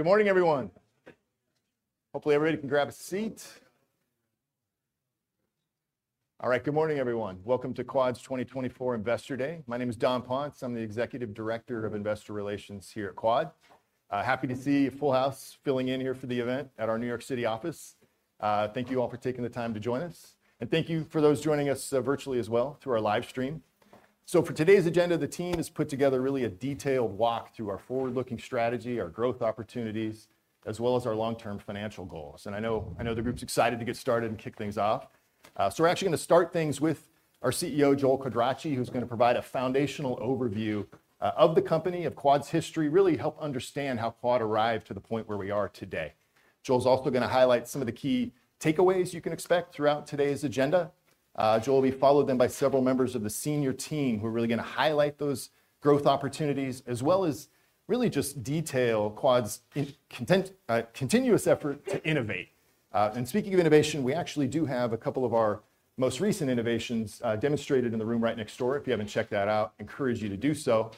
Good morning, everyone. Hopefully, everybody can grab a seat. All right, good morning, everyone. Welcome to Quad's 2024 Investor Day. My name is Don Pontes. I'm the Executive Director of Investor Relations here at Quad. Happy to see a full house filling in here for the event at our New York City office. Thank you all for taking the time to join us. And thank you for those joining us virtually as well through our live stream. So for today's agenda, the team has put together really a detailed walk through our forward-looking strategy, our growth opportunities, as well as our long-term financial goals, and I know the group's excited to get started and kick things off. We're actually going to start things with our CEO Joel Quadracci, who's going to provide a foundational overview of the company, of Quad's history, really help understand how Quad arrived to the point where we are today. Joel's also going to highlight some of the key takeaways you can expect throughout today's agenda. Joel, we followed them by several members of the senior team who are really going to highlight those growth opportunities, as well as really just detail Quad's continuous effort to innovate. Speaking of innovation, we actually do have a couple of our most recent innovations demonstrated in the room right next door. If you haven't checked that out, I encourage you to do so.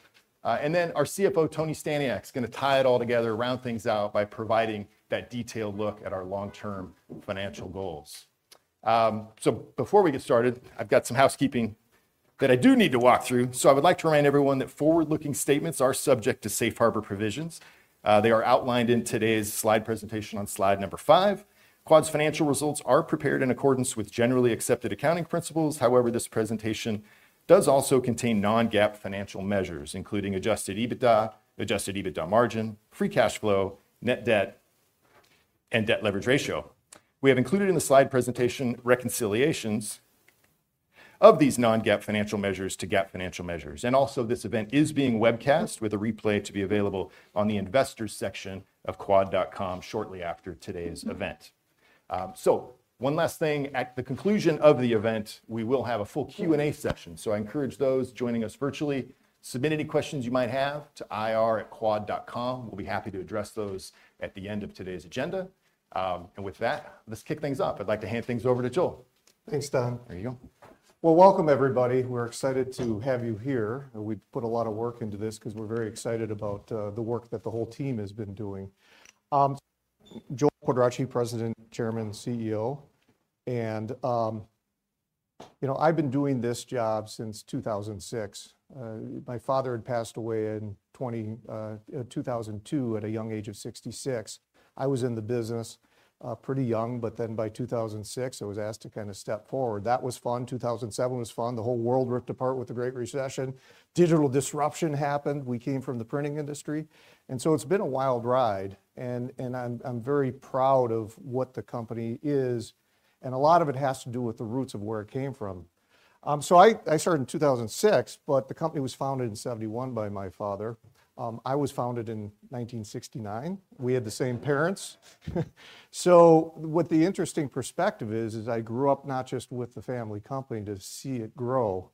Our CFO, Tony Staniak, is going to tie it all together, round things out by providing that detailed look at our long-term financial goals. Before we get started, I've got some housekeeping that I do need to walk through. I would like to remind everyone that forward-looking statements are subject to safe harbor provisions. They are outlined in today's slide presentation on slide number five. Quad's financial results are prepared in accordance with generally accepted accounting principles. However, this presentation does also contain non-GAAP financial measures, including Adjusted EBITDA, Adjusted EBITDA margin, free cash flow, net debt, and debt leverage ratio. We have included in the slide presentation reconciliations of these non-GAAP financial measures to GAAP financial measures. This event is being webcast with a replay to be available on the investors section of quad.com shortly after today's event. One last thing. At the conclusion of the event, we will have a full Q&A session. So I encourage those joining us virtually to submit any questions you might have to ir@quad.com. We'll be happy to address those at the end of today's agenda. And with that, let's kick things off. I'd like to hand things over to Joel. Thanks, Don. There you go. Welcome, everybody. We're excited to have you here. We put a lot of work into this because we're very excited about the work that the whole team has been doing. Joel Quadracci, President, Chairman, CEO. You know I've been doing this job since 2006. My father had passed away in 2002 at a young age of 66. I was in the business pretty young, but then by 2006, I was asked to kind of step forward. That was fun. 2007 was fun. The whole world ripped apart with the Great Recession. Digital disruption happened. We came from the printing industry. It's been a wild ride. I'm very proud of what the company is. A lot of it has to do with the roots of where it came from. I started in 2006, but the company was founded in 1971 by my father. I was founded in 1969. We had the same parents. So what the interesting perspective is, is I grew up not just with the family company to see it grow,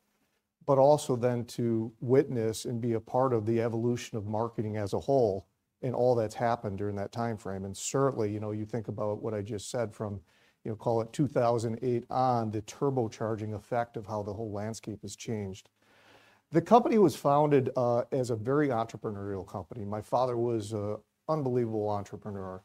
but also then to witness and be a part of the evolution of marketing as a whole and all that's happened during that time frame. And certainly, you know, you think about what I just said from, you know, call it 2008 on, the turbocharging effect of how the whole landscape has changed. The company was founded as a very entrepreneurial company. My father was an unbelievable entrepreneur.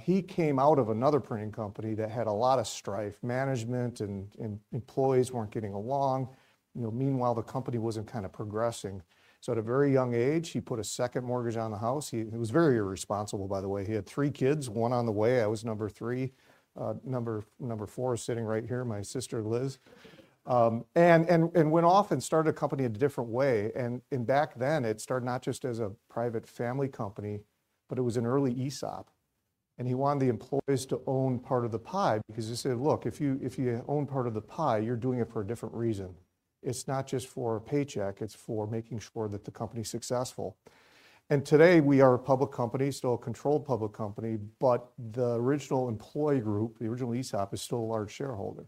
He came out of another printing company that had a lot of strife. Management and employees weren't getting along. You know, meanwhile, the company wasn't kind of progressing. So at a very young age, he put a second mortgage on the house. He was very irresponsible, by the way. He had three kids, one on the way. I was number three. Number four is sitting right here, my sister Liz. And went off and started a company a different way. And back then, it started not just as a private family company, but it was an early ESOP. And he wanted the employees to own part of the pie because he said, look, if you own part of the pie, you're doing it for a different reason. It's not just for a paycheck. It's for making sure that the company's successful. And today, we are a public company, still a controlled public company. But the original employee group, the original ESOP, is still a large shareholder.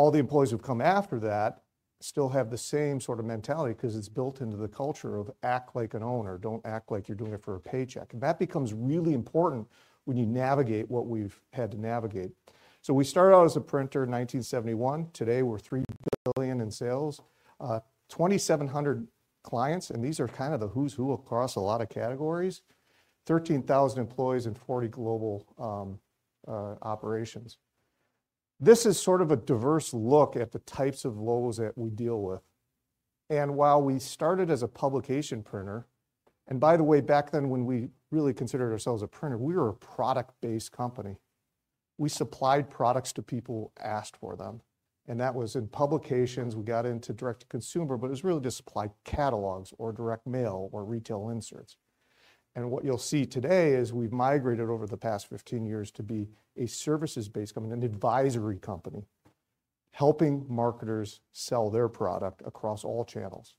All the employees who've come after that still have the same sort of mentality because it's built into the culture of act like an owner. Don't act like you're doing it for a paycheck. That becomes really important when you navigate what we've had to navigate. We started out as a printer in 1971. Today, we're $3 billion in sales, 2,700 clients. These are kind of the who's who across a lot of categories: 13,000 employees and 40 global operations. This is sort of a diverse look at the types of lines that we deal with. While we started as a publication printer, and by the way, back then, when we really considered ourselves a printer, we were a product-based company. We supplied products to people who asked for them. That was in publications. We got into direct-to-consumer, but it was really just supplied catalogs or direct mail or retail inserts. What you'll see today is we've migrated over the past 15 years to be a services-based company, an advisory company, helping marketers sell their product across all channels.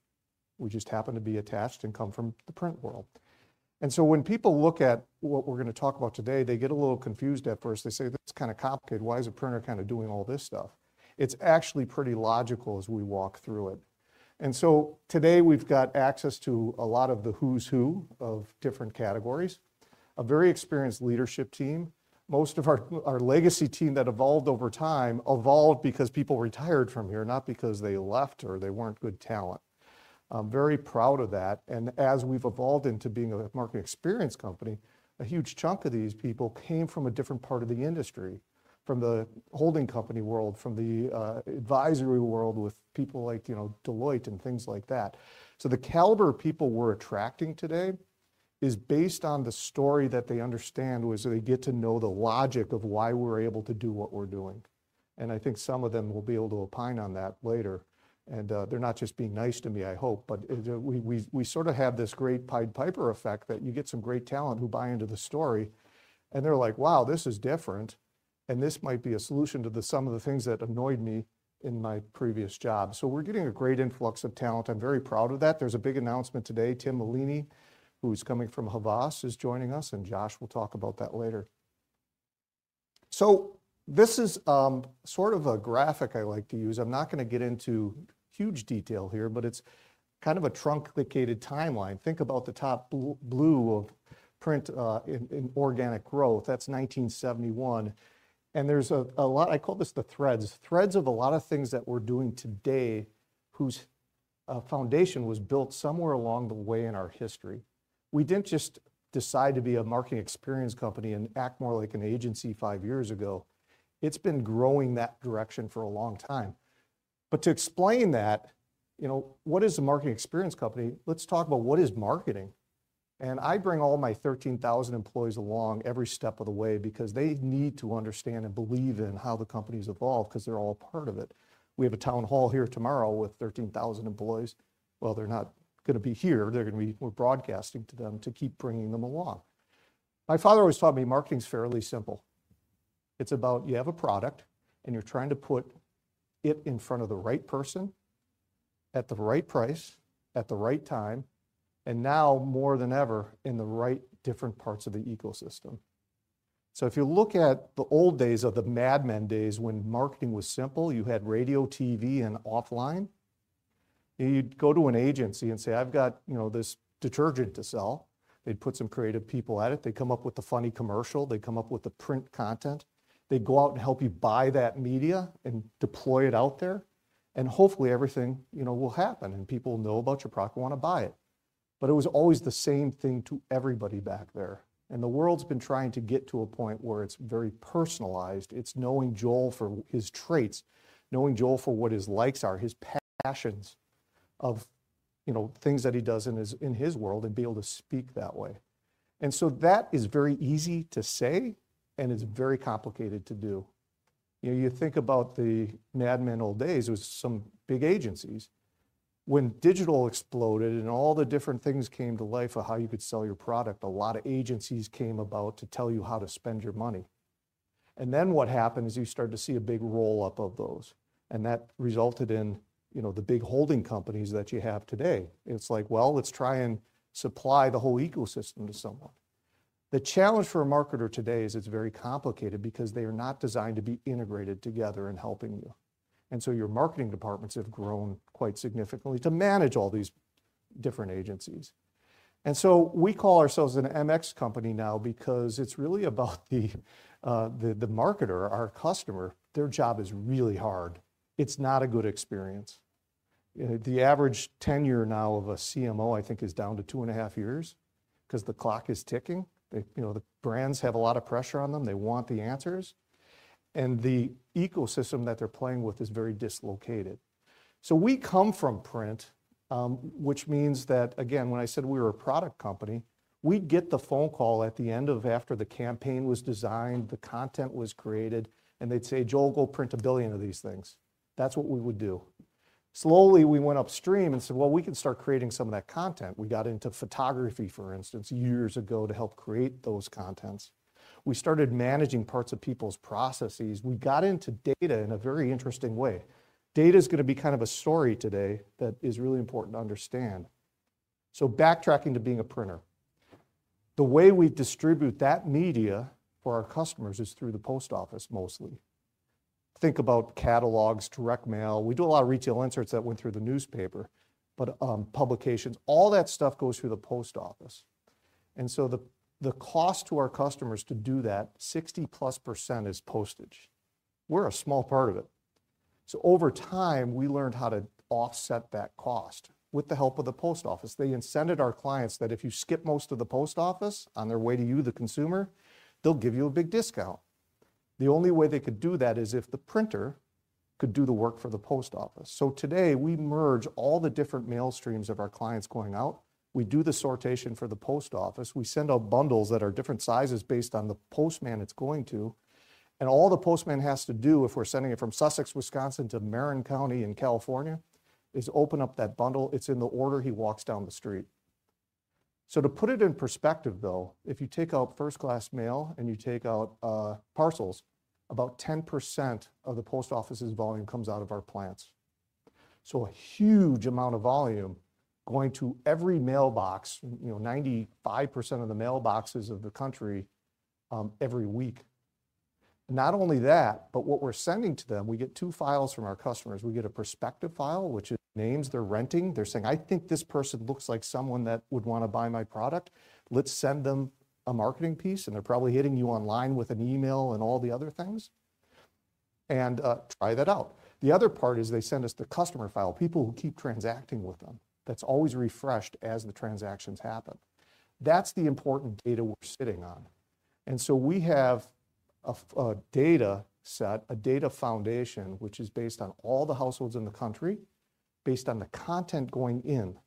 We just happen to be attached and come from the print world. So when people look at what we're going to talk about today, they get a little confused at first. They say, "This is kind of complicated. Why is a printer kind of doing all this stuff?" It's actually pretty logical as we walk through it. So today, we've got access to a lot of the who's who of different categories, a very experienced leadership team. Most of our legacy team that evolved over time evolved because people retired from here, not because they left or they weren't good talent. Very proud of that. And as we've evolved into being a marketing experience company, a huge chunk of these people came from a different part of the industry, from the holding company world, from the advisory world with people like Deloitte and things like that. So the caliber of people we're attracting today is based on the story that they understand, which they get to know the logic of why we're able to do what we're doing. And I think some of them will be able to opine on that later. And they're not just being nice to me, I hope, but we sort of have this great Pied Piper effect that you get some great talent who buy into the story. And they're like, "Wow, this is different." And this might be a solution to some of the things that annoyed me in my previous job. We're getting a great influx of talent. I'm very proud of that. There's a big announcement today. Tim Maleeny, who's coming from Havas, is joining us. Josh will talk about that later. This is sort of a graphic I like to use. I'm not going to get into huge detail here, but it's kind of a truncated timeline. Think about the top blue of print in organic growth. That's 1971. There's a lot I call this the threads of a lot of things that we're doing today, whose foundation was built somewhere along the way in our history. We didn't just decide to be a marketing experience company and act more like an agency five years ago. It's been growing that direction for a long time. To explain that, you know, what is a marketing experience company? Let's talk about what is marketing. I bring all my 13,000 employees along every step of the way because they need to understand and believe in how the company's evolved because they're all a part of it. We have a town hall here tomorrow with 13,000 employees. They're not going to be here. They're going to be. We're broadcasting to them to keep bringing them along. My father always taught me marketing's fairly simple. It's about you have a product and you're trying to put it in front of the right person at the right price, at the right time, and now more than ever in the right different parts of the ecosystem. If you look at the old days of the madman days when marketing was simple, you had radio, TV, and offline. You'd go to an agency and say, "I've got this detergent to sell." They'd put some creative people at it. They'd come up with the funny commercial. They'd come up with the print content. They'd go out and help you buy that media and deploy it out there. And hopefully, everything will happen and people will know about your product and want to buy it. But it was always the same thing to everybody back there. And the world's been trying to get to a point where it's very personalized. It's knowing Joel for his traits, knowing Joel for what his likes are, his passions of things that he does in his world and be able to speak that way. And so that is very easy to say and it's very complicated to do. You think about the Mad Men old days. It was some big agencies. When digital exploded and all the different things came to life of how you could sell your product, a lot of agencies came about to tell you how to spend your money. And then what happened is you started to see a big roll-up of those. And that resulted in the big holding companies that you have today. It's like, "Well, let's try and supply the whole ecosystem to someone." The challenge for a marketer today is it's very complicated because they are not designed to be integrated together in helping you. And so your marketing departments have grown quite significantly to manage all these different agencies. And so we call ourselves an MX company now because it's really about the marketer, our customer. Their job is really hard. It's not a good experience. The average tenure now of a CMO, I think, is down to two and a half years because the clock is ticking. The brands have a lot of pressure on them. They want the answers. And the ecosystem that they're playing with is very dislocated. So we come from print, which means that, again, when I said we were a product company, we'd get the phone call at the end of after the campaign was designed, the content was created, and they'd say, "Joel, go print a billion of these things." That's what we would do. Slowly, we went upstream and said, "Well, we can start creating some of that content." We got into photography, for instance, years ago to help create those contents. We started managing parts of people's processes. We got into data in a very interesting way. Data is going to be kind of a story today that is really important to understand. So backtracking to being a printer, the way we distribute that media for our customers is through the post office mostly. Think about catalogs, direct mail. We do a lot of retail inserts that went through the newspaper, but publications, all that stuff goes through the post office. And so the cost to our customers to do that, 60% plus is postage. We're a small part of it. So over time, we learned how to offset that cost with the help of the post office. They incented our clients that if you skip most of the post office on their way to you, the consumer, they'll give you a big discount. The only way they could do that is if the printer could do the work for the post office. So today, we merge all the different mail streams of our clients going out. We do the sortation for the post office. We send out bundles that are different sizes based on the postman it's going to. And all the postman has to do if we're sending it from Sussex, Wisconsin, to Marin County in California is open up that bundle. It's in the order he walks down the street. So to put it in perspective, though, if you take out first-class mail and you take out parcels, about 10% of the post office's volume comes out of our plants. So a huge amount of volume going to every mailbox, 95% of the mailboxes of the country every week. Not only that, but what we're sending to them, we get two files from our customers. We get a prospective file, which names they're renting. They're saying, "I think this person looks like someone that would want to buy my product. Let's send them a marketing piece." And they're probably hitting you online with an email and all the other things. And try that out. The other part is they send us the customer file, people who keep transacting with them. That's always refreshed as the transactions happen. That's the important data we're sitting on. And so we have a data set, a data foundation, which is based on all the households in the country, based on the content going in,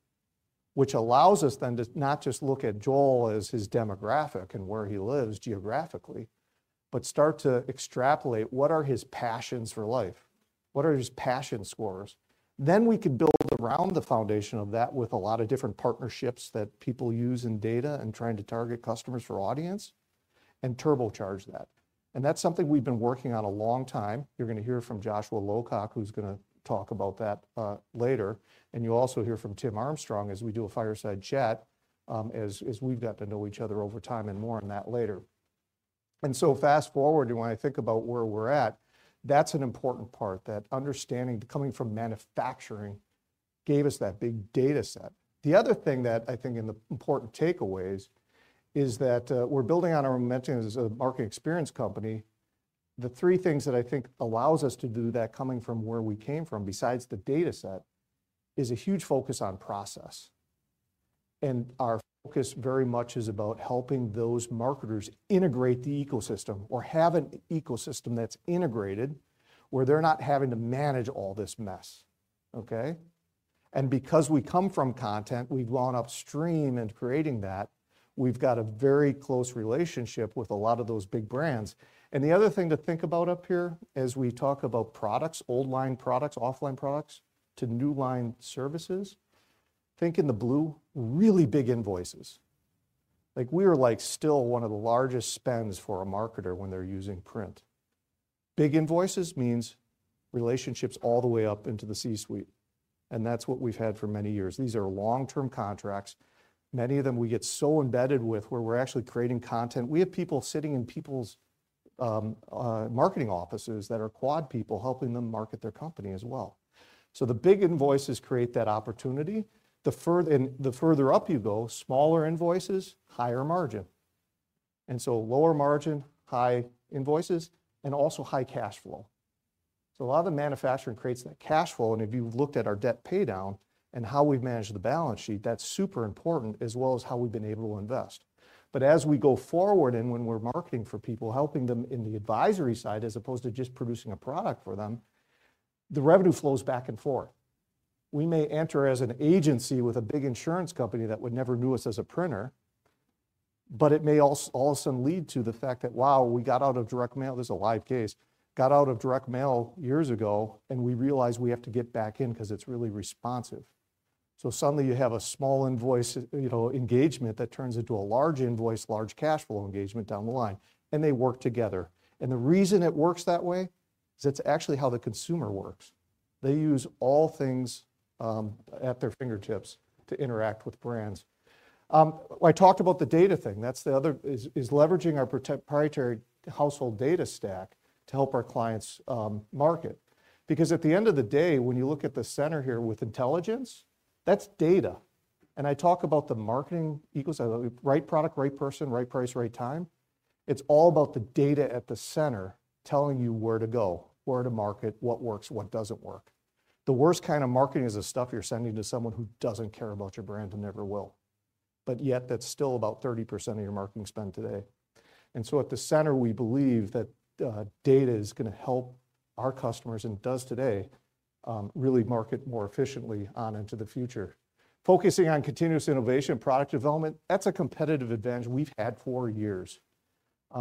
which allows us then to not just look at Joel and his demographic and where he lives geographically, but start to extrapolate what are his passions for life, what are his passion scores. Then we can build around the foundation of that with a lot of different partnerships that people use in data and trying to target customers for audience and turbocharge that, and that's something we've been working on a long time. You're going to hear from Joshua Lowcock, who's going to talk about that later, and you'll also hear from Tim Armstrong as we do a fireside chat as we've gotten to know each other over time and more on that later. So fast forward, when I think about where we're at, that's an important part that understanding coming from manufacturing gave us that big data set. The other thing that I think in the important takeaways is that we're building on our momentum as a marketing experience company. The three things that I think allows us to do that coming from where we came from, besides the data set, is a huge focus on process. And our focus very much is about helping those marketers integrate the ecosystem or have an ecosystem that's integrated where they're not having to manage all this mess. Okay? And because we come from content, we've gone upstream and creating that. We've got a very close relationship with a lot of those big brands. And the other thing to think about up here as we talk about products, old line products, offline products to new line services, think in the blue, really big invoices. Like we are like still one of the largest spends for a marketer when they're using print. Big invoices means relationships all the way up into the C-suite. And that's what we've had for many years. These are long-term contracts. Many of them we get so embedded with where we're actually creating content. We have people sitting in people's marketing offices that are Quad people helping them market their company as well. So the big invoices create that opportunity. The further up you go, smaller invoices, higher margin. And so lower margin, high invoices, and also high cash flow. So a lot of the manufacturing creates that cash flow. And if you've looked at our debt paydown and how we've managed the balance sheet, that's super important as well as how we've been able to invest. But as we go forward and when we're marketing for people, helping them in the advisory side as opposed to just producing a product for them, the revenue flows back and forth. We may enter as an agency with a big insurance company that would never knew us as a printer, but it may all of a sudden lead to the fact that, wow, we got out of direct mail. There's a live case. Got out of direct mail years ago, and we realized we have to get back in because it's really responsive. So suddenly you have a small invoice engagement that turns into a large invoice, large cash flow engagement down the line. And they work together. And the reason it works that way is it's actually how the consumer works. They use all things at their fingertips to interact with brands. I talked about the data thing. That's the other is leveraging our proprietary household data stack to help our clients market. Because at the end of the day, when you look at the center here with intelligence, that's data. And I talk about the marketing equals, right product, right person, right price, right time. It's all about the data at the center telling you where to go, where to market, what works, what doesn't work. The worst kind of marketing is the stuff you're sending to someone who doesn't care about your brand and never will. But yet that's still about 30% of your marketing spend today. And so at the center, we believe that data is going to help our customers and does today really market more efficiently on into the future. Focusing on continuous innovation, product development, that's a competitive advantage we've had for years.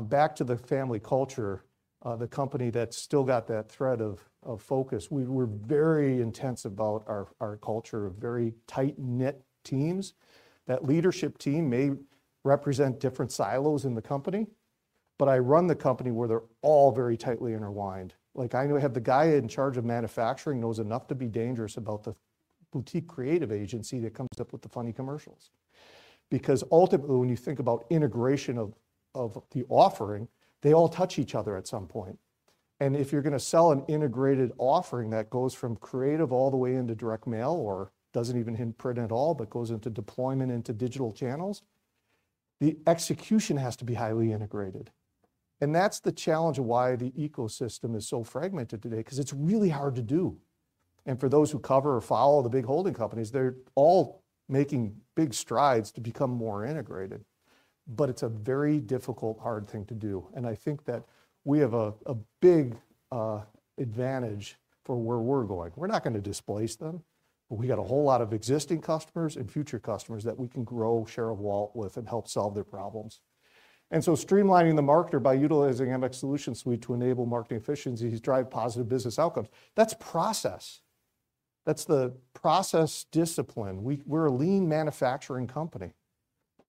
Back to the family culture, the company that still got that thread of focus, we're very intense about our culture of very tight-knit teams. That leadership team may represent different silos in the company, but I run the company where they're all very tightly intertwined. Like I know I have the guy in charge of manufacturing knows enough to be dangerous about the boutique creative agency that comes up with the funny commercials. Because ultimately, when you think about integration of the offering, they all touch each other at some point. And if you're going to sell an integrated offering that goes from creative all the way into direct mail or doesn't even hit print at all, but goes into deployment into digital channels, the execution has to be highly integrated. And that's the challenge of why the ecosystem is so fragmented today because it's really hard to do. And for those who cover or follow the big holding companies, they're all making big strides to become more integrated. But it's a very difficult, hard thing to do. And I think that we have a big advantage for where we're going. We're not going to displace them, but we got a whole lot of existing customers and future customers that we can grow share of wallet with and help solve their problems. And so, streamlining the marketer by utilizing MX Solution Suite to enable marketing efficiencies drive positive business outcomes. That's process. That's the process discipline. We're a lean manufacturing company.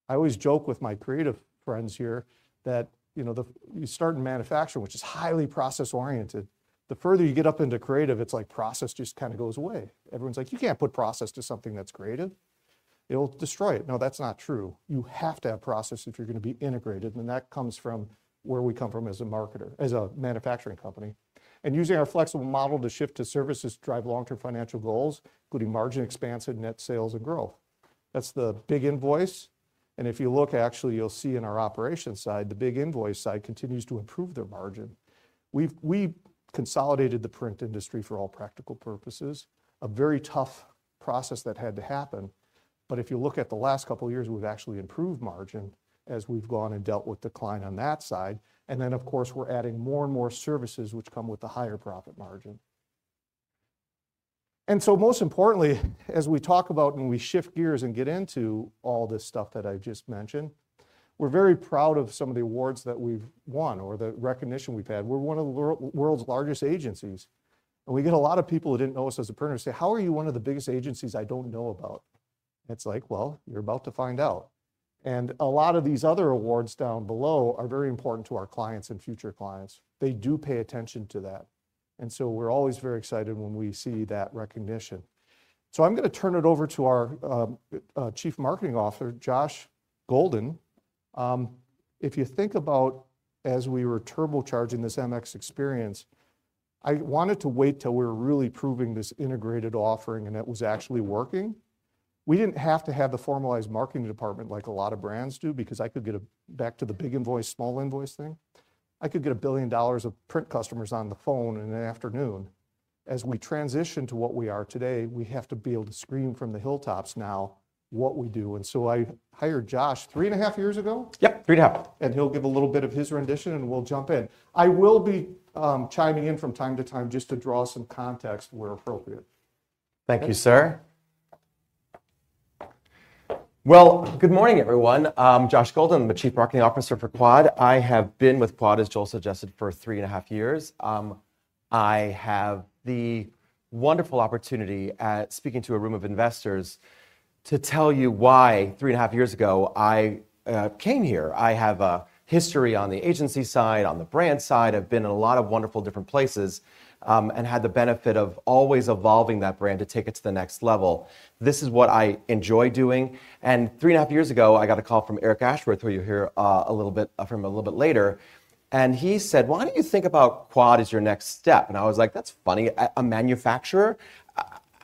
I always joke with my creative friends here that you start in manufacturing, which is highly process-oriented. The further you get up into creative, it's like process just kind of goes away. Everyone's like, "You can't put process to something that's creative. It'll destroy it." No, that's not true. You have to have process if you're going to be integrated. And that comes from where we come from as a marketer, as a manufacturing company. And using our flexible model to shift to services drive long-term financial goals, including margin expansion, net sales, and growth. That's the big invoice. And if you look, actually, you'll see in our operations side, the big invoice side continues to improve their margin. We've consolidated the print industry for all practical purposes, a very tough process that had to happen. But if you look at the last couple of years, we've actually improved margin as we've gone and dealt with decline on that side. And then, of course, we're adding more and more services which come with a higher profit margin. And so most importantly, as we talk about and we shift gears and get into all this stuff that I just mentioned, we're very proud of some of the awards that we've won or the recognition we've had. We're one of the world's largest agencies. And we get a lot of people who didn't know us as a printer say, "How are you one of the biggest agencies I don't know about?" It's like, "Well, you're about to find out." And a lot of these other awards down below are very important to our clients and future clients. They do pay attention to that. And so we're always very excited when we see that recognition. So I'm going to turn it over to our Chief Marketing Officer, Josh Golden. If you think about as we were turbocharging this MX experience, I wanted to wait till we were really proving this integrated offering and it was actually working. We didn't have to have the formalized marketing department like a lot of brands do because I could get back to the big invoice, small invoice thing. I could get $1 billion of print customers on the phone in an afternoon. As we transition to what we are today, we have to be able to scream from the hilltops now what we do. So I hired Josh three and a half years ago. Yep, three and a half. He'll give a little bit of his rendition and we'll jump in. I will be chiming in from time to time just to draw some context where appropriate. Thank you, sir. Well, good morning, everyone. I'm Josh Golden.I'm the Chief Marketing Officer for Quad. I have been with Quad, as Joel suggested, for three and a half years. I have the wonderful opportunity at speaking to a room of investors to tell you why three and a half years ago I came here. I have a history on the agency side, on the brand side. I've been in a lot of wonderful different places and had the benefit of always evolving that brand to take it to the next level. This is what I enjoy doing. And three and a half years ago, I got a call from Eric Ashworth, who you'll hear a little bit from a little bit later. And he said, "Why don't you think about Quad as your next step?" And I was like, "That's funny. A manufacturer?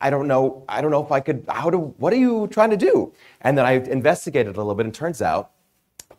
I don't know if I could, what are you trying to do?" And then I investigated a little bit. It turns out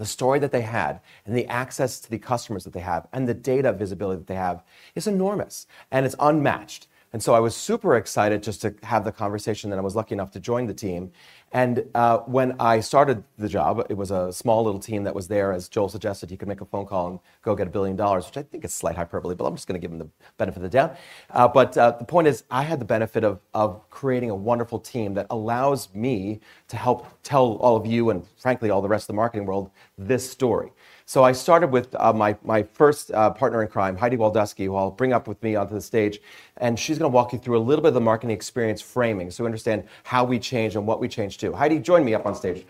the story that they had and the access to the customers that they have and the data visibility that they have is enormous and it's unmatched. So I was super excited just to have the conversation. I was lucky enough to join the team. When I started the job, it was a small little team that was there, as Joel suggested. He could make a phone call and go get $1 billion, which I think is slight hyperbole, but I'm just going to give him the benefit of the doubt. The point is I had the benefit of creating a wonderful team that allows me to help tell all of you and frankly, all the rest of the marketing world this story. So I started with my first partner in crime, Heidi Waldusky, who I'll bring up with me onto the stage. And she's going to walk you through a little bit of the marketing experience framing so we understand how we change and what we change too. Heidi, join me up on stage.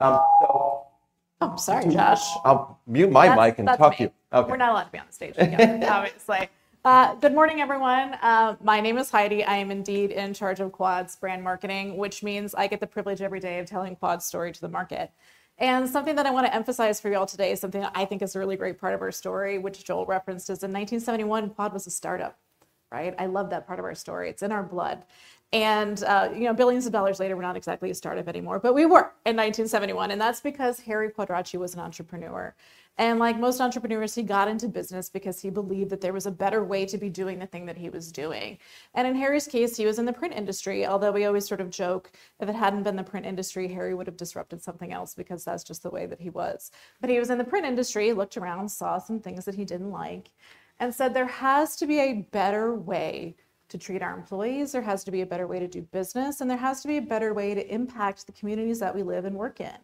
I'm sorry, Josh. I'll mute my mic and talk to you. We're not allowed to be on stage again, obviously. Good morning, everyone. My name is Heidi. I am indeed in charge of Quad's brand marketing, which means I get the privilege every day of telling Quad's story to the market. And something that I want to emphasize for you all today is something that I think is a really great part of our story, which Joel referenced, is in 1971, Quad was a startup, right? I love that part of our story. It's in our blood. Billions of dollars later, we're not exactly a startup anymore, but we were in 1971. That's because Harry Quadracci was an entrepreneur. Like most entrepreneurs, he got into business because he believed that there was a better way to be doing the thing that he was doing. In Harry's case, he was in the print industry. Although we always sort of joke if it hadn't been the print industry, Harry would have disrupted something else because that's just the way that he was. He was in the print industry, looked around, saw some things that he didn't like, and said there has to be a better way to treat our employees. There has to be a better way to do business, and there has to be a better way to impact the communities that we live and work in.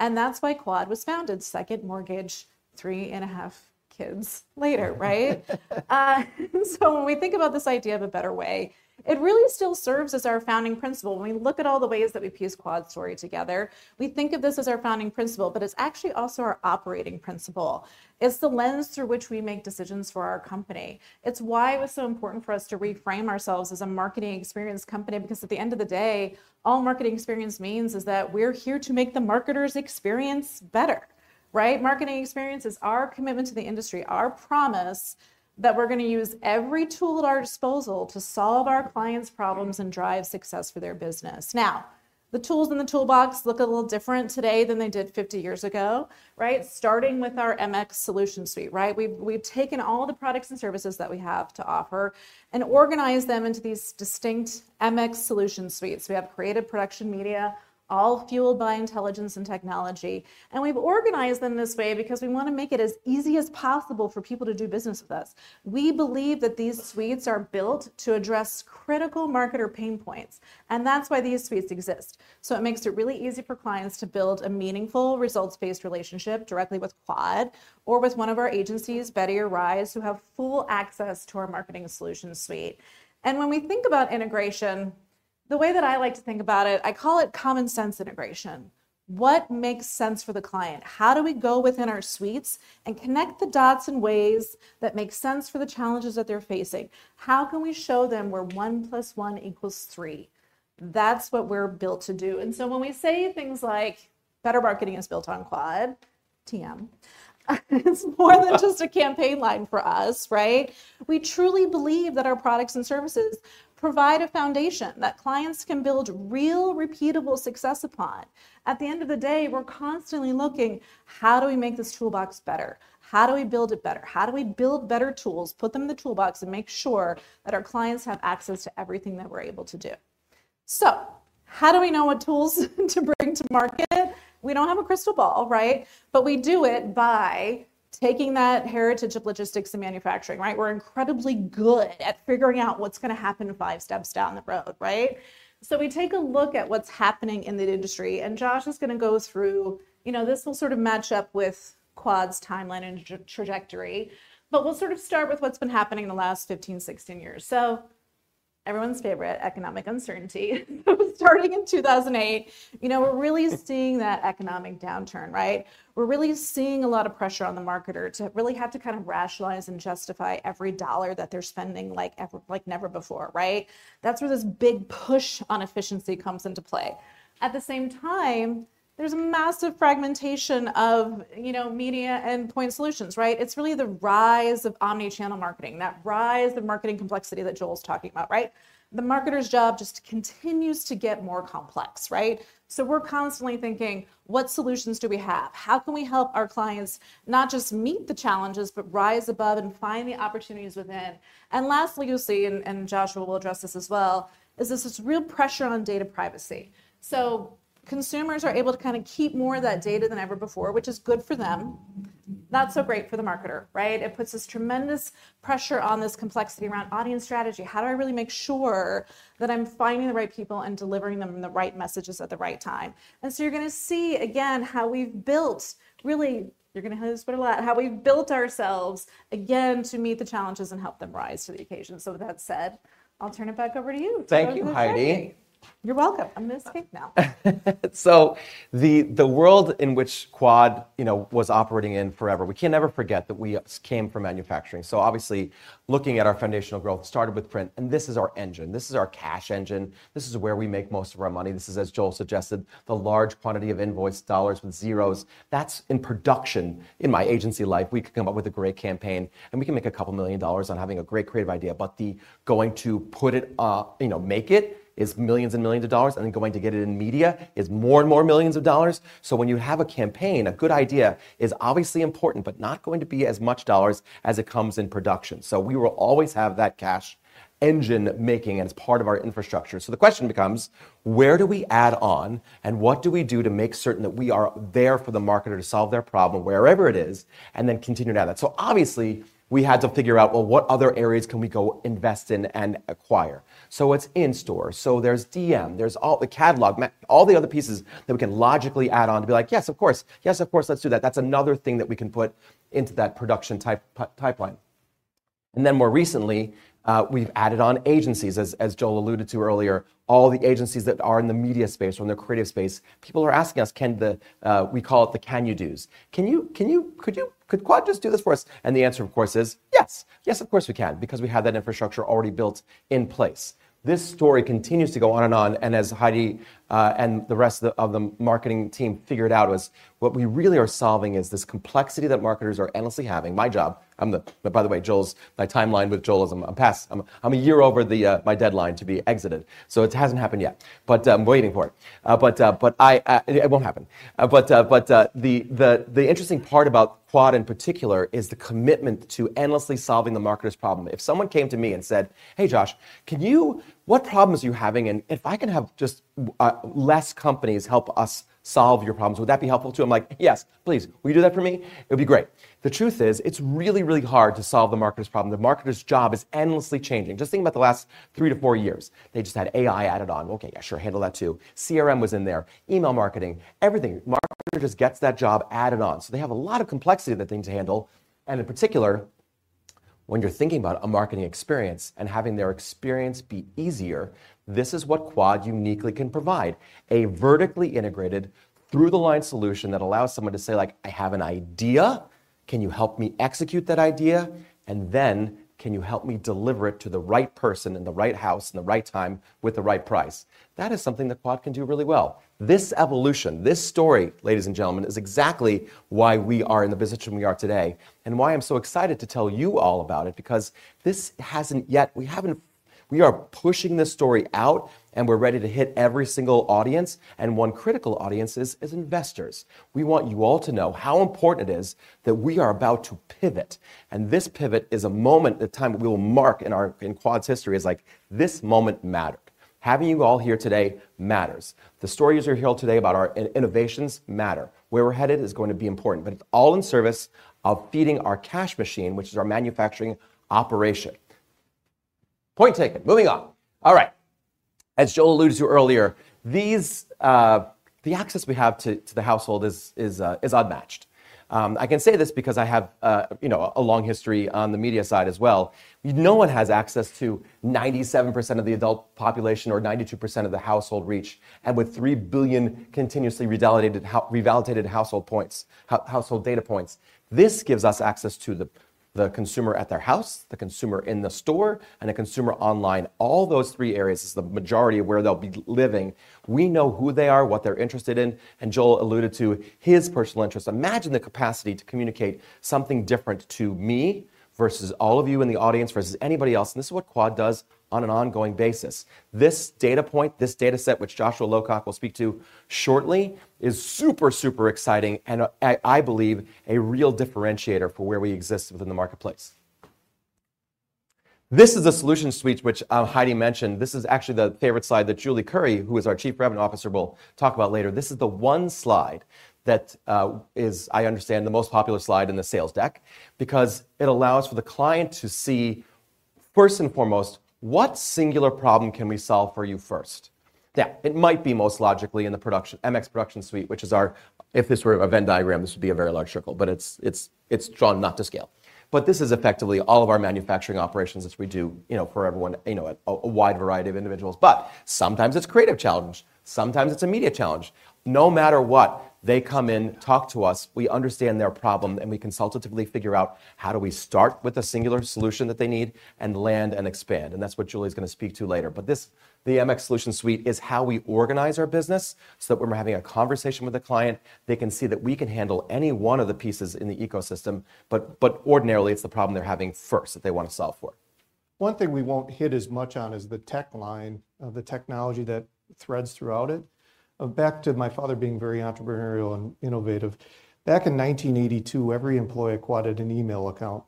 And that's why Quad was founded, second mortgage, three and a half kids later, right? So when we think about this idea of a better way, it really still serves as our founding principle. When we look at all the ways that we piece Quad's story together, we think of this as our founding principle, but it's actually also our operating principle. It's the lens through which we make decisions for our company. It's why it was so important for us to reframe ourselves as a marketing experience company because at the end of the day, all marketing experience means is that we're here to make the marketers' experience better, right? Marketing experience is our commitment to the industry, our promise that we're going to use every tool at our disposal to solve our clients' problems and drive success for their business. Now, the tools in the toolbox look a little different today than they did 50 years ago, right? Starting with our MX Solution Suite, right? We've taken all the products and services that we have to offer and organized them into these distinct MX Solution Suites. We have creative, production, media, all fueled by intelligence and technology. And we've organized them this way because we want to make it as easy as possible for people to do business with us. We believe that these suites are built to address critical marketer pain points. And that's why these suites exist. So it makes it really easy for clients to build a meaningful results-based relationship directly with Quad or with one of our agencies, Betty or Rise, who have full access to our MX Solution Suite. And when we think about integration, the way that I like to think about it, I call it common sense integration. What makes sense for the client? How do we go within our suites and connect the dots in ways that make sense for the challenges that they're facing? How can we show them where one plus one equals three? That's what we're built to do. And so when we say things like better marketing is built on Quad, TM, it's more than just a campaign line for us, right? We truly believe that our products and services provide a foundation that clients can build real repeatable success upon. At the end of the day, we're constantly looking, how do we make this toolbox better? How do we build it better? How do we build better tools, put them in the toolbox, and make sure that our clients have access to everything that we're able to do? So how do we know what tools to bring to market? We don't have a crystal ball, right? But we do it by taking that heritage of logistics and manufacturing, right? We're incredibly good at figuring out what's going to happen five steps down the road, right? So we take a look at what's happening in the industry. And Josh is going to go through, you know, this will sort of match up with Quad's timeline and trajectory. But we'll sort of start with what's been happening in the last 15, 16 years. So everyone's favorite, economic uncertainty. Starting in 2008, you know, we're really seeing that economic downturn, right? We're really seeing a lot of pressure on the marketer to really have to kind of rationalize and justify every dollar that they're spending like never before, right? That's where this big push on efficiency comes into play. At the same time, there's a massive fragmentation of, you know, media and point solutions, right? It's really the rise of omnichannel marketing, that rise of marketing complexity that Joel's talking about, right? The marketer's job just continues to get more complex, right? So we're constantly thinking, what solutions do we have? How can we help our clients not just meet the challenges, but rise above and find the opportunities within? And lastly, you'll see, and Joshua will address this as well. This is real pressure on data privacy. Consumers are able to kind of keep more of that data than ever before, which is good for them, not so great for the marketer, right? It puts this tremendous pressure on this complexity around audience strategy. How do I really make sure that I'm finding the right people and delivering them the right messages at the right time? And so you're going to see, again, how we've built really, you're going to hear this a lot, how we've built ourselves again to meet the challenges and help them rise to the occasion. So with that said, I'll turn it back over to you. Thank you, Heidi. You're welcome. I'm going to escape now. So the world in which Quad, you know, was operating in forever, we can't ever forget that we came from manufacturing. So obviously, looking at our foundational growth, started with print, and this is our engine. This is our cash engine. This is where we make most of our money. This is, as Joel suggested, the large quantity of invoice dollars with zeros. That's in production. In my agency life, we could come up with a great campaign and we can make a couple million dollars on having a great creative idea. But the going to put it, you know, make it is millions and millions of dollars. And then going to get it in media is more and more millions of dollars. So when you have a campaign, a good idea is obviously important, but not going to be as much dollars as it comes in production. So we will always have that cash engine making as part of our infrastructure. The question becomes, where do we add on and what do we do to make certain that we are there for the marketer to solve their problem wherever it is and then continue to add that? Obviously, we had to figure out, well, what other areas can we go invest in and acquire? It's in store. There's DM, there's all the catalog, all the other pieces that we can logically add on to be like, yes, of course. Yes, of course, let's do that. That's another thing that we can put into that production type pipeline. And then more recently, we've added on agencies, as Joel alluded to earlier, all the agencies that are in the media space or in the creative space. People are asking us, can the, we call it the can you do's. Could Quad just do this for us? The answer, of course, is yes. Yes, of course we can because we have that infrastructure already built in place. This story continues to go on and on. As Heidi and the rest of the marketing team figured out, what we really are solving is this complexity that marketers are endlessly having. My job, but by the way, Joel's my timeline with Joel is I'm past a year over my deadline to be exited. It hasn't happened yet, but I'm waiting for it. It won't happen. The interesting part about Quad in particular is the commitment to endlessly solving the marketers' problem. If someone came to me and said, hey, Josh, what problems are you having? If I can have just less companies help us solve your problems, would that be helpful too? I'm like, yes, please. Will you do that for me? It would be great. The truth is, it's really, really hard to solve the marketers' problem. The marketers' job is endlessly changing. Just think about the last three to four years. They just had AI added on. Okay, yeah, sure, handle that too. CRM was in there, email marketing, everything. Marketers just get that job added on. They have a lot of complexity that they need to handle. In particular, when you're thinking about a marketing experience and having their experience be easier, this is what Quad uniquely can provide. A vertically integrated through-the-line solution that allows someone to say, like, I have an idea. Can you help me execute that idea? And then, can you help me deliver it to the right person in the right house in the right time with the right price? That is something that Quad can do really well. This evolution, this story, ladies and gentlemen, is exactly why we are in the position we are today and why I'm so excited to tell you all about it because this hasn't yet, we haven't, we are pushing this story out and we're ready to hit every single audience. And one critical audience is investors. We want you all to know how important it is that we are about to pivot. And this pivot is a moment at the time that we will mark in Quad's history as like, this moment mattered. Having you all here today matters. The stories you hear today about our innovations matter. Where we're headed is going to be important, but it's all in service of feeding our cash machine, which is our manufacturing operation. Point taken. Moving on. All right. As Joel alluded to earlier, the access we have to the household is unmatched. I can say this because I have, you know, a long history on the media side as well. No one has access to 97% of the adult population or 92% of the household reach. And with 3 billion continuously revalidated household points, household data points, this gives us access to the consumer at their house, the consumer in the store, and the consumer online. All those three areas is the majority of where they'll be living. We know who they are, what they're interested in. And Joel alluded to his personal interest. Imagine the capacity to communicate something different to me versus all of you in the audience versus anybody else. And this is what Quad does on an ongoing basis. This data point, this data set, which Joshua Lowcock will speak to shortly, is super, super exciting and I believe a real differentiator for where we exist within the marketplace. This is a solution suite which Heidi mentioned. This is actually the favorite slide that Julie Currie, who is our Chief Revenue Officer, will talk about later. This is the one slide that is, I understand, the most popular slide in the sales deck because it allows for the client to see first and foremost, what singular problem can we solve for you first? Now, it might be most logically in the MX Production suite, which is our, if this were a Venn diagram, this would be a very large circle, but it's drawn not to scale, but this is effectively all of our manufacturing operations that we do, you know, for everyone, you know, a wide variety of individuals, but sometimes it's a creative challenge. Sometimes it's a media challenge. No matter what, they come in, talk to us, we understand their problem and we consultatively figure out how do we start with a singular solution that they need and land and expand, and that's what Julie is going to speak to later. But this, the MX Solution Suite is how we organize our business so that when we're having a conversation with the client, they can see that we can handle any one of the pieces in the ecosystem, but ordinarily it's the problem they're having first that they want to solve for. One thing we won't hit as much on is the tech line, the technology that threads throughout it. Back to my father being very entrepreneurial and innovative. Back in 1982, every employee at Quad had an email account.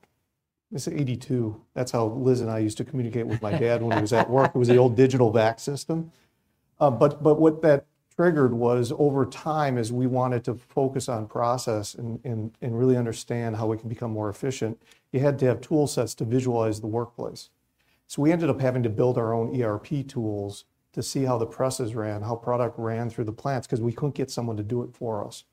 It's 82. That's how Liz and I used to communicate with my dad when he was at work. It was the old Digital VAX system. But what that triggered was over time, as we wanted to focus on process and really understand how we can become more efficient, you had to have toolsets to visualize the workplace. So we ended up having to build our own ERP tools to see how the presses ran, how product ran through the plants because we couldn't get someone to do it for us.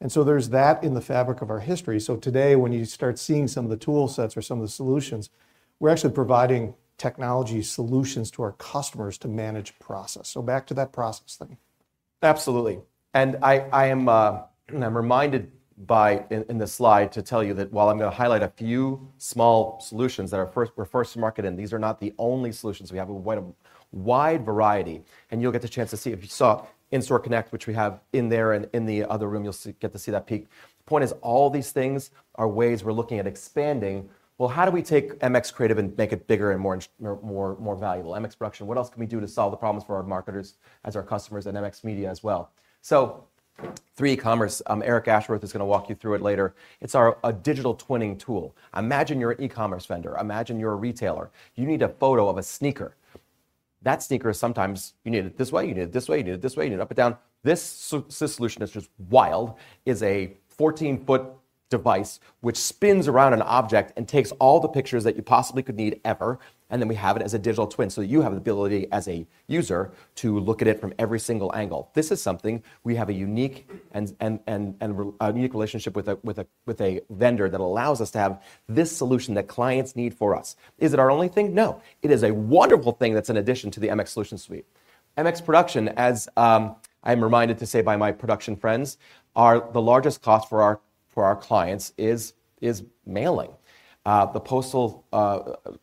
And so there's that in the fabric of our history. So today, when you start seeing some of the toolsets or some of the solutions, we're actually providing technology solutions to our customers to manage process. So back to that process thing. Absolutely. And I am reminded by in the slide to tell you that while I'm going to highlight a few small solutions that are first, we're first to market in, these are not the only solutions we have. We have a wide variety. And you'll get the chance to see if you saw In-Store Connect, which we have in there and in the other room, you'll get to see that peek. The point is all these things are ways we're looking at expanding. Well, how do we take MX Creative and make it bigger and more valuable? MX Production, what else can we do to solve the problems for our marketers as our customers and MX Media as well? So 3D Commerce, Eric Ashworth is going to walk you through it later. It's our digital twinning tool. Imagine you're an e-commerce vendor. Imagine you're a retailer. You need a photo of a sneaker. That sneaker is sometimes you need it this way, you need it this way, you need it this way, you need it up and down. This solution is just wild. It's a 14-foot device which spins around an object and takes all the pictures that you possibly could need ever. And then we have it as a digital twin. So you have the ability as a user to look at it from every single angle. This is something we have a unique relationship with a vendor that allows us to have this solution that clients need for us. Is it our only thing? No. It is a wonderful thing that's in addition to the MX Solution Suite. MX Production, as I'm reminded to say by my production friends, the largest cost for our clients is mailing. The postal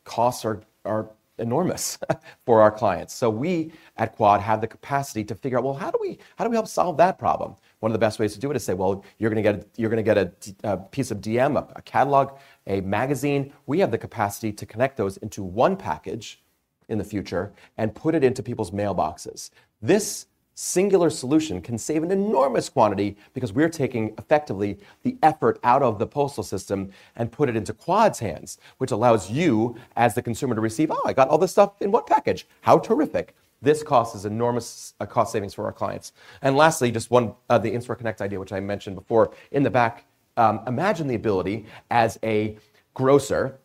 costs are enormous for our clients. So we at Quad have the capacity to figure out, well, how do we help solve that problem? One of the best ways to do it is to say, well, you're going to get a piece of DM, a catalog, a magazine. We have the capacity to connect those into one package in the future and put it into people's mailboxes. This singular solution can save an enormous quantity because we're taking effectively the effort out of the postal system and put it into Quad's hands, which allows you as the consumer to receive, oh, I got all this stuff in one package. How terrific. This cost is enormous cost savings for our clients. And lastly, just one, the In-Store Connect idea, which I mentioned before in the back. Imagine the ability as a grocer.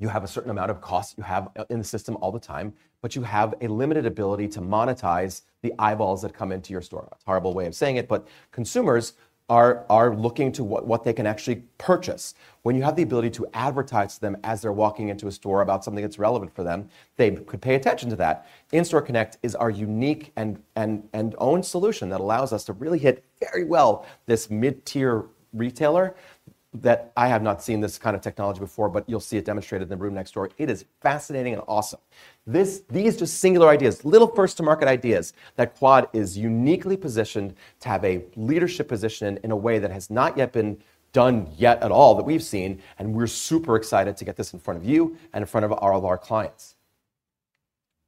You have a certain amount of costs you have in the system all the time, but you have a limited ability to monetize the eyeballs that come into your store. It's a horrible way of saying it, but consumers are looking to what they can actually purchase. When you have the ability to advertise to them as they're walking into a store about something that's relevant for them, they could pay attention to that. In-Store Connect is our unique and owned solution that allows us to really hit very well this mid-tier retailer. I have not seen this kind of technology before, but you'll see it demonstrated in the room next door. It is fascinating and awesome. These just singular ideas, little first-to-market ideas that Quad is uniquely positioned to have a leadership position in a way that has not yet been done yet at all that we've seen. And we're super excited to get this in front of you and in front of all of our clients.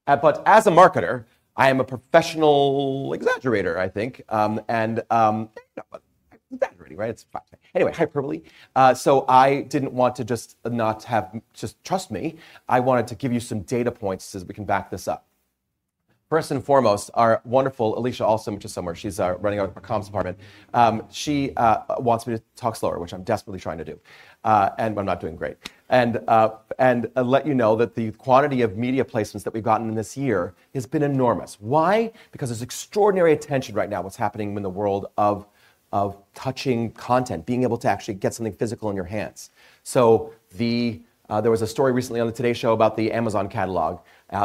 But as a marketer, I am a professional exaggerator, I think. And exaggerating, right? It's five. Anyway, hyperbole. So I didn't want to just not have just trust me. I wanted to give you some data points so that we can back this up. First and foremost, our wonderful Alicia Olson, which is somewhere, she's running our comms department. She wants me to talk slower, which I'm desperately trying to do, and I'm not doing great, and I'll let you know that the quantity of media placements that we've gotten in this year has been enormous. Why? Because there's extraordinary attention right now. What's happening in the world of touching content, being able to actually get something physical in your hands, so there was a story recently on the Today Show about the Amazon catalog.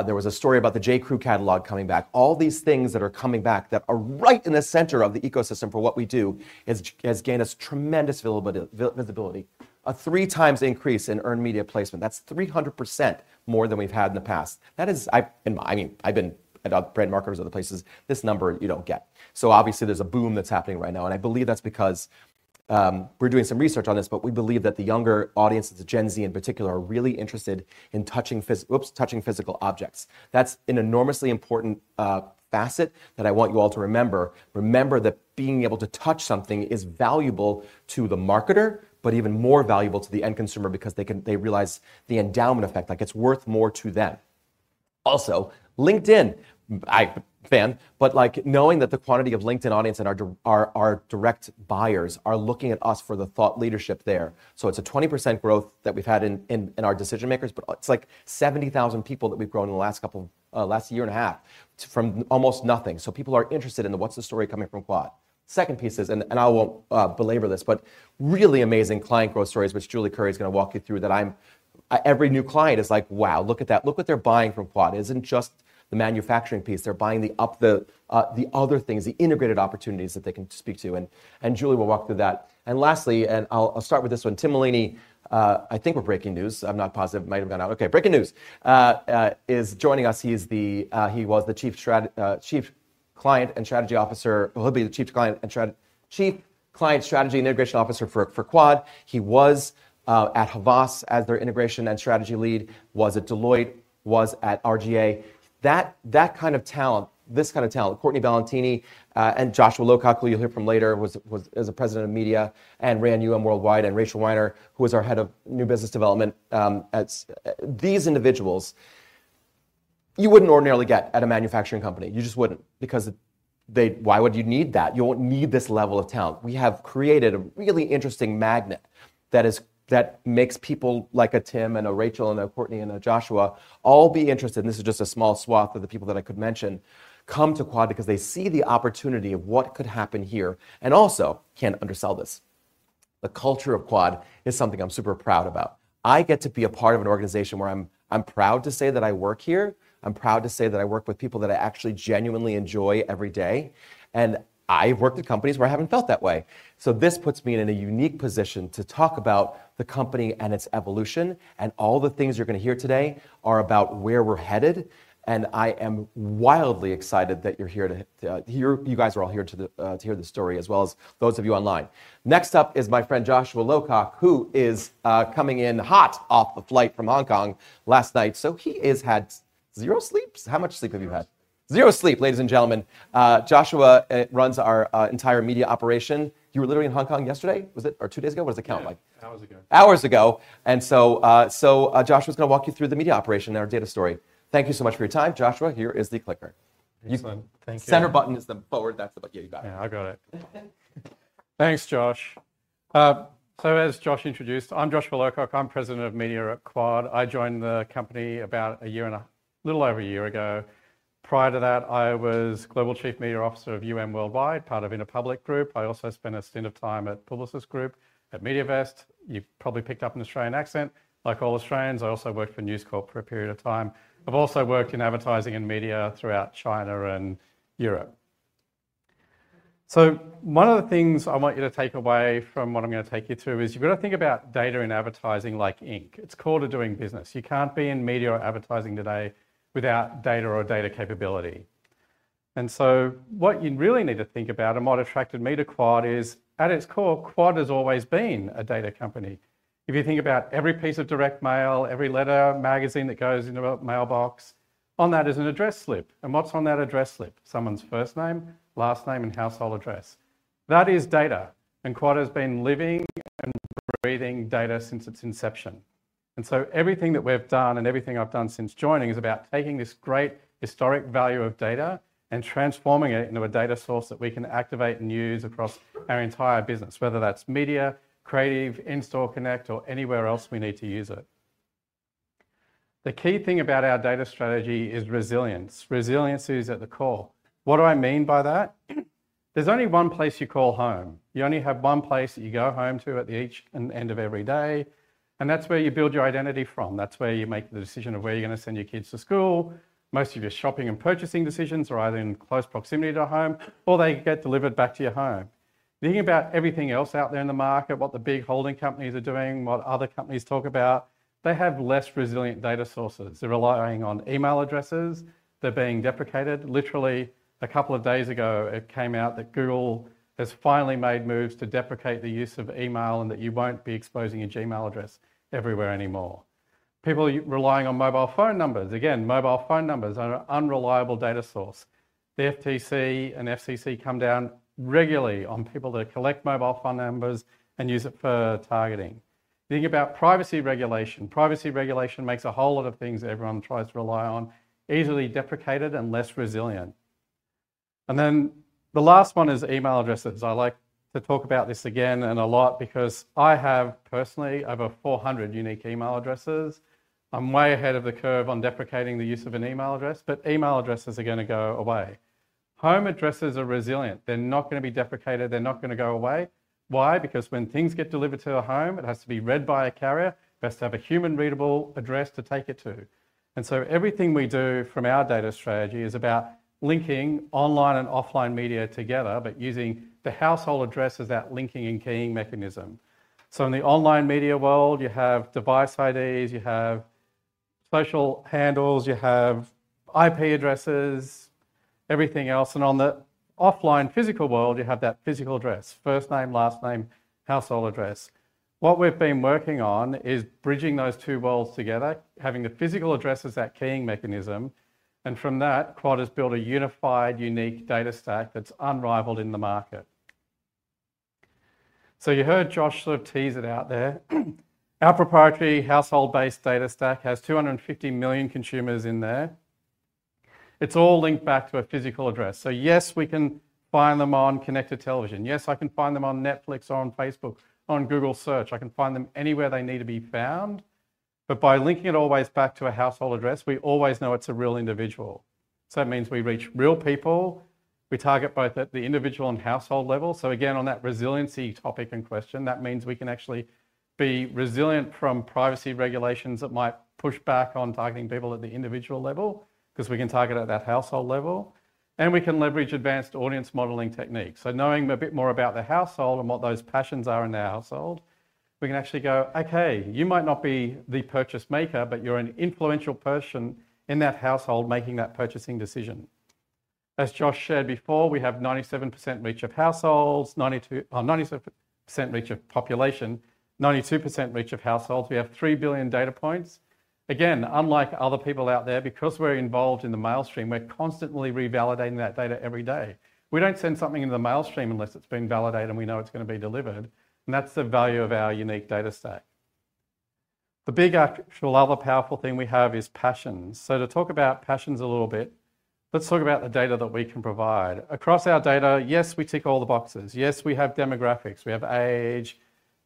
There was a story about the J.Crew catalog coming back. All these things that are coming back that are right in the center of the ecosystem for what we do has gained us tremendous visibility. A three-times increase in earned media placement. That's 300% more than we've had in the past. That is, I mean, I've been at other brand marketers and other places. This number you don't get. So obviously there's a boom that's happening right now. And I believe that's because we're doing some research on this, but we believe that the younger audience, the Gen Z in particular, are really interested in touching physical objects. That's an enormously important facet that I want you all to remember. Remember that being able to touch something is valuable to the marketer, but even more valuable to the end consumer because they realize the endowment effect, like it's worth more to them. Also, LinkedIn, I'm a fan, but like knowing that the quantity of LinkedIn audience and our direct buyers are looking at us for the thought leadership there. So it's a 20% growth that we've had in our decision makers, but it's like 70,000 people that we've grown in the last couple of, last year and a half from almost nothing. So people are interested in what's the story coming from Quad. Second piece is, and I won't belabor this, but really amazing client growth stories, which Julie Currie is going to walk you through. That I'm, every new client is like, wow, look at that. Look what they're buying from Quad. It isn't just the manufacturing piece. They're buying the other things, the integrated opportunities that they can speak to. And Julie will walk through that. And lastly, and I'll start with this one. Tim Maleeny, I think we're breaking news. I'm not positive. Might have gone out. Okay. Breaking news is joining us. He was the chief client and strategy officer. He'll be the chief client strategy and integration officer for Quad. He was at Havas as their integration and strategy lead. Was at Deloitte, was at R/GA. That kind of talent, this kind of talent, Courtney Ballantini and Joshua Lowcock, who you'll hear from later, was as a president of media and ran UM Worldwide and Rachel Winer, who is our head of new business development. These individuals you wouldn't ordinarily get at a manufacturing company. You just wouldn't because why would you need that? You won't need this level of talent. We have created a really interesting magnet that makes people like a Tim and a Rachel and a Courtney and a Joshua all be interested. This is just a small swath of the people that I could mention come to Quad because they see the opportunity of what could happen here and also can't undersell this. The culture of Quad is something I'm super proud about. I get to be a part of an organization where I'm proud to say that I work here. I'm proud to say that I work with people that I actually genuinely enjoy every day, and I've worked at companies where I haven't felt that way, so this puts me in a unique position to talk about the company and its evolution, and all the things you're going to hear today are about where we're headed, and I am wildly excited that you're here to hear. You guys are all here to hear the story as well as those of you online. Next up is my friend Joshua Lowcock, who is coming in hot off the flight from Hong Kong last night. So he has had zero sleep. How much sleep have you had? Zero sleep, ladies and gentlemen. Joshua runs our entire media operation. You were literally in Hong Kong yesterday, was it? Or two days ago? What does it count like? Hours ago. Hours ago, and so Joshua's going to walk you through the media operation and our data story. Thank you so much for your time, Joshua. Here is the clicker. Thanks, man. Thank you. Center button is the forward. That's about to get you back. Yeah, I got it. Thanks, Josh. So as Josh introduced, I'm Joshua Lowcock. I'm President of Media at Quad. I joined the company about a year and a little over a year ago. Prior to that, I was Global Chief Media Officer of Worldwide, part of Interpublic Group. I also spent a stint of time at Publicis Groupe at MediaVest. You've probably picked up an Australian accent. Like all Australians, I also worked for News Corp for a period of time. I've also worked in advertising and media throughout China and Europe, so one of the things I want you to take away from what I'm going to take you through is you've got to think about data and advertising like ink. It's core to doing business. You can't be in media or advertising today without data or data capability. And so what you really need to think about and what attracted me to Quad is at its core, Quad has always been a data company. If you think about every piece of direct mail, every letter, magazine that goes into a mailbox, on that is an address slip. And what's on that address slip? Someone's first name, last name, and household address. That is data. And Quad has been living and breathing data since its inception. And so everything that we've done and everything I've done since joining is about taking this great historic value of data and transforming it into a data source that we can activate and use across our entire business, whether that's media, creative, In-Store Connect, or anywhere else we need to use it. The key thing about our data strategy is resilience. Resiliency is at the core. What do I mean by that? There's only one place you call home. You only have one place that you go home to at the end of every day. That's where you build your identity from. That's where you make the decision of where you're going to send your kids to school. Most of your shopping and purchasing decisions are either in close proximity to home or they get delivered back to your home. Thinking about everything else out there in the market, what the big holding companies are doing, what other companies talk about, they have less resilient data sources. They're relying on email addresses. They're being deprecated. Literally, a couple of days ago, it came out that Google has finally made moves to deprecate the use of email and that you won't be exposing your Gmail address everywhere anymore. People relying on mobile phone numbers. Again, mobile phone numbers are an unreliable data source. The FTC and FCC come down regularly on people that collect mobile phone numbers and use it for targeting. Think about privacy regulation. Privacy regulation makes a whole lot of things that everyone tries to rely on easily deprecated and less resilient, and then the last one is email addresses. I like to talk about this again and a lot because I have personally over 400 unique email addresses. I'm way ahead of the curve on deprecating the use of an email address, but email addresses are going to go away. Home addresses are resilient. They're not going to be deprecated. They're not going to go away. Why? Because when things get delivered to a home, it has to be read by a carrier. It has to have a human-readable address to take it to, and so everything we do from our data strategy is about linking online and offline media together, but using the household address as that linking and keying mechanism. So, in the online media world, you have device IDs, you have social handles, you have IP addresses, everything else. And on the offline physical world, you have that physical address, first name, last name, household address. What we've been working on is bridging those two worlds together, having the physical address as that keying mechanism. And from that, Quad has built a unified, unique data stack that's unrivaled in the market. So you heard Josh sort of tease it out there. Our proprietary household-based data stack has 250 million consumers in there. It's all linked back to a physical address. So yes, we can find them on connected television. Yes, I can find them on Netflix or on Facebook, on Google Search. I can find them anywhere they need to be found. But by linking it always back to a household address, we always know it's a real individual. That means we reach real people. We target both at the individual and household level. Again, on that resiliency topic in question, that means we can actually be resilient from privacy regulations that might push back on targeting people at the individual level because we can target at that household level. We can leverage advanced audience modeling techniques. Knowing a bit more about the household and what those passions are in the household, we can actually go, okay, you might not be the purchase maker, but you're an influential person in that household making that purchasing decision. As Josh shared before, we have 97% reach of households, 97% reach of population, 92% reach of households. We have three billion data points. Again, unlike other people out there, because we're involved in the mail stream, we're constantly revalidating that data every day. We don't send something into the mail stream unless it's been validated and we know it's going to be delivered. And that's the value of our unique data stack. The big actual, other powerful thing we have is passions. So to talk about passions a little bit, let's talk about the data that we can provide. Across our data, yes, we tick all the boxes. Yes, we have demographics. We have age,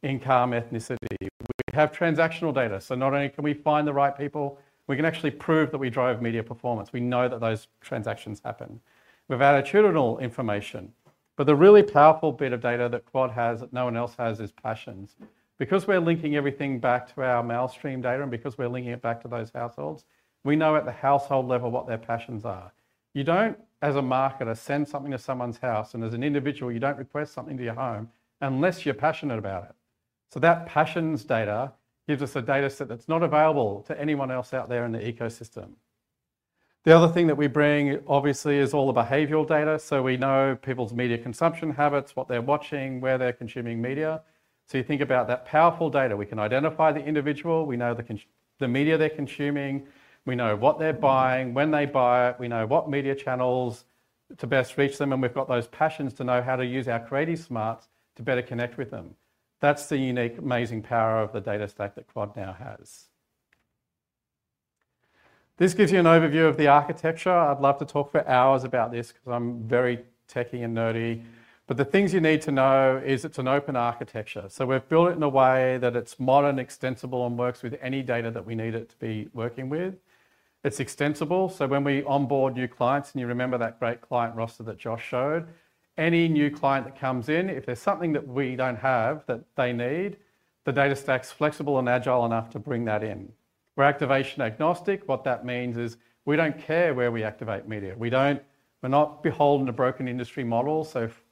income, ethnicity. We have transactional data. So not only can we find the right people, we can actually prove that we drive media performance. We know that those transactions happen. We've added tutorial information. But the really powerful bit of data that Quad has that no one else has is passions. Because we're linking everything back to our mail stream data and because we're linking it back to those households, we know at the household level what their passions are. You don't, as a marketer, send something to someone's house. And as an individual, you don't request something to your home unless you're passionate about it. So that passions data gives us a data set that's not available to anyone else out there in the ecosystem. The other thing that we bring, obviously, is all the behavioral data. So we know people's media consumption habits, what they're watching, where they're consuming media. So you think about that powerful data. We can identify the individual. We know the media they're consuming. We know what they're buying. When they buy it, we know what media channels to best reach them. And we've got those passions to know how to use our creative smarts to better connect with them. That's the unique, amazing power of the data stack that Quad now has. This gives you an overview of the architecture. I'd love to talk for hours about this because I'm very techy and nerdy. But the things you need to know is it's an open architecture. So we've built it in a way that it's modern, extensible, and works with any data that we need it to be working with. It's extensible. So when we onboard new clients, and you remember that great client roster that Josh showed, any new client that comes in, if there's something that we don't have that they need, the data stack's flexible and agile enough to bring that in. We're activation agnostic. What that means is we don't care where we activate media. We're not beholden to broken industry models. So if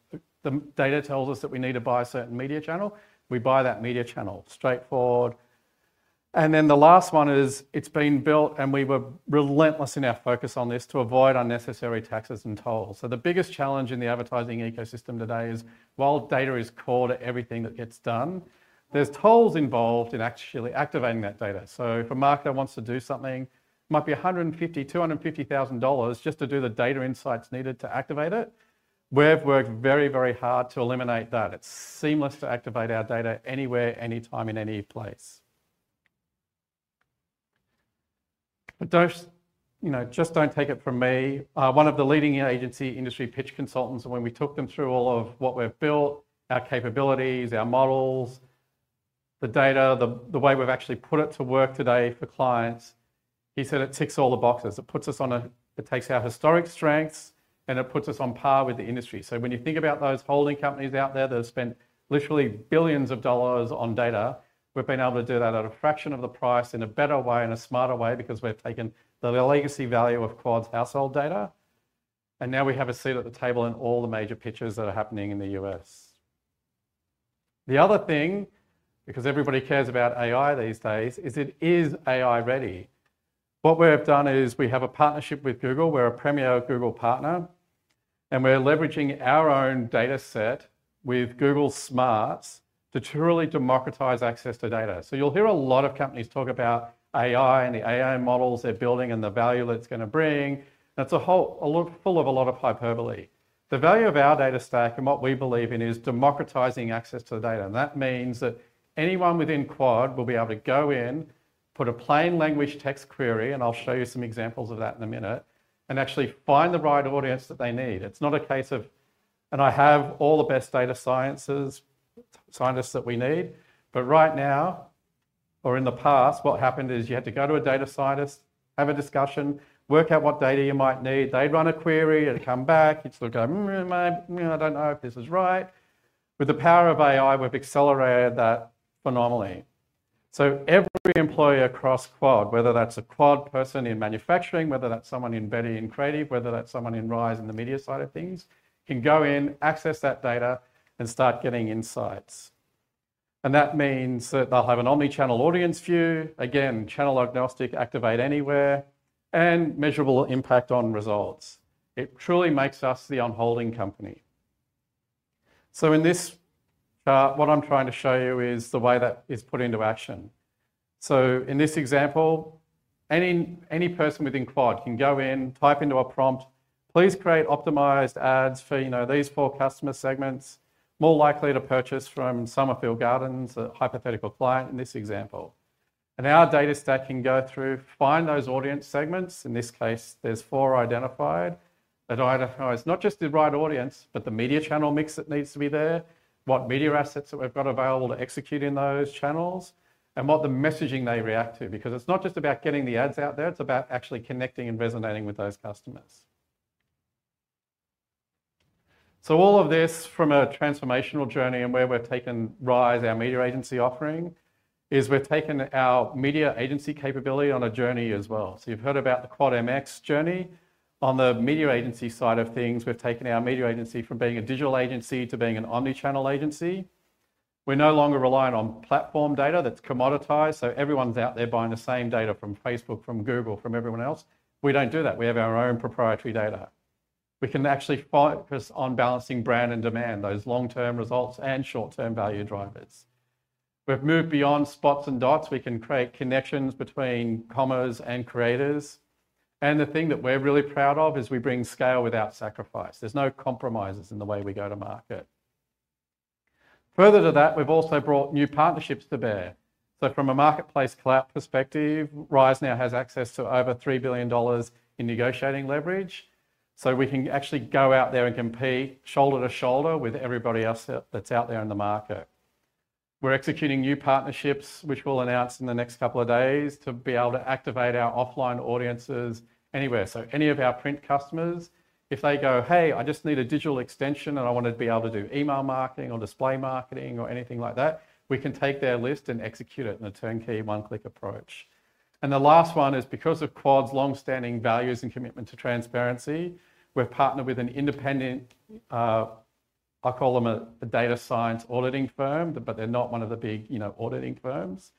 the data tells us that we need to buy a certain media channel, we buy that media channel. Straightforward. And then the last one is it's been built, and we were relentless in our focus on this to avoid unnecessary taxes and tolls. So the biggest challenge in the advertising ecosystem today is, while data is core to everything that gets done, there's tolls involved in actually activating that data. So if a marketer wants to do something, it might be $150,000, $250,000 just to do the data insights needed to activate it. We've worked very, very hard to eliminate that. It's seamless to activate our data anywhere, anytime, in any place. But just don't take it from me. One of the leading agency industry pitch consultants, when we took them through all of what we've built, our capabilities, our models, the data, the way we've actually put it to work today for clients, he said it ticks all the boxes. It puts us on a, it takes our historic strengths, and it puts us on par with the industry. So when you think about those holding companies out there that have spent literally billions of dollars on data, we've been able to do that at a fraction of the price in a better way and a smarter way because we've taken the legacy value of Quad's household data. And now we have a seat at the table in all the major pitches that are happening in the U.S. The other thing, because everybody cares about AI these days, is it is AI ready. What we've done is we have a partnership with Google. We're a premier Google partner, and we're leveraging our own data set with Google smarts to truly democratize access to data, so you'll hear a lot of companies talk about AI and the AI models they're building and the value that it's going to bring. That's a whole hell of a lot of hyperbole. The value of our data stack and what we believe in is democratizing access to the data, and that means that anyone within Quad will be able to go in, put a plain language text query, and I'll show you some examples of that in a minute, and actually find the right audience that they need. It's not a case of, and I have all the best data scientists that we need. But right now, or in the past, what happened is you had to go to a data scientist, have a discussion, work out what data you might need. They'd run a query. It'd come back. You'd still go, I don't know if this is right. With the power of AI, we've accelerated that phenomenally. So every employee across Quad, whether that's a Quad person in manufacturing, whether that's someone in Betty and Creative, whether that's someone in Rise in the media side of things, can go in, access that data, and start getting insights. And that means that they'll have an omnichannel audience view, again, channel agnostic, activate anywhere, and measurable impact on results. It truly makes us the one holding company. So in this chart, what I'm trying to show you is the way that is put into action. So in this example, any person within Quad can go in, type into a prompt, please create optimized ads for these four customer segments, more likely to purchase from Summerfield Gardens, a hypothetical client in this example. And our data stack can go through, find those audience segments. In this case, there's four identified that identifies not just the right audience, but the media channel mix that needs to be there, what media assets that we've got available to execute in those channels, and what the messaging they react to. Because it's not just about getting the ads out there. It's about actually connecting and resonating with those customers. So all of this from a transformational journey and where we've taken Rise, our media agency offering, is we've taken our media agency capability on a journey as well. So you've heard about the Quad MX journey. On the media agency side of things, we've taken our media agency from being a digital agency to being an omnichannel agency. We're no longer reliant on platform data that's commoditized. So everyone's out there buying the same data from Facebook, from Google, from everyone else. We don't do that. We have our own proprietary data. We can actually focus on balancing brand and demand, those long-term results and short-term value drivers. We've moved beyond spots and dots. We can create connections between commerce and creators. And the thing that we're really proud of is we bring scale without sacrifice. There's no compromises in the way we go to market. Further to that, we've also brought new partnerships to bear. So from a marketplace clout perspective, Rise now has access to over $3 billion in negotiating leverage. So we can actually go out there and compete shoulder to shoulder with everybody else that's out there in the market. We're executing new partnerships, which we'll announce in the next couple of days, to be able to activate our offline audiences anywhere. So any of our print customers, if they go, hey, I just need a digital extension and I want to be able to do email marketing or display marketing or anything like that, we can take their list and execute it in a turnkey, one-click approach. And the last one is because of Quad's long-standing values and commitment to transparency, we've partnered with an independent, I call them a data science auditing firm, but they're not one of the big auditing firms,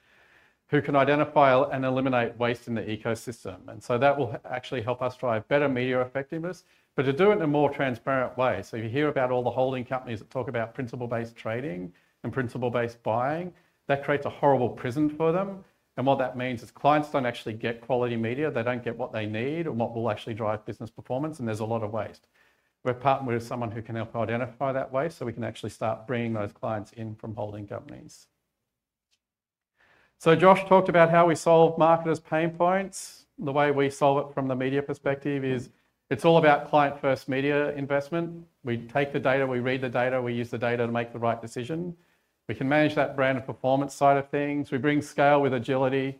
who can identify and eliminate waste in the ecosystem. That will actually help us drive better media effectiveness, but to do it in a more transparent way. If you hear about all the holding companies that talk about principal-based trading and principal-based buying, that creates a horrible prison for them. What that means is clients don't actually get quality media. They don't get what they need and what will actually drive business performance. There's a lot of waste. We're partnered with someone who can help identify that waste so we can actually start bringing those clients in from holding companies. Josh talked about how we solve marketers' pain points. The way we solve it from the media perspective is it's all about client-first media investment. We take the data, we read the data, we use the data to make the right decision. We can manage that brand and performance side of things. We bring scale with agility.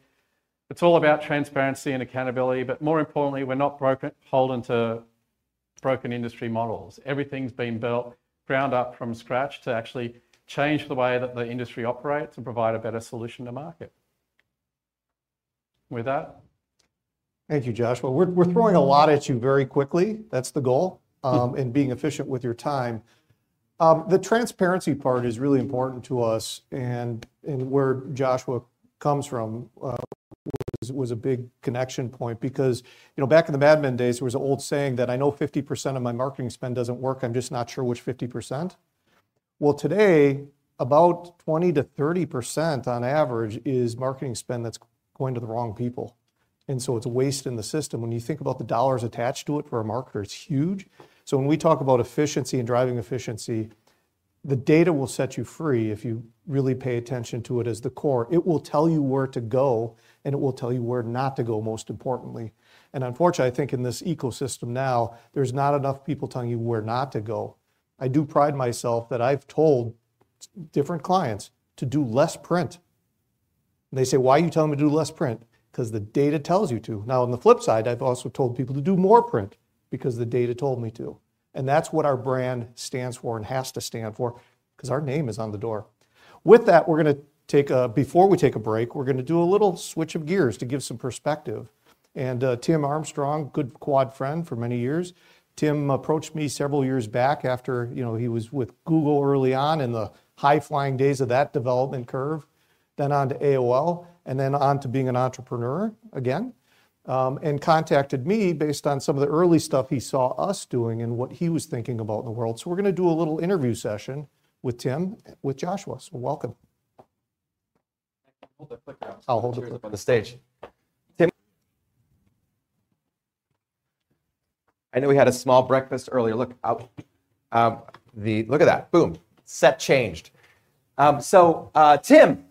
It's all about transparency and accountability. But more importantly, we're not holding to broken industry models. Everything's been built ground up from scratch to actually change the way that the industry operates and provide a better solution to market. With that. Thank you, Joshua. We're throwing a lot at you very quickly. That's the goal and being efficient with your time. The transparency part is really important to us. And where Joshua comes from was a big connection point because back in the Mad Men days, there was an old saying that I know 50% of my marketing spend doesn't work. I'm just not sure which 50%. Well, today, about 20%-30% on average is marketing spend that's going to the wrong people. And so it's waste in the system. When you think about the dollars attached to it for a marketer, it's huge. So when we talk about efficiency and driving efficiency, the data will set you free if you really pay attention to it as the core. It will tell you where to go, and it will tell you where not to go, most importantly. And unfortunately, I think in this ecosystem now, there's not enough people telling you where not to go. I do pride myself that I've told different clients to do less print. They say, why are you telling me to do less print? Because the data tells you to. Now, on the flip side, I've also told people to do more print because the data told me to. And that's what our brand stands for and has to stand for because our name is on the door. With that, before we take a break, we're going to do a little switch of gears to give some perspective, and Tim Armstrong, good Quad friend for many years, Tim approached me several years back after he was with Google early on in the high-flying days of that development curve, then on to AOL, and then on to being an entrepreneur again, and contacted me based on some of the early stuff he saw us doing and what he was thinking about in the world, so we're going to do a little interview session with Tim, with Joshua, so welcome. I'll hold the clicker up. I'll hold the clicker up on the stage. Tim. I know we had a small breakfast earlier. Look out. Look at that. Boom. Set changed, so Tim,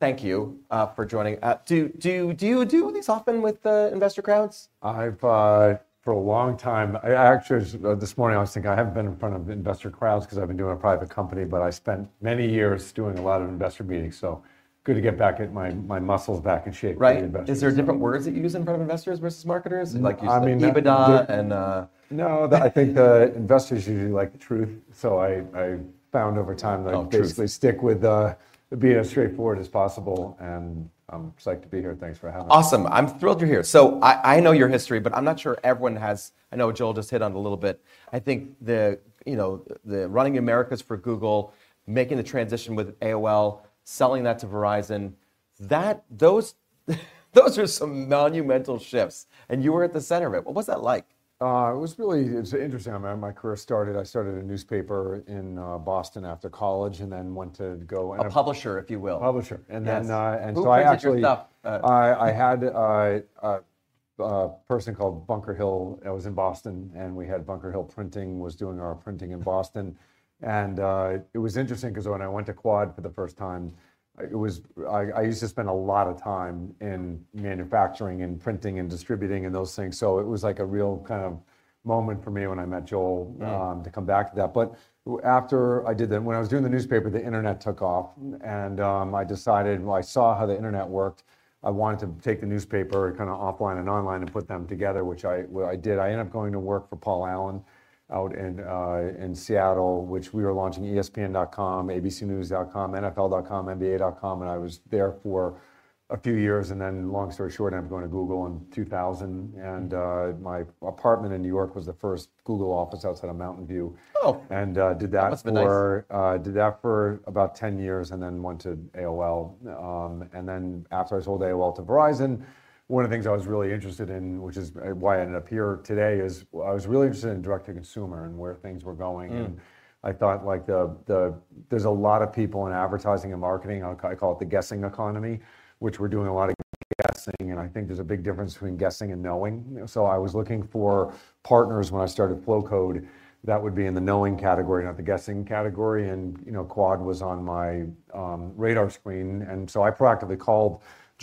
thank you for joining. Do you do these often with investor crowds? For a long time, actually, this morning, I was thinking I haven't been in front of investor crowds because I've been doing a private company, but I spent many years doing a lot of investor meetings. So good to get my muscles back in shape for the investors. Right. Is there different words that you use in front of investors versus marketers? Like EBITDA. No, I think the investors usually like the truth. So I found over time that I basically stick with being as straightforward as possible. And I'm just glad to be here. Thanks for having me. Awesome. I'm thrilled you're here. So I know your history, but I'm not sure everyone has. I know Joel just hit on it a little bit. I think running the Americas for Google, making the transition with AOL, selling that to Verizon, those are some monumental shifts. And you were at the center of it. What was that like? It was really, it's interesting. My career started. I started a newspaper in Boston after college and then went to go A publisher, if you will. Publisher. Yes who printed your cup? Actually had a printer called Bunker Hill. I was in Boston, and we had Bunker Hill Printing was doing our printing in Boston. And it was interesting because when I went to Quad for the first time, I used to spend a lot of time in manufacturing and printing and distributing and those things. So it was like a real kind of moment for me when I met Joel to come back to that. BI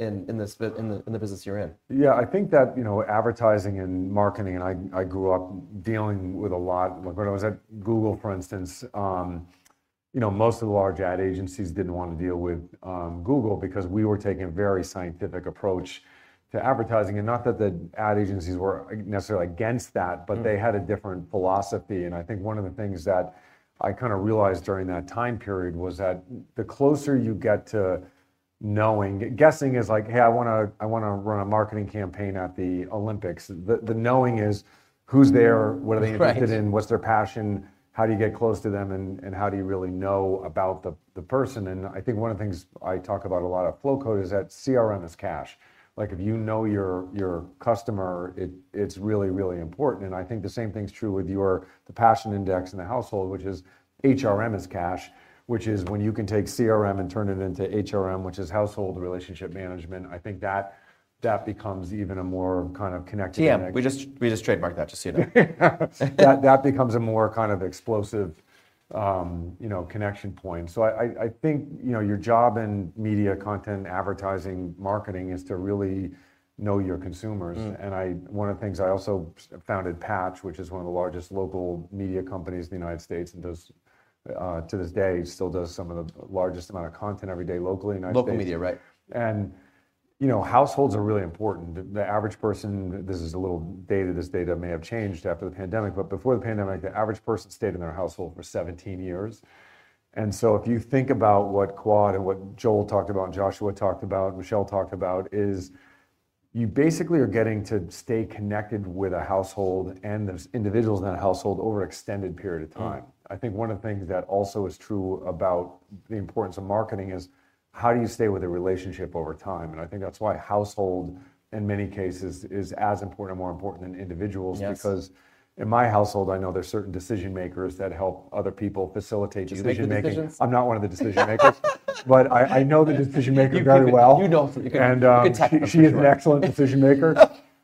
think one of the things that I kind of realized during that time period was that the closer you get to knowing, guessing is like, hey, I want to run a marketing campaign at the Olympics. The knowing is who's there, what are they interested in, what's their passion, how do you get close to them, and how do you really know about the person. I think one of the things I talk about a lot at Flowcode is that CRM is cash. Like if you know your customer, it's really, really important. I think the same thing's true with your passion index and the household, which is HRM is cash, which is when you can take CRM and turn it into HRM, which is household relationship management. I think that becomes even a more kind of connected connection. Yeah, we just trademarked that just so you know. That becomes a more kind of explosive connection point. So I think your job in media content, advertising, marketing is to really know your consumers. And one of the things I also founded Patch, which is one of the largest local media companies in the United States and to this day still does some of the largest amount of content every day locally. Local media, right? And households are really important. The average person, this is a little data, this data may have changed after the pandemic, but before the pandemic, the average person stayed in their household for 17 years. And so if you think about what Quad and what Joel talked about and Joshua talked about, Michelle talked about, is you basically are getting to stay connected with a household and those individuals in that household over an extended period of time. I think one of the things that also is true about the importance of marketing is how do you stay with a relationship over time? And I think that's why household in many cases is as important or more important than individuals. Yes Because in my household, I know there's certain decision makers that help other people facilitate decision making. Do you make the decisions? I'm not one of the decision makers, but I know the decision makers very well. You know them. She is an excellent decision maker.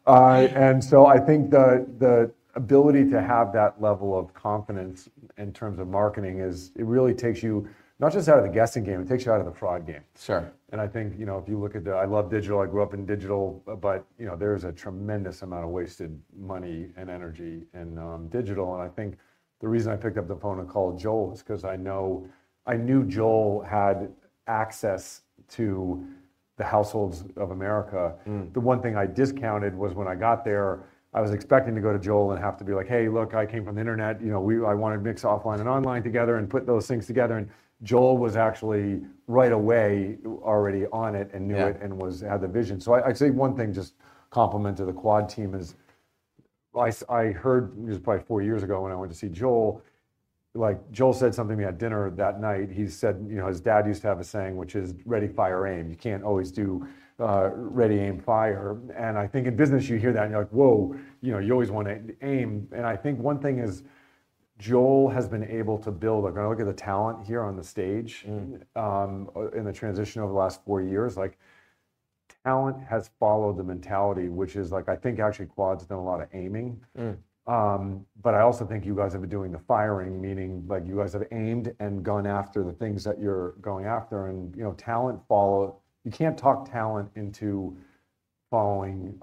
And so I think the ability to have that level of confidence in terms of marketing is. It really takes you not just out of the guessing game, it takes you out of the fraud game. Sure. And I think if you look at the, I love digital, I grew up in digital, but there is a tremendous amount of wasted money and energy in digital. And I think the reason I picked up the phone and called Joel is because I knew Joel had access to the households of America. The one thing I discounted was when I got there, I was expecting to go to Joel and have to be like, hey, look, I came from the internet. I want to mix offline and online together and put those things together. And Joel was actually right away already on it and knew it and had the vision. So I'd say one thing, just a compliment to the Quad team, is I heard this probably four years ago when I went to see Joel. Joel said something at dinner that night. He said his dad used to have a saying, which is ready, fire, aim. You can't always do ready, aim, fire. And I think in business, you hear that and you're like, whoa, you always want to aim. And I think one thing is Joel has been able to build, and I look at the talent here on the stage in the transition over the last four years, talent has followed the mentality, which is like, I think actually Quad's done a lot of aiming. But I also think you guys have been doing the firing, meaning you guys have aimed and gone after the things that you're going after. And talent follow. You can't talk talent into following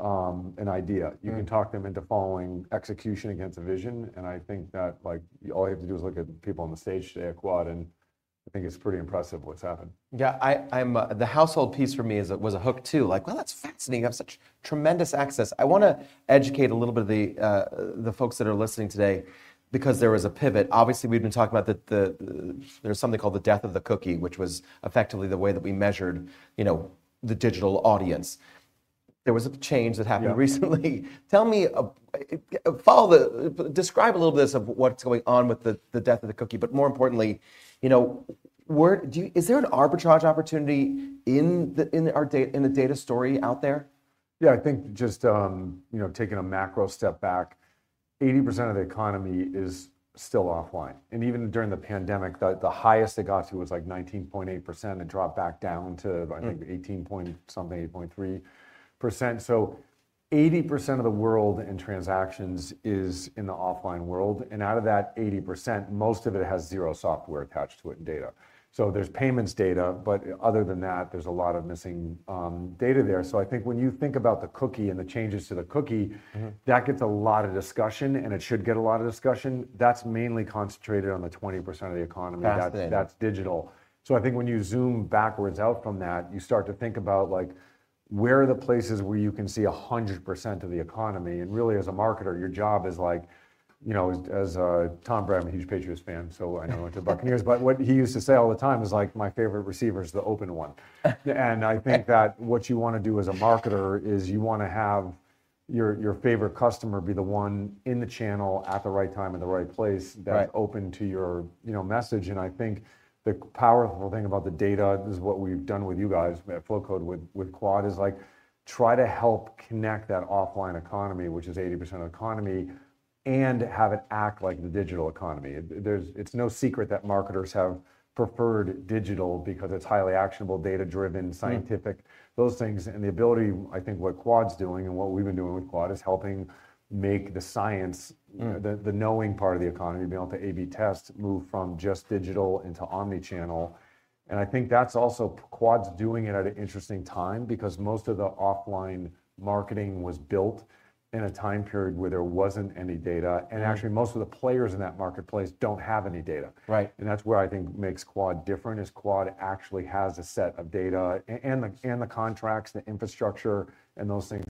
an idea. You can talk them into following execution against a vision. And I think that all you have to do is look at people on the stage today at Quad. And I think it's pretty impressive what's happened. Yeah, the household piece for me was a hook too. Like, well, that's fascinating. I have such tremendous access. I want to educate a little bit of the folks that are listening today because there was a pivot. Obviously, we've been talking about that there's something called the death of the cookie, which was effectively the way that we measured the digital audience. There was a change that happened recently. Tell me, describe a little bit of what's going on with the death of the cookie, but more importantly, is there an arbitrage opportunity in the data story out there? Yeah, I think just taking a macro step back, 80% of the economy is still offline, and even during the pandemic, the highest it got to was like 19.8% and dropped back down to, I think, 18 point something, 8.3%. So 80% of the world in transactions is in the offline world, and out of that 80%, most of it has zero software attached to it in data. So there's payments data, but other than that, there's a lot of missing data there. So I think when you think about the cookie and the changes to the cookie, that gets a lot of discussion and it should get a lot of discussion. That's mainly concentrated on the 20% of the economy.that's digital. So I think when you zoom backwards out from that, you start to think about where are the places where you can see 100% of the economy. Really, as a marketer, your job is like, as Tom Brady, a huge Patriots fan, so I know I went to Buccaneers, but what he used to say all the time is like, my favorite receiver is the open one. I think that what you want to do as a marketer is you want to have your favorite customer be the one in the channel at the right time at the right place that's open to your message. I think the powerful thing about the data is what we've done with you guys at Flowcode with Quad is like try to help connect that offline economy, which is 80% of the economy, and have it act like the digital economy. It's no secret that marketers have preferred digital because it's highly actionable, data-driven, scientific, those things. And the ability, I think what Quad's doing and what we've been doing with Quad is helping make the science, the knowing part of the economy, be able to A/B test, move from just digital into omnichannel. And I think that's also Quad's doing it at an interesting time because most of the offline marketing was built in a time period where there wasn't any data. And actually, most of the players in that marketplace don't have any data. Right. And that's where I think makes Quad different is Quad actually has a set of data and the contracts, the infrastructure, and those things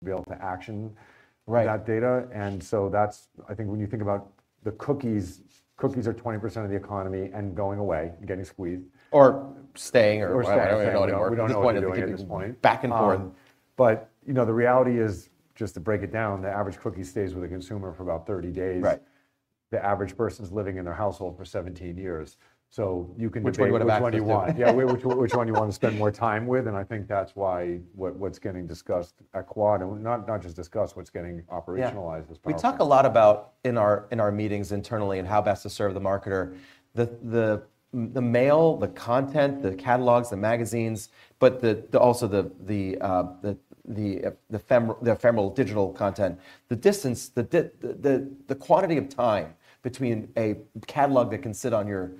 to be able to action that data. And so that's, I think when you think about the cookies, cookies are 20% of the economy and going away, getting squeezed. Or staying or whatever. We don't know anymore. We don't know anymore. Back and forth. But the reality is just to break it down, the average cookie stays with a consumer for about 30 days. Right. The average person's living in their household for 17 years. So you can do 21. Which one really mattes to you? Yeah, which one you want to spend more time with. And I think that's why what's getting discussed at Quad, not just discussed, what's getting operationalized as part of it. We talk a lot about in our meetings internally and how best to serve the marketer, the mail, the content, the catalogs, the magazines, but also the ephemeral digital content, the distance, the quantity of time between a catalog that can sit on your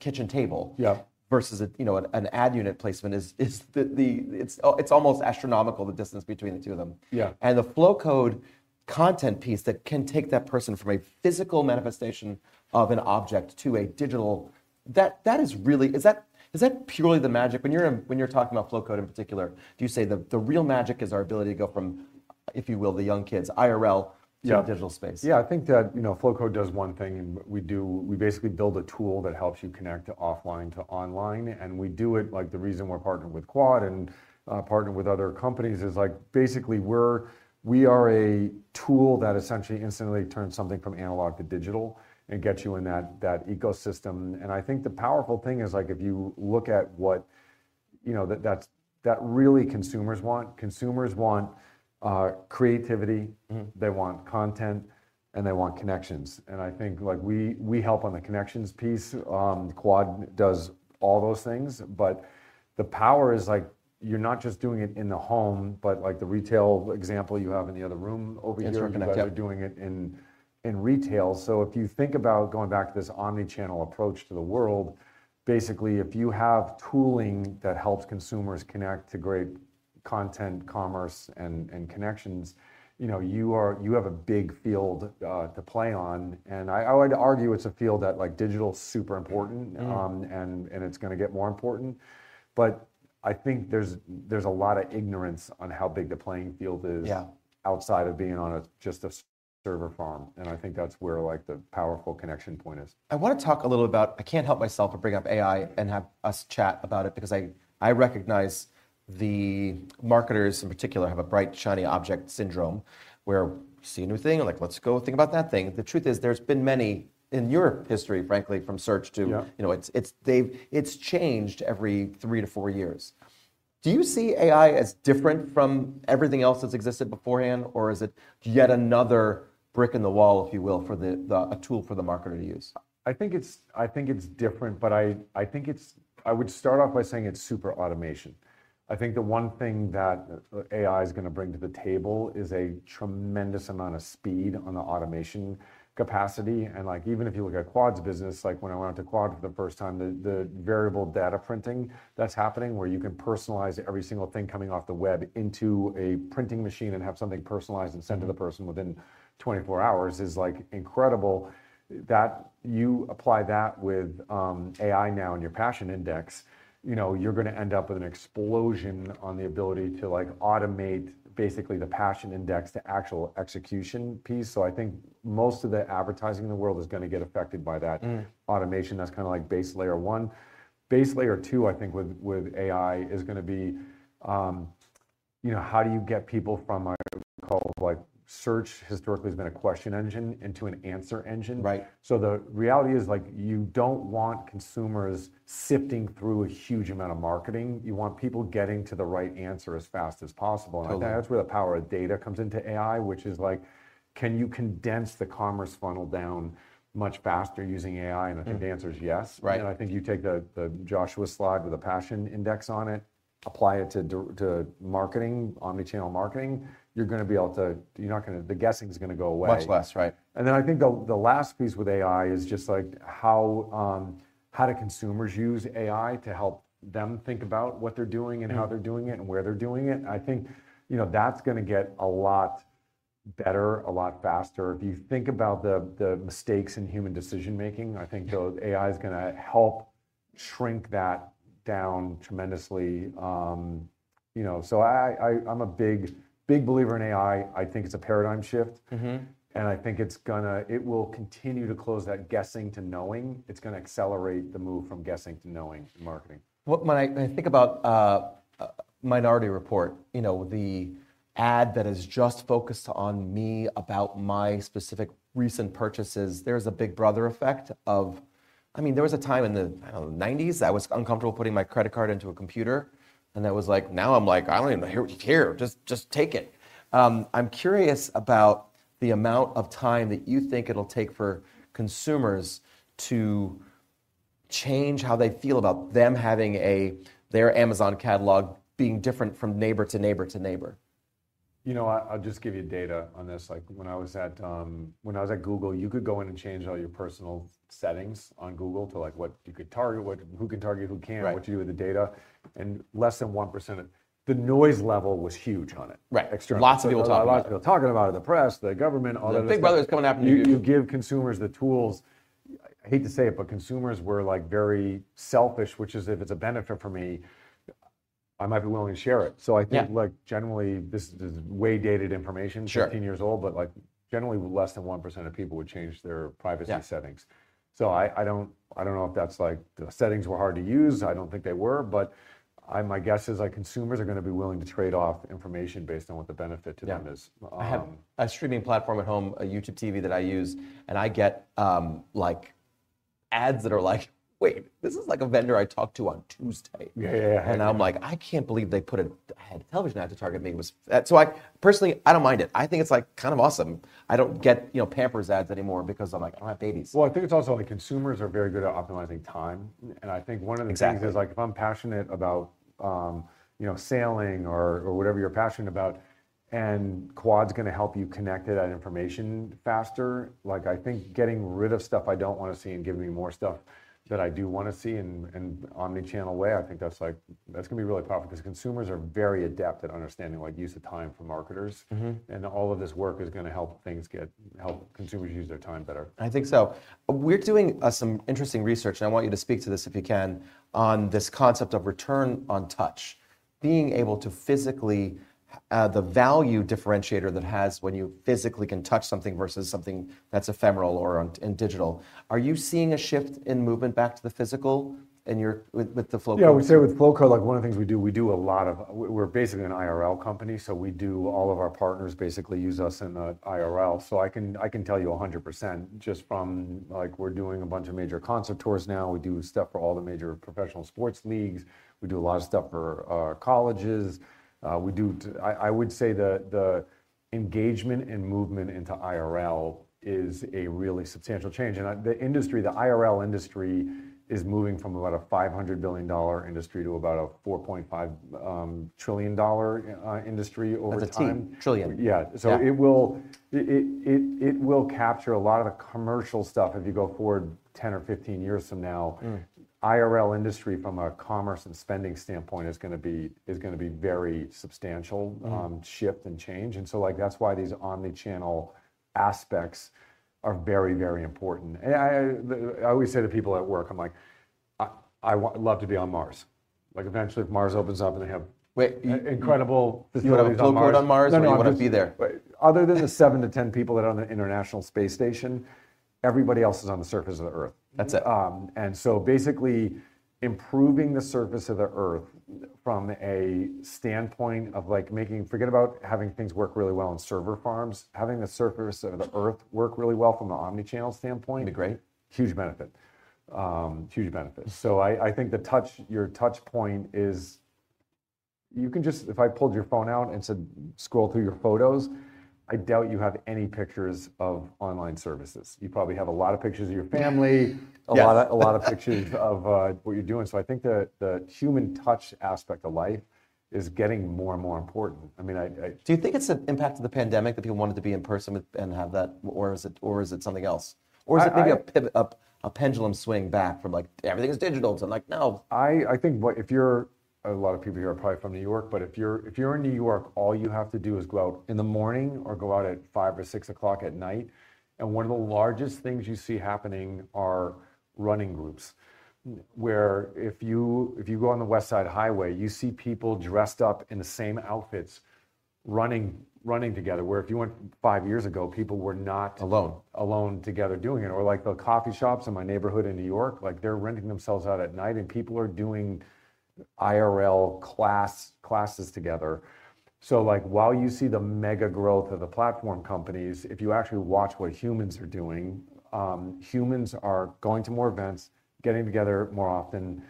kitchen table versus an ad unit placement is, it's almost astronomical the distance between the two of them. The Flowcode content piece that can take that person from a physical manifestation of an object to a digital, that is really, is that purely the magic? When you're talking about Flowcode in particular, do you say the real magic is our ability to go from, if you will, the young kids, IRL to digital space? Yeah, I think that Flowcode does one thing. We basically build a tool that helps you connect to offline to online. And we do it like the reason we're partnered with Quad and partnered with other companies is like basically we are a tool that essentially instantly turns something from analog to digital and gets you in that ecosystem. And I think the powerful thing is like if you look at what that really consumers want, consumers want creativity, they want content, and they want connections. And I think we help on the connections piece. Quad does all those things, but the power is like you're not just doing it in the home, but like the retail example you have in the other room over here, you're doing it in retail. So if you think about going back to this omnichannel approach to the world, basically if you have tooling that helps consumers connect to great content, commerce, and connections, you have a big field to play on. And I would argue it's a field that digital is super important and it's going to get more important. But I think there's a lot of ignorance on how big the playing field is outside of being on just a server farm. And I think that's where the powerful connection point is. I want to talk a little about. I can't help myself but bring up AI and have us chat about it because I recognize the marketers in particular have a bright shiny object syndrome where see a new thing, like let's go think about that thing. The truth is there's been many in your history, frankly, from search to it's changed every three to four years. Do you see AI as different from everything else that's existed beforehand, or is it yet another brick in the wall, if you will, for a tool for the marketer to use? I think it's different, but I think I would start off by saying it's super automation. I think the one thing that AI is going to bring to the table is a tremendous amount of speed on the automation capacity. And even if you look at Quad's business, like when I went to Quad for the first time, the variable data printing that's happening where you can personalize every single thing coming off the web into a printing machine and have something personalized and sent to the person within 24 hours is incredible. That you apply that with AI now and your passion index, you're going to end up with an explosion on the ability to automate basically the passion index to actual execution piece. So I think most of the advertising in the world is going to get affected by that automation. That's kind of like base layer one. Base layer two, I think with AI is going to be how do you get people from a call like search historically has been a question engine into an answer engine. So the reality is you don't want consumers sifting through a huge amount of marketing. You want people getting to the right answer as fast as possible. And I think that's where the power of data comes into AI, which is like, can you condense the commerce funnel down much faster using AI? And I think the answer is yes. And I think you take the Joshua slide with a passion index on it, apply it to marketing, omnichannel marketing, you're going to be able to, you're not going to, the guessing is going to go away. Much less, right? And then I think the last piece with AI is just like how do consumers use AI to help them think about what they're doing and how they're doing it and where they're doing it. I think that's going to get a lot better, a lot faster. If you think about the mistakes in human decision making, I think AI is going to help shrink that down tremendously. So I'm a big believer in AI. I think it's a paradigm shift. And I think it will continue to close that guessing to knowing. It's going to accelerate the move from guessing to knowing in marketing. When I think about Minority Report, the ad that is just focused on me about my specific recent purchases, there's a Big Brother effect of, I mean, there was a time in the '90s that I was uncomfortable putting my credit card into a computer. And I was like, now I'm like, I don't even care what you care. Just take it. I'm curious about the amount of time that you think it'll take for consumers to change how they feel about them having their Amazon catalog being different from neighbor to neighbor to neighbor. You know, I'll just give you data on this. When I was at Google, you could go in and change all your personal settings on Google to what you could target, who can target, who can't, what you do with the data. And less than 1%, the noise level was huge on it. Right. Lots of people talking about it. Lots of people talking about it, the press, the government, all of this. The Big Brother is coming after you. You give consumers the tools. I hate to say it, but consumers were very selfish, which is if it's a benefit for me, I might be willing to share it. I think generally this is way dated information, 15 years old, but generally less than 1% of people would change their privacy settings. So I don't know if that's like the settings were hard to use. I don't think they were. But my guess is consumers are going to be willing to trade off information based on what the benefit to them is. I have a streaming platform at home, a YouTube TV that I use, and I get ads that are like, wait, this is like a vendor I talked to on Tuesday. And I'm like, I can't believe they put a television ad to target me. So personally, I don't mind it. I think it's like kind of awesome. I don't get Pampers ads anymore because I'm like, I don't have babies. Well, I think it's also like consumers are very good at optimizing time. I think one of the things is like if I'm passionate about sailing or whatever you're passionate about, and Quad's going to help you connect with information faster. I think getting rid of stuff I don't want to see and giving me more stuff that I do want to see in an omnichannel way. I think that's going to be really powerful because consumers are very adept at understanding use of time for marketers. And all of this work is going to help consumers use their time better. I think so. We're doing some interesting research, and I want you to speak to this if you can on this concept of return on touch. Being able to physically touch the value differentiator that it has when you physically can touch something versus something that's ephemeral or in digital. Are you seeing a shift in movement back to the physical with the Flowcode? Yeah, we say with Flowcode, one of the things we do, we do a lot of, we're basically an IRL company. So we do all of our partners basically use us in IRL. So I can tell you 100% just from like we're doing a bunch of major concert tours now. We do stuff for all the major professional sports leagues. We do a lot of stuff for colleges. I would say the engagement and movement into IRL is a really substantial change. And the industry, the IRL industry is moving from about a $500 billion industry to about a $4.5 trillion industry over time. That's a team. Yeah. So it will capture a lot of the commercial stuff if you go forward 10 or 15 years from now. IRL industry from a commerce and spending standpoint is going to be very substantial shift and change, and so that's why these omnichannel aspects are very, very important. I always say to people at work, I'm like, I'd love to be on Mars. Eventually, if Mars opens up and they have incredible Flowcode on Mars. I want to be there. Other than the seven to 10 people that are on the International Space Station, everybody else is on the surface of the Earth. That's it, and so basically improving the surface of the Earth from a standpoint of like making, forget about having things work really well on server farms, having the surface of the Earth work really well from an omnichannel standpoint would be great. Huge benefit. Huge benefit. So I think your touch point is you can just, if I pulled your phone out and said, scroll through your photos, I doubt you have any pictures of online services. You probably have a lot of pictures of your family, a lot of pictures of what you're doing. So I think the human touch aspect of life is getting more and more important. I mean, do you think it's an impact of the pandemic that people wanted to be in person and have that, or is it something else? Or is it maybe a pendulum swing back from like everything is digital to like now? I think if you're, a lot of people here are probably from New York, but if you're in New York, all you have to do is go out in the morning or go out at 5:00 or 6:00 P.M. One of the largest things you see happening are running groups. Where if you go on the West Side Highway, you see people dressed up in the same outfits running together. Where if you went five years ago, people were not alone together doing it. Like the coffee shops in my neighborhood in New York, like they're renting themselves out at night and people are doing IRL classes together. While you see the mega growth of the platform companies, if you actually watch what humans are doing, humans are going to more events, getting together more often.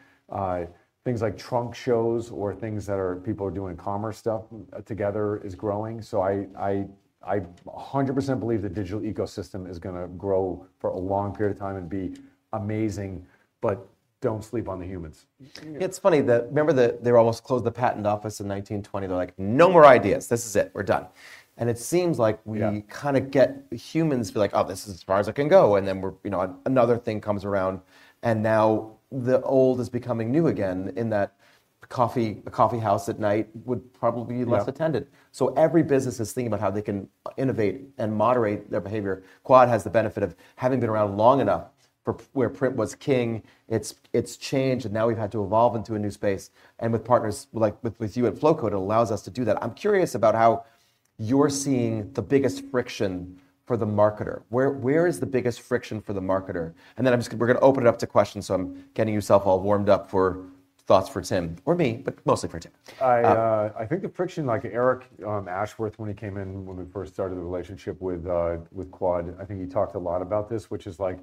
Things like trunk shows or things that people are doing commerce stuff together is growing. I 100% believe the digital ecosystem is going to grow for a long period of time and be amazing, but don't sleep on the humans. It's funny that remember they almost closed the patent office in 1920. They're like, no more ideas. This is it. We're done. And it seems like we kind of get humans to be like, oh, this is as far as it can go. And then another thing comes around. And now the old is becoming new again in that the coffee house at night would probably be less attended. So every business is thinking about how they can innovate and moderate their behavior. Quad has the benefit of having been around long enough where print was king. It's changed and now we've had to evolve into a new space. And with partners like with you at Flowcode, it allows us to do that. I'm curious about how you're seeing the biggest friction for the marketer. Where is the biggest friction for the marketer? And then we're going to open it up to questions. So I'm getting yourself all warmed up for thoughts for Tim or me, but mostly for Tim. I think the friction, like Eric Ashworth, when he came in, when we first started the relationship with Quad, I think he talked a lot about this, which is like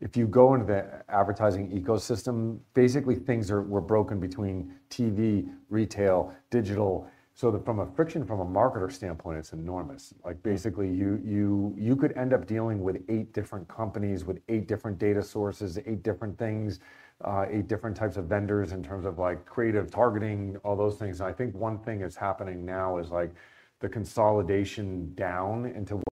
if you go into the advertising ecosystem, basically things were broken between TV, retail, digital. So from a friction, from a marketer standpoint, it's enormous. Basically, you could end up dealing with eight different companies with eight different data sources, eight different things, eight different types of vendors in terms of creative targeting, all those things. And I think one thing that's happening now is like the consolidation down into what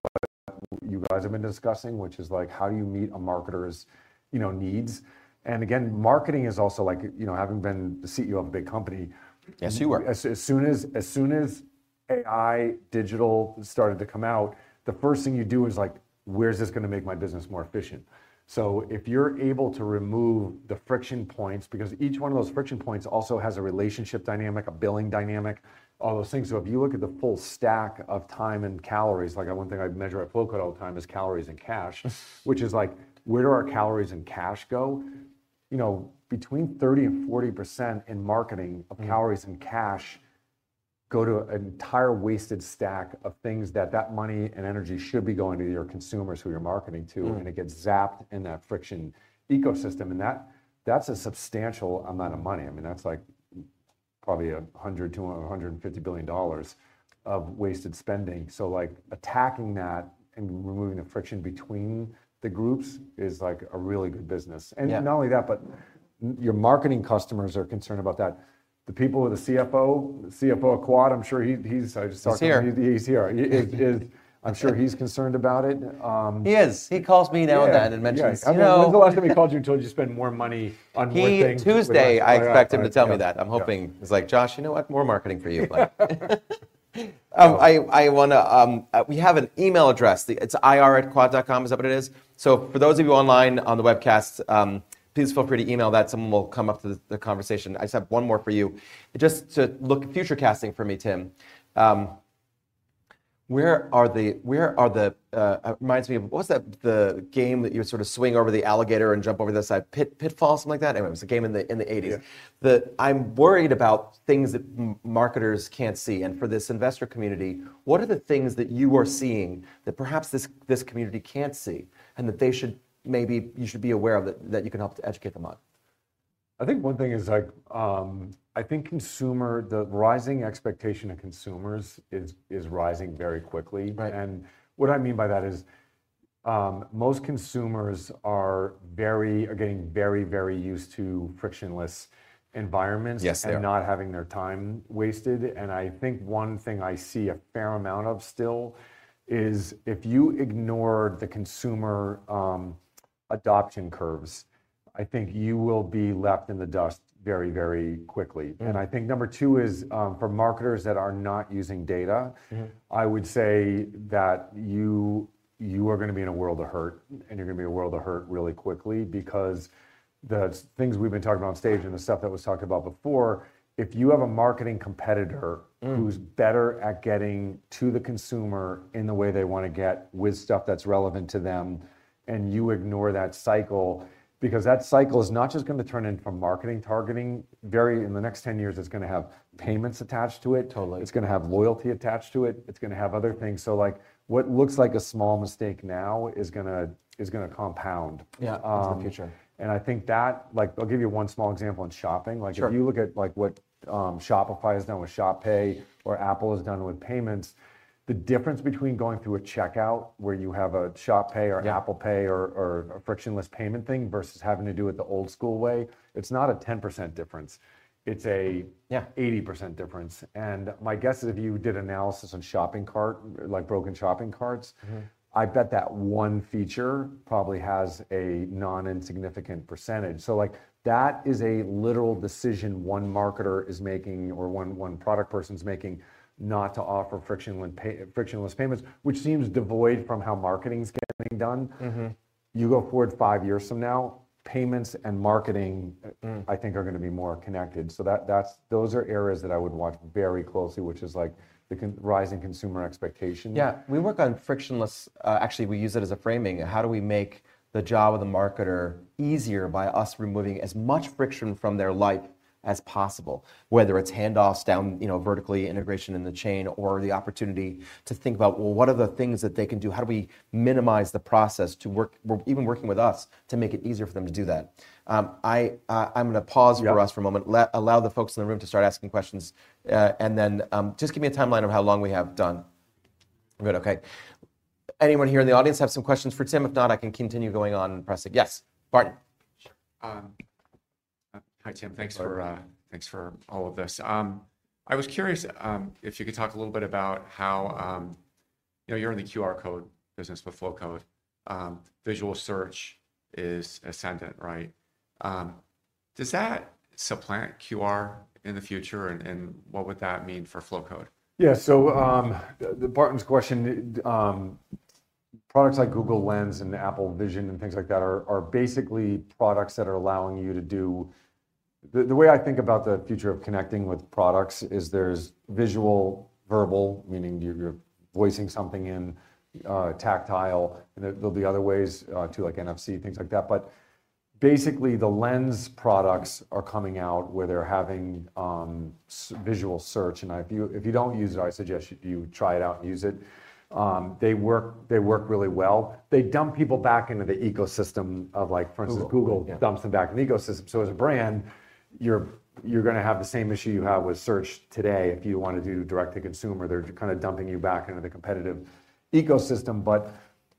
you guys have been discussing, which is like how do you meet a marketer's needs. Again, marketing is also like having been the CEO of a big company. Yes, you were. As soon as AI digital started to come out, the first thing you do is like, where's this going to make my business more efficient? If you're able to remove the friction points, because each one of those friction points also has a relationship dynamic, a billing dynamic, all those things. If you look at the full stack of time and calories, like one thing I measure at Flowcode all the time is calories and cash, which is like where do our calories and cash go? You know, between 30%-40% in marketing of calories and cash go to an entire wasted stack of things that that money and energy should be going to your consumers who you're marketing to. It gets zapped in that friction ecosystem. That's a substantial amount of money. I mean, that's like probably $100-$150 billion of wasted spending. Like attacking that and removing the friction between the groups is like a really good business. Not only that, but your marketing customers are concerned about that. The people with the CFO, CFO of Quad, I'm sure he's talking. He's here. He's here. I'm sure he's concerned about it. Yes. He is. He calls me now and then and mentions. It's the last time he called you and told you to spend more money on one thing. Tuesday, I expect him to tell me that. I'm hoping. He's like, Josh, you know what? More marketing for you. We have an email address. It's ir@quad.com is what it is. For those of you online on the webcast, please feel free to email that. Someone will come up to the conversation. I just have one more for you. Just to look future casting for me, Tim. It reminds me of what was that the game that you sort of swing over the alligator and jump over the side? Pitfall, something like that? Anyway, it was a game in the 1980s. I'm worried about things that marketers can't see, and for this investor community, what are the things that you are seeing that perhaps this community can't see and that they should, maybe, be aware of that you can help to educate them on? I think one thing is like, the rising expectation of consumers is rising very quickly. And what I mean by that is most consumers are getting very, very used to frictionless environments and not having their time wasted. I think one thing I see a fair amount of still is if you ignore the consumer adoption curves, I think you will be left in the dust very, very quickly. I think number two is for marketers that are not using data, I would say that you are going to be in a world of hurt and you're going to be in a world of hurt really quickly because the things we've been talking about on stage and the stuff that was talked about before, if you have a marketing competitor who's better at getting to the consumer in the way they want to get with stuff that's relevant to them, and you ignore that cycle, because that cycle is not just going to turn into marketing targeting. In the next 10 years, it's going to have payments attached to it. Totally. It's going to have loyalty attached to it. It's going to have other things. So like what looks like a small mistake now is going to compound. Yeah, it's the future. And I think that, like I'll give you one small example on shopping. Like if you look at what Shopify has done with Shop Pay or Apple has done with payments, the difference between going through a checkout where you have a Shop Pay or Apple Pay or a frictionless payment thing versus having to do with the old school way, it's not a 10% difference. It's an 80% difference. And my guess is if you did analysis on shopping cart, like broken shopping carts, I bet that one feature probably has a non-insignificant percentage. So, like, that is a literal decision one marketer is making or one product person's making not to offer frictionless payments, which seems devoid from how marketing's getting done. You go forward five years from now, payments and marketing, I think, are going to be more connected. So those are areas that I would watch very closely, which is like the rising consumer expectation. Yeah, we work on frictionless. Actually, we use it as a framing. How do we make the job of the marketer easier by us removing as much friction from their life as possible? Whether it's handoffs down vertical integration in the chain or the opportunity to think about, well, what are the things that they can do? How do we minimize the process to work, even working with us, to make it easier for them to do that? I'm going to pause for us for a moment. Allow the folks in the room to start asking questions. And then just give me a timeline of how long we have done. Good, okay. Anyone here in the audience have some questions for Tim? If not, I can continue going on and pressing. Yes, Barton. Hi Tim, thanks for all of this. I was curious if you could talk a little bit about how you're in the QR code business with Flowcode. Visual search is ascendant, right? Does that supplant QR in the future? And what would that mean for Flowcode? Yeah, so the Barton's question, products like Google Lens and Apple Vision and things like that are basically products that are allowing you to do. The way I think about the future of connecting with products is there's visual, verbal, meaning you're voicing something in tactile. There'll be other ways too, like NFC, things like that. But basically, the lens products are coming out where they're having visual search. And if you don't use it, I suggest you try it out and use it. They work really well. They dump people back into the ecosystem of, like for instance, Google dumps them back in the ecosystem. So as a brand, you're going to have the same issue you have with search today if you want to do direct-to-consumer. They're kind of dumping you back into the competitive ecosystem. But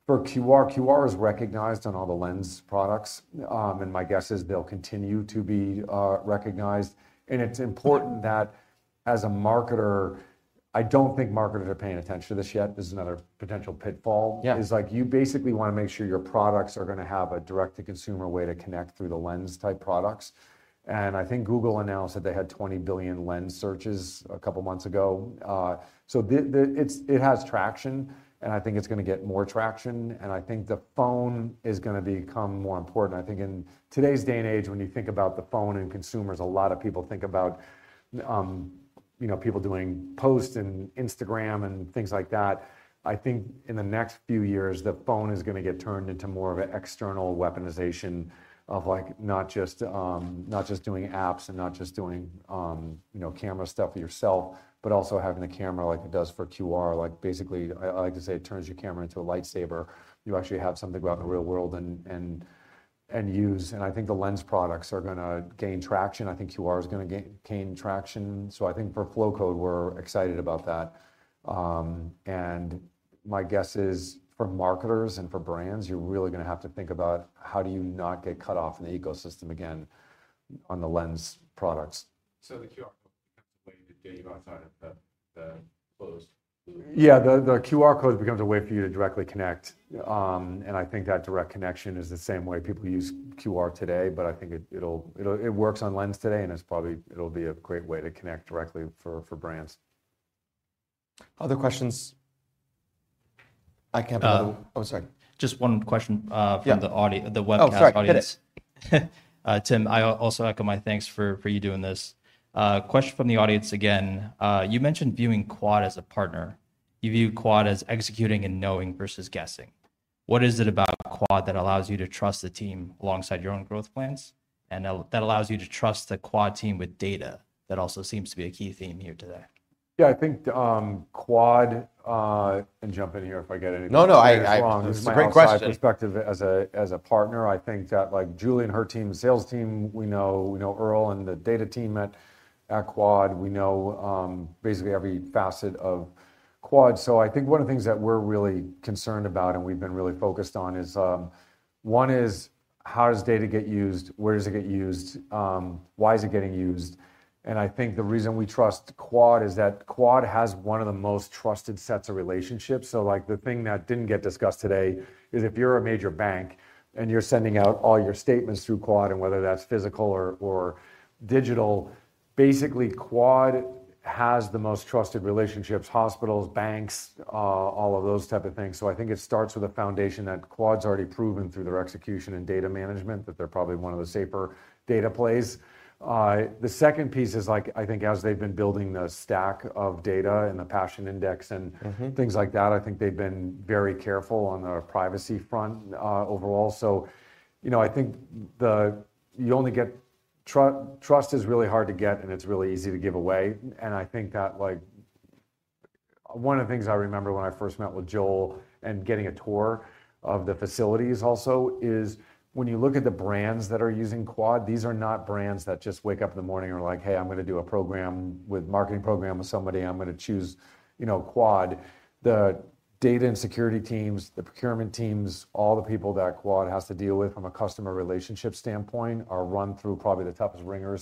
for QR, QR is recognized on all the lens products. And my guess is they'll continue to be recognized. And it's important that as a marketer, I don't think marketers are paying attention to this yet. This is another potential pitfall. It's like you basically want to make sure your products are going to have a direct-to-consumer way to connect through the Lens-type products. And I think Google announced that they had 20 billion Lens searches a couple of months ago. So it has traction. And I think it's going to get more traction. And I think the phone is going to become more important. I think in today's day and age, when you think about the phone and consumers, a lot of people think about people doing posts and Instagram and things like that. I think in the next few years, the phone is going to get turned into more of an external weaponization of not just doing apps and not just doing camera stuff for yourself, but also having the camera like it does for QR. Like basically, I like to say it turns your camera into a lightsaber. You actually have something about the real world and use. And I think the lens products are going to gain traction. I think QR is going to gain traction. So I think for Flowcode, we're excited about that. And my guess is for marketers and for brands, you're really going to have to think about how do you not get cut off in the ecosystem again on the lens products. [inaudible] Yeah, the QR code becomes a way for you to directly connect. And I think that direct connection is the same way people use QR today. But I think it works on lens today. And it'll be a great way to connect directly for brands. Other questions? I can't believe. Oh, sorry. Just one question from the webcast audience. Tim, I also echo my thanks for you doing this. Question from the audience again. You mentioned viewing Quad as a partner. You view Quad as executing and knowing versus guessing. What is it about Quad that allows you to trust the team alongside your own growth plans? And that allows you to trust the Quad team with data that also seems to be a key theme here today. Yeah, I think Quad and jump in here if I get anything wrong. No, no. It's a great question. From my perspective as a partner, I think that Julie and her team, sales team, we know Earl and the data team at Quad. We know basically every facet of Quad. So I think one of the things that we're really concerned about and we've been really focused on is one is how does data get used? Where does it get used? Why is it getting used? And I think the reason we trust Quad is that Quad has one of the most trusted sets of relationships. So like the thing that didn't get discussed today is if you're a major bank and you're sending out all your statements through Quad and whether that's physical or digital, basically Quad has the most trusted relationships, hospitals, banks, all of those types of things. So I think it starts with a foundation that Quad's already proven through their execution and data management that they're probably one of the safer data plays. The second piece is like I think as they've been building the stack of data and the passion index and things like that, I think they've been very careful on the privacy front overall. So, you know, I think you only get trust. It's really hard to get, and it's really easy to give away. And I think that one of the things I remember when I first met with Joel and getting a tour of the facilities also is when you look at the brands that are using Quad. These are not brands that just wake up in the morning and are like, "Hey, I'm going to do a marketing program with somebody. I'm going to choose Quad." The data and security teams, the procurement teams, all the people that Quad has to deal with from a customer relationship standpoint are run through probably the toughest wringer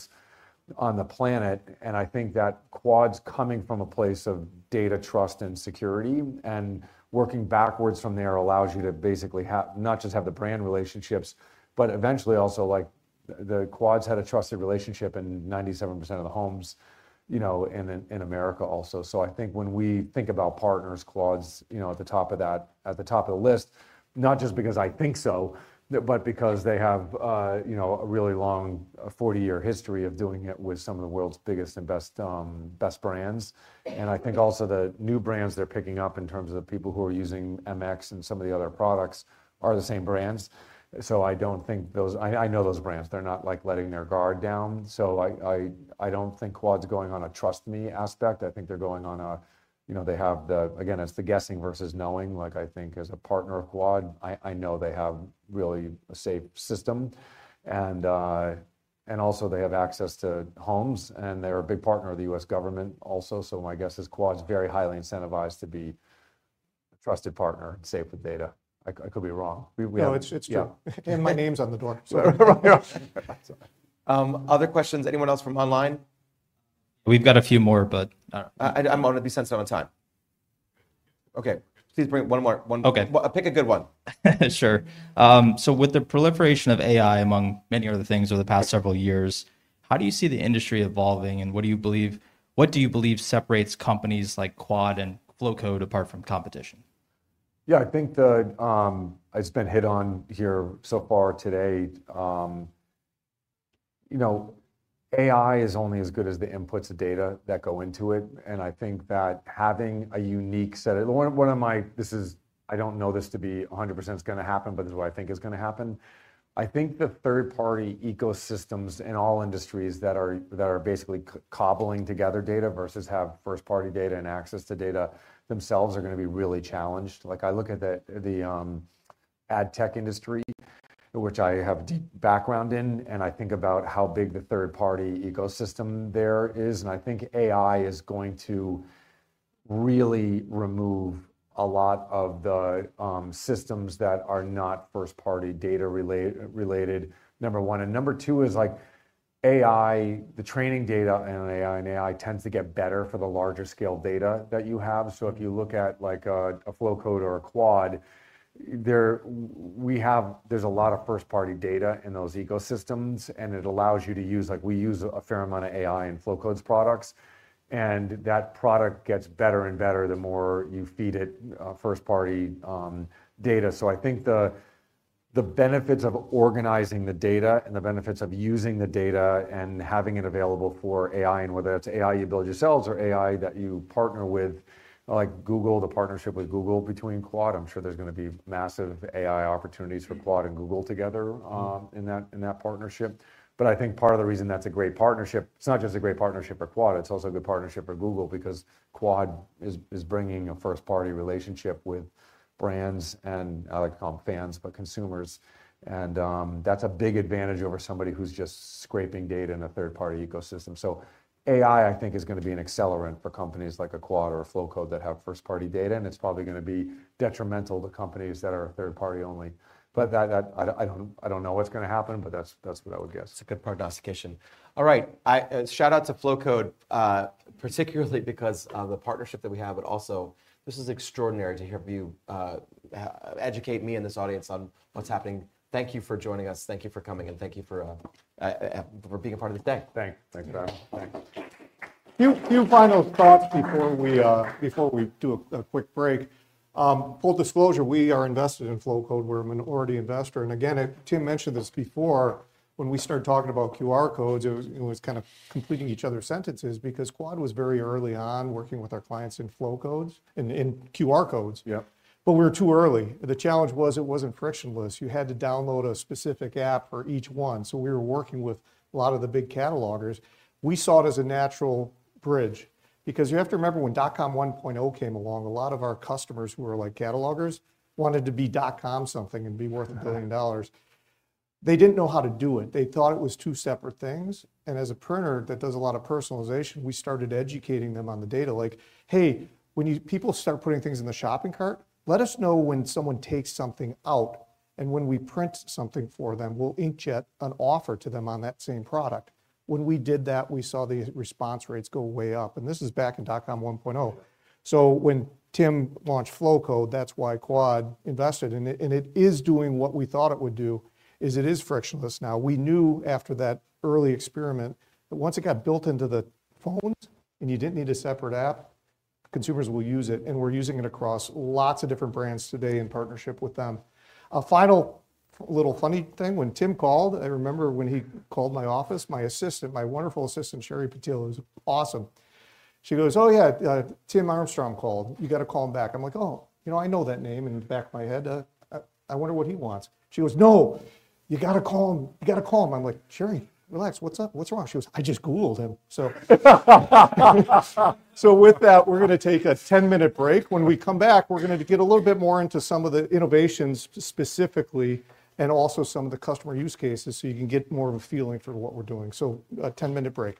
on the planet. And I think that Quad's coming from a place of data trust and security. And working backwards from there allows you to basically not just have the brand relationships, but eventually also like Quad's had a trusted relationship in 97% of the homes in America also. So I think when we think about partners, Quad's at the top of that, at the top of the list, not just because I think so, but because they have a really long 40-year history of doing it with some of the world's biggest and best brands. And I think also the new brands they're picking up in terms of the people who are using MX and some of the other products are the same brands. So I don't think those, I know those brands, they're not like letting their guard down. So I don't think Quad's going on a trust me aspect. I think they're going on a, you know they have the, again, it's the guessing versus knowing. Like I think as a partner of Quad, I know they have really a safe system. And also they have access to homes and they're a big partner of the U.S. government also. So my guess is Quad's very highly incentivized to be a trusted partner and safe with data. I could be wrong. No, it's true and my name's on the door. Other questions? Anyone else from online? We've got a few more, but I'm going to be sensitive on time. Okay. Please bring one more. Okay. Pick a good one. Sure. So with the proliferation of AI among many other things over the past several years, how do you see the industry evolving and what do you believe, what do you believe separates companies like Quad and Flowcode apart from competition? Yeah, I think it's been hit on here so far today. You know, AI is only as good as the inputs of data that go into it. And I think that having a unique set of, this is. I don't know this to be 100% it's going to happen, but this is what I think is going to happen. I think the third-party ecosystems in all industries that are basically cobbling together data versus have first-party data and access to data themselves are going to be really challenged. Like, I look at the ad tech industry, which I have deep background in, and I think about how big the third-party ecosystem there is. And I think AI is going to really remove a lot of the systems that are not first-party data related, number one. And number two is like AI, the training data and AI and AI tends to get better for the larger scale data that you have. So if you look at like a Flowcode or a Quad, there we have, there's a lot of first-party data in those ecosystems. And it allows you to use, like we use a fair amount of AI in Flowcode's products. And that product gets better and better the more you feed it first-party data. So I think the benefits of organizing the data and the benefits of using the data and having it available for AI and whether it's AI you build yourselves or AI that you partner with, like Google, the partnership with Google between Quad, I'm sure there's going to be massive AI opportunities for Quad and Google together in that partnership. But I think part of the reason that's a great partnership. It's not just a great partnership for Quad. It's also a good partnership for Google because Quad is bringing a first-party relationship with brands and I like to call them fans, but consumers. And that's a big advantage over somebody who's just scraping data in a third-party ecosystem. So AI I think is going to be an accelerant for companies like a Quad or a Flowcode that have first-party data. And it's probably going to be detrimental to companies that are third-party only. But I don't know what's going to happen, but that's what I would guess. It's a good prognostication. All right. Shout out to Flowcode, particularly because of the partnership that we have, but also this is extraordinary to hear you educate me and this audience on what's happening. Thank you for joining us. Thank you for coming and thank you for being a part of this day. Thanks. Thanks. Few final thoughts before we do a quick break. Full disclosure, we are invested in Flowcode. We're a minority investor. And again, Tim mentioned this before, when we started talking about QR codes, it was kind of completing each other's sentences because Quad was very early on working with our clients in Flowcodes and in QR codes. But we were too early. The challenge was it wasn't frictionless. You had to download a specific app for each one. So we were working with a lot of the big catalogers. We saw it as a natural bridge because you have to remember when .com 1.0 came along, a lot of our customers who were like catalogers wanted to be .com something and be worth $1 billion. They didn't know how to do it. They thought it was two separate things. And as a printer that does a lot of personalization, we started educating them on the data. Like, hey, when people start putting things in the shopping cart, let us know when someone takes something out. And when we print something for them, we'll inkjet an offer to them on that same product. When we did that, we saw the response rates go way up. And this is back in .com 1.0. So when Tim launched Flowcode, that's why Quad invested. And it is doing what we thought it would do, is it is frictionless now. We knew after that early experiment that once it got built into the phones and you didn't need a separate app, consumers will use it. And we're using it across lots of different brands today in partnership with them. A final little funny thing, when Tim called, I remember when he called my office, my assistant, my wonderful assistant, Sherry Patil, who's awesome. She goes, "Oh yeah, Tim Armstrong called. You got to call him back." I'm like, "Oh, you know I know that name." And back in my head, I wonder what he wants. She goes, "No, you got to call him. You got to call him." I'm like, "Sherry, relax. What's up? What's wrong?" She goes, "I just Googled him." So with that, we're going to take a 10-minute break. When we come back, we're going to get a little bit more into some of the innovations specifically and also some of the customer use cases so you can get more of a feeling for what we're doing. So a 10-minute break.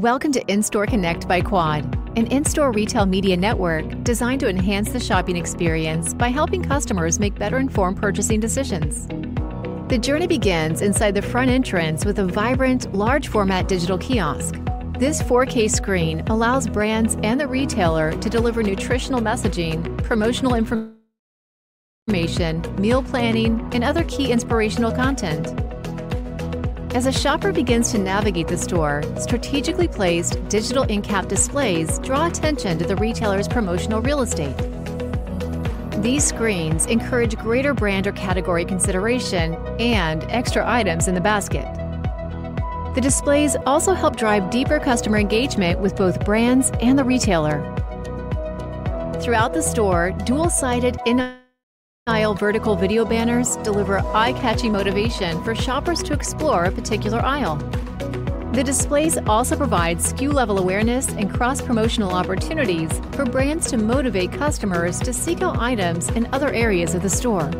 Welcome to In-Store Connect by Quad, an in-store retail media network designed to enhance the shopping experience by helping customers make better-informed purchasing decisions. The journey begins inside the front entrance with a vibrant, large-format digital kiosk. This 4K screen allows brands and the retailer to deliver nutritional messaging, promotional information, meal planning, and other key inspirational content. As a shopper begins to navigate the store, strategically placed digital end-cap displays draw attention to the retailer's promotional real estate. These screens encourage greater brand or category consideration and extra items in the basket. The displays also help drive deeper customer engagement with both brands and the retailer. Throughout the store, dual-sided in-aisle vertical video banners deliver eye-catching motivation for shoppers to explore a particular aisle. The displays also provide SKU-level awareness and cross-promotional opportunities for brands to motivate customers to seek out items in other areas of the store.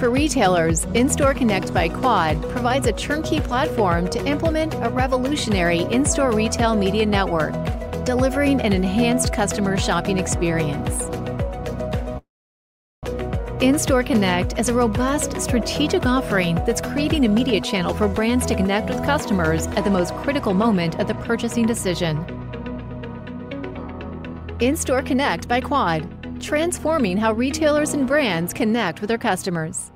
For retailers, In-Store Connect by Quad provides a turnkey platform to implement a revolutionary in-store retail media network, delivering an enhanced customer shopping experience. In-Store Connect is a robust strategic offering that's creating a media channel for brands to connect with customers at the most critical moment of the purchasing decision. In-Store Connect by Quad, transforming how retailers and brands connect with their customers.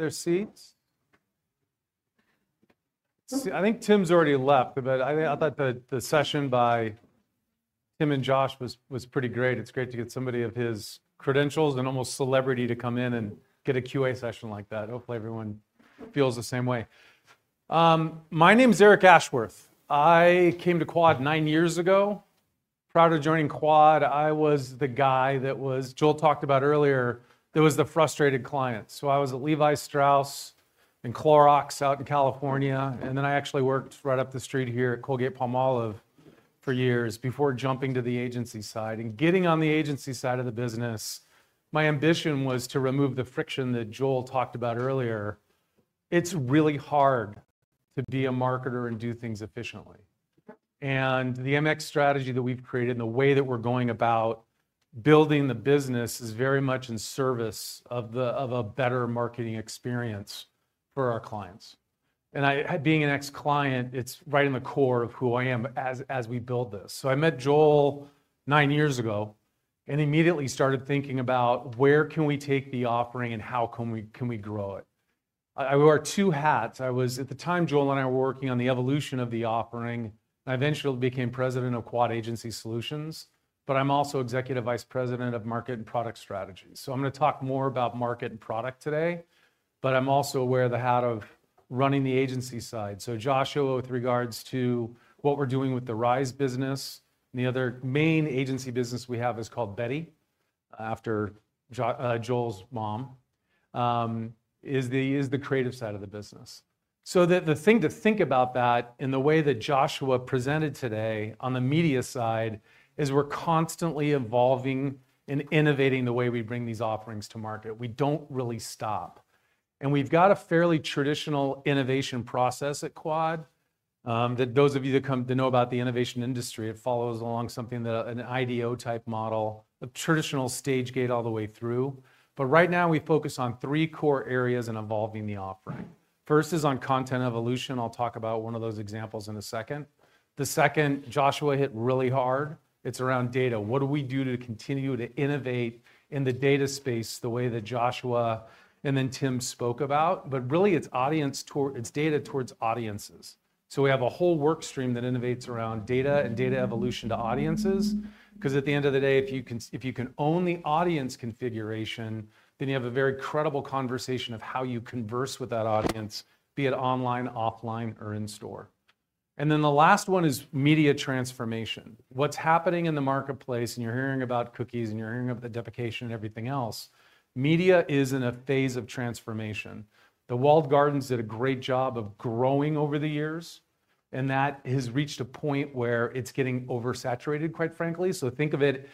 Their seats. I think Tim's already left, but I thought the session by Tim and Josh was pretty great. It's great to get somebody of his credentials and almost celebrity to come in and get a Q&A session like that. Hopefully, everyone feels the same way. My name is Eric Ashworth. I came to Quad nine years ago. Prior to joining Quad, I was the guy that Joel talked about earlier. There was the frustrated client. So I was at Levi Strauss and Clorox out in California. And then I actually worked right up the street here at Colgate-Palmolive for years before jumping to the agency side. And getting on the agency side of the business, my ambition was to remove the friction that Joel talked about earlier. It's really hard to be a marketer and do things efficiently. And the MX strategy that we've created and the way that we're going about building the business is very much in service of a better marketing experience for our clients. And being an ex-client, it's right in the core of who I am as we build this. So I met Joel nine years ago and immediately started thinking about where can we take the offering and how can we grow it. I wore two hats. At the time, Joel and I were working on the evolution of the offering. I eventually became President of Quad Agency Solutions, but I'm also Executive Vice President of Market and Product Strategy. So I'm going to talk more about market and product today, but I'm also aware of the hat of running the agency side. So Joshua, with regards to what we're doing with the Rise business, the other main agency business we have is called Betty, after Joel's mom, is the creative side of the business. So the thing to think about that in the way that Joshua presented today on the media side is we're constantly evolving and innovating the way we bring these offerings to market. We don't really stop, and we've got a fairly traditional innovation process at Quad. Those of you that know about the innovation industry, it follows along something that an IDEO-type model of traditional stage gate all the way through. But right now, we focus on three core areas in evolving the offering. First is on content evolution. I'll talk about one of those examples in a second. The second, Joshua hit really hard. It's around data. What do we do to continue to innovate in the data space the way that Joshua and then Tim spoke about? But really, it's data towards audiences. So we have a whole workstream that innovates around data and data evolution to audiences. Because at the end of the day, if you can own the audience configuration, then you have a very credible conversation of how you converse with that audience, be it online, offline, or in store. And then the last one is media transformation. What's happening in the marketplace, and you're hearing about cookies, and you're hearing about the deprecation and everything else. Media is in a phase of transformation. The walled gardens did a great job of growing over the years, and that has reached a point where it's getting oversaturated, quite frankly. So think of it.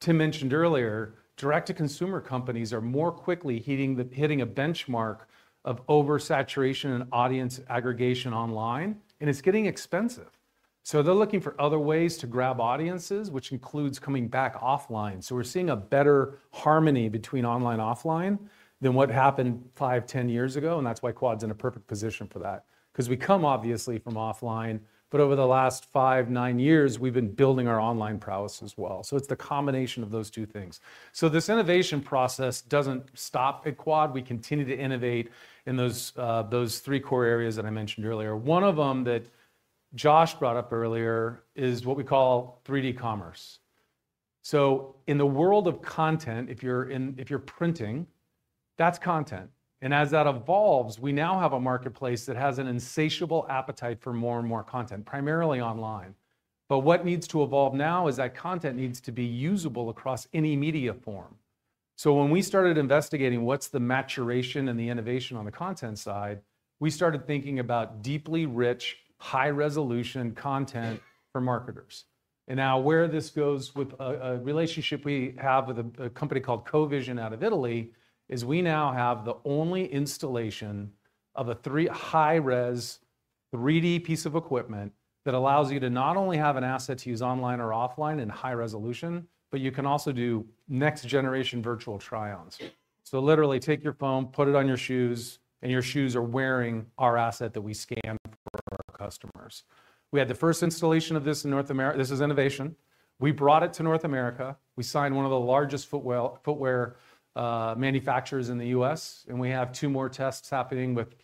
Tim mentioned earlier, direct-to-consumer companies are more quickly hitting a benchmark of oversaturation and audience aggregation online, and it's getting expensive. So they're looking for other ways to grab audiences, which includes coming back offline. So we're seeing a better harmony between online and offline than what happened five, ten years ago. And that's why Quad's in a perfect position for that. Because we come obviously from offline, but over the last five, nine years, we've been building our online prowess as well. So it's the combination of those two things. This innovation process doesn't stop at Quad. We continue to innovate in those three core areas that I mentioned earlier. One of them that Josh brought up earlier is what we call 3D commerce. In the world of content, if you're printing, that's content. And as that evolves, we now have a marketplace that has an insatiable appetite for more and more content, primarily online. But what needs to evolve now is that content needs to be usable across any media form. When we started investigating what's the maturation and the innovation on the content side, we started thinking about deeply rich, high-resolution content for marketers. And now where this goes with a relationship we have with a company called Covision out of Italy is we now have the only installation of a three high-res 3D piece of equipment that allows you to not only have an asset to use online or offline in high resolution, but you can also do next-generation virtual try-ons. So literally, take your phone, put it on your shoes, and your shoes are wearing our asset that we scan for our customers. We had the first installation of this in North America. This is innovation. We brought it to North America. We signed one of the largest footwear manufacturers in the U.S., and we have two more tests happening with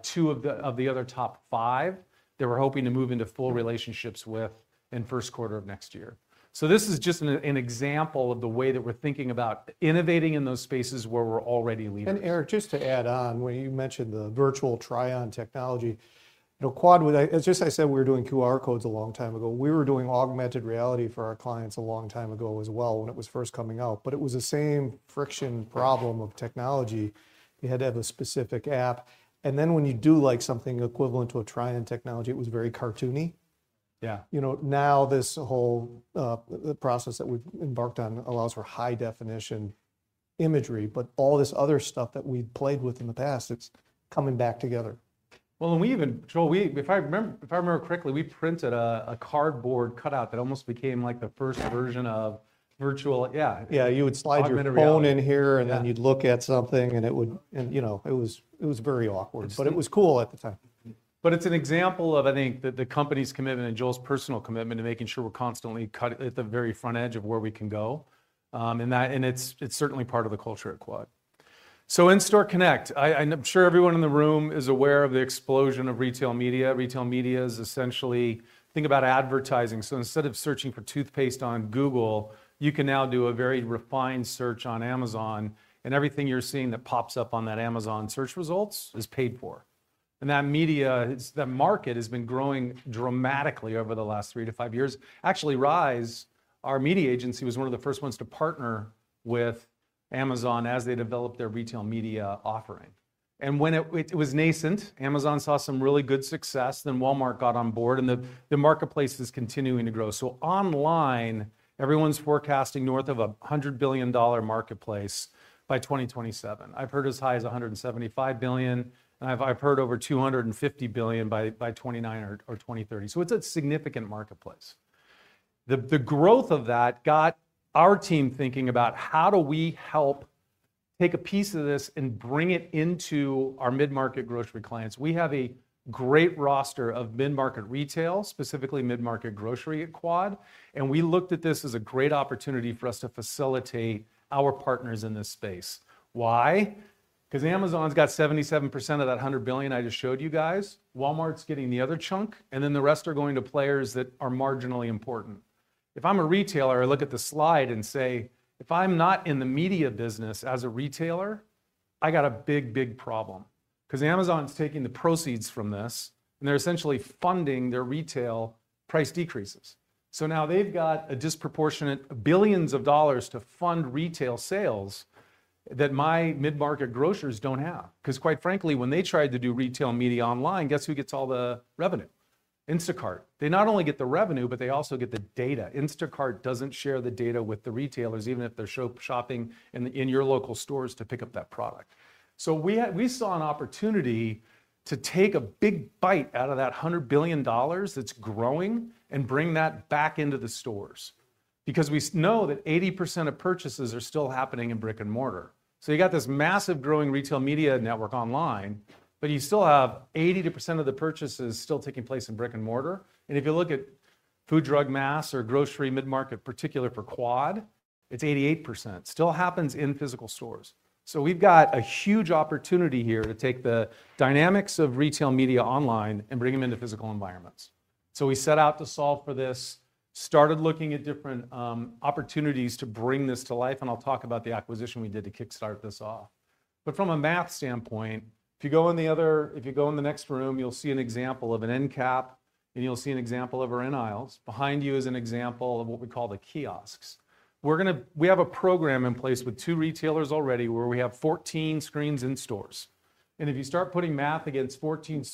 two of the other top five that we're hoping to move into full relationships with in the first quarter of next year. This is just an example of the way that we're thinking about innovating in those spaces where we're already leading. And Eric, just to add on, when you mentioned the virtual try-on technology, Quad, just as I said, we were doing QR codes a long time ago. We were doing augmented reality for our clients a long time ago as well when it was first coming out. But it was the same friction problem of technology. You had to have a specific app. And then when you do something equivalent to a try-on technology, it was very cartoony. Yeah. Now this whole process that we've embarked on allows for high-definition imagery, but all this other stuff that we've played with in the past, it's coming back together. Well, and we even, Joel, if I remember correctly, we printed a cardboard cutout that almost became like the first version of virtual. Yeah. Yeah, you would slide your phone in here, and then you'd look at something, and it was very awkward. But it was cool at the time. But it's an example of, I think, the company's commitment and Joel's personal commitment to making sure we're constantly at the very front edge of where we can go. And it's certainly part of the culture at Quad. In-Store Connect. I'm sure everyone in the room is aware of the explosion of retail media. Retail media is essentially, think about advertising, so instead of searching for toothpaste on Google, you can now do a very refined search on Amazon. And everything you're seeing that pops up on that Amazon search results is paid for. And that media, that market has been growing dramatically over the last three to five years. Actually, Rise, our media agency, was one of the first ones to partner with Amazon as they developed their retail media offering. And when it was nascent, Amazon saw some really good success. Then Walmart got on board, and the marketplace is continuing to grow. So online, everyone's forecasting north of a $100 billion marketplace by 2027. I've heard as high as $175 billion. And I've heard over $250 billion by 2030. So it's a significant marketplace. The growth of that got our team thinking about how do we help take a piece of this and bring it into our mid-market grocery clients. We have a great roster of mid-market retail, specifically mid-market grocery at Quad. And we looked at this as a great opportunity for us to facilitate our partners in this space. Why? Because Amazon's got 77% of that $100 billion I just showed you guys. Walmart's getting the other chunk, and then the rest are going to players that are marginally important. If I'm a retailer, I look at the slide and say, if I'm not in the media business as a retailer, I got a big, big problem. Because Amazon's taking the proceeds from this, and they're essentially funding their retail price decreases. So now they've got a disproportionate billions of dollars to fund retail sales that my mid-market grocers don't have. Because quite frankly, when they tried to do retail media online, guess who gets all the revenue? Instacart. They not only get the revenue, but they also get the data. Instacart doesn't share the data with the retailers, even if they're shopping in your local stores to pick up that product. So we saw an opportunity to take a big bite out of that $100 billion that's growing and bring that back into the stores. Because we know that 80% of purchases are still happening in brick and mortar. So you got this massive growing retail media network online, but you still have 80% of the purchases still taking place in brick and mortar. And if you look at food, drug, mass, or grocery mid-market, particularly for Quad, it's 88%. Still happens in physical stores. So we've got a huge opportunity here to take the dynamics of retail media online and bring them into physical environments. So we set out to solve for this, started looking at different opportunities to bring this to life, and I'll talk about the acquisition we did to kickstart this off. But from a math standpoint, if you go in the next room, you'll see an example of an end cap, and you'll see an example of our end aisles. Behind you is an example of what we call the kiosks. We have a program in place with two retailers already where we have 14 screens in stores. And if you start putting math against 14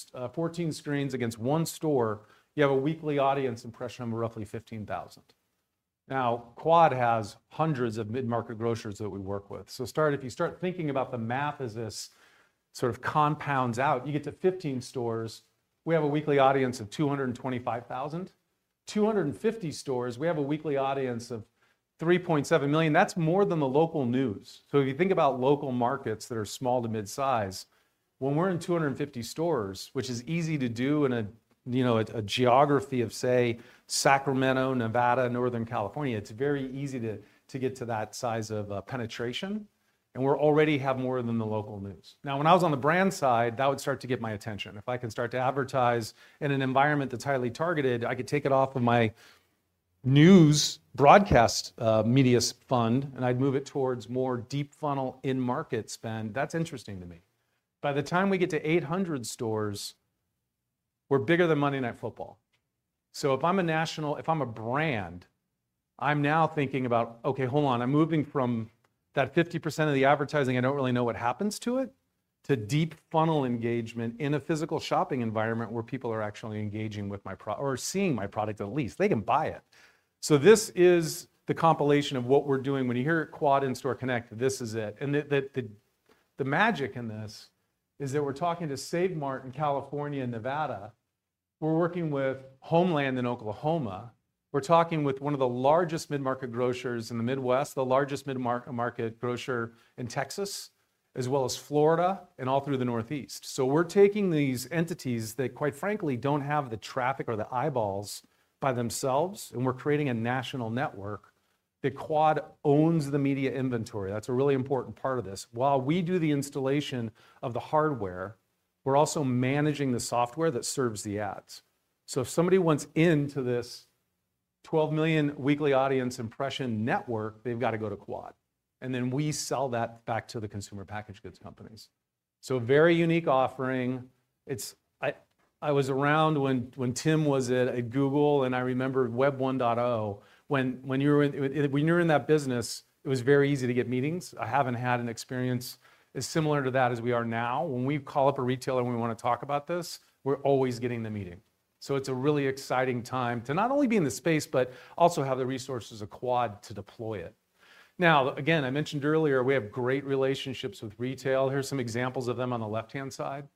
screens against one store, you have a weekly audience impression of roughly 15,000. Now, Quad has hundreds of mid-market grocers that we work with. So if you start thinking about the math as this sort of compounds out, you get to 15 stores. We have a weekly audience of 225,000. 250 stores, we have a weekly audience of 3.7 million. That's more than the local news. So if you think about local markets that are small to mid-size, when we're in 250 stores, which is easy to do in a geography of, say, Sacramento, Nevada, Northern California, it's very easy to get to that size of penetration. And we already have more than the local news. Now, when I was on the brand side, that would start to get my attention. If I can start to advertise in an environment that's highly targeted, I could take it off of my news broadcast media fund, and I'd move it towards more deep funnel in-market spend. That's interesting to me. By the time we get to 800 stores, we're bigger than Monday Night Football. So if I'm a national, if I'm a brand, I'm now thinking about, okay, hold on, I'm moving from that 50% of the advertising, I don't really know what happens to it, to deep funnel engagement in a physical shopping environment where people are actually engaging with my product or seeing my product at least. They can buy it. This is the compilation of what we're doing. When you hear Quad and In-Store Connect, this is it. The magic in this is that we're talking to Save Mart in California and Nevada. We're working with Homeland in Oklahoma. We're talking with one of the largest mid-market grocers in the Midwest, the largest mid-market grocer in Texas, as well as Florida and all through the Northeast. So we're taking these entities that, quite frankly, don't have the traffic or the eyeballs by themselves, and we're creating a national network that Quad owns the media inventory. That's a really important part of this. While we do the installation of the hardware, we're also managing the software that serves the ads. So if somebody wants into this 12 million weekly audience impression network, they've got to go to Quad. And then we sell that back to the consumer packaged goods companies. So a very unique offering. I was around when Tim was at Google, and I remember Web 1.0. When you're in that business, it was very easy to get meetings. I haven't had an experience as similar to that as we are now. When we call up a retailer and we want to talk about this, we're always getting the meeting. So it's a really exciting time to not only be in the space, but also have the resources of Quad to deploy it. Now, again, I mentioned earlier, we have great relationships with retail. Here's some examples of them on the left-hand side.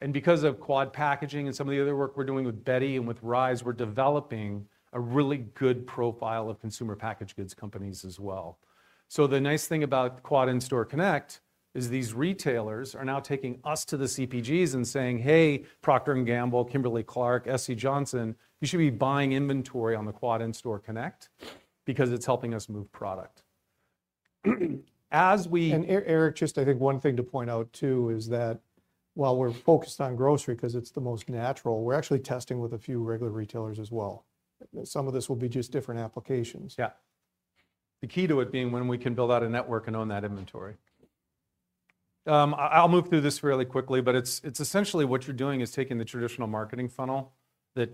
And because of Quad packaging and some of the other work we're doing with Betty and with Rise, we're developing a really good profile of consumer packaged goods companies as well. So the nice thing about Quad and In-Store Connect is these retailers are now taking us to the CPGs and saying, "Hey, Procter & Gamble, Kimberly-Clark, S.C. Johnson, you should be buying inventory on the Quad's In-Store Connect because it's helping us move product." And Eric, just I think one thing to point out too is that while we're focused on grocery because it's the most natural, we're actually testing with a few regular retailers as well. Some of this will be just different applications. Yeah. The key to it being when we can build out a network and own that inventory. I'll move through this really quickly, but it's essentially what you're doing is taking the traditional marketing funnel that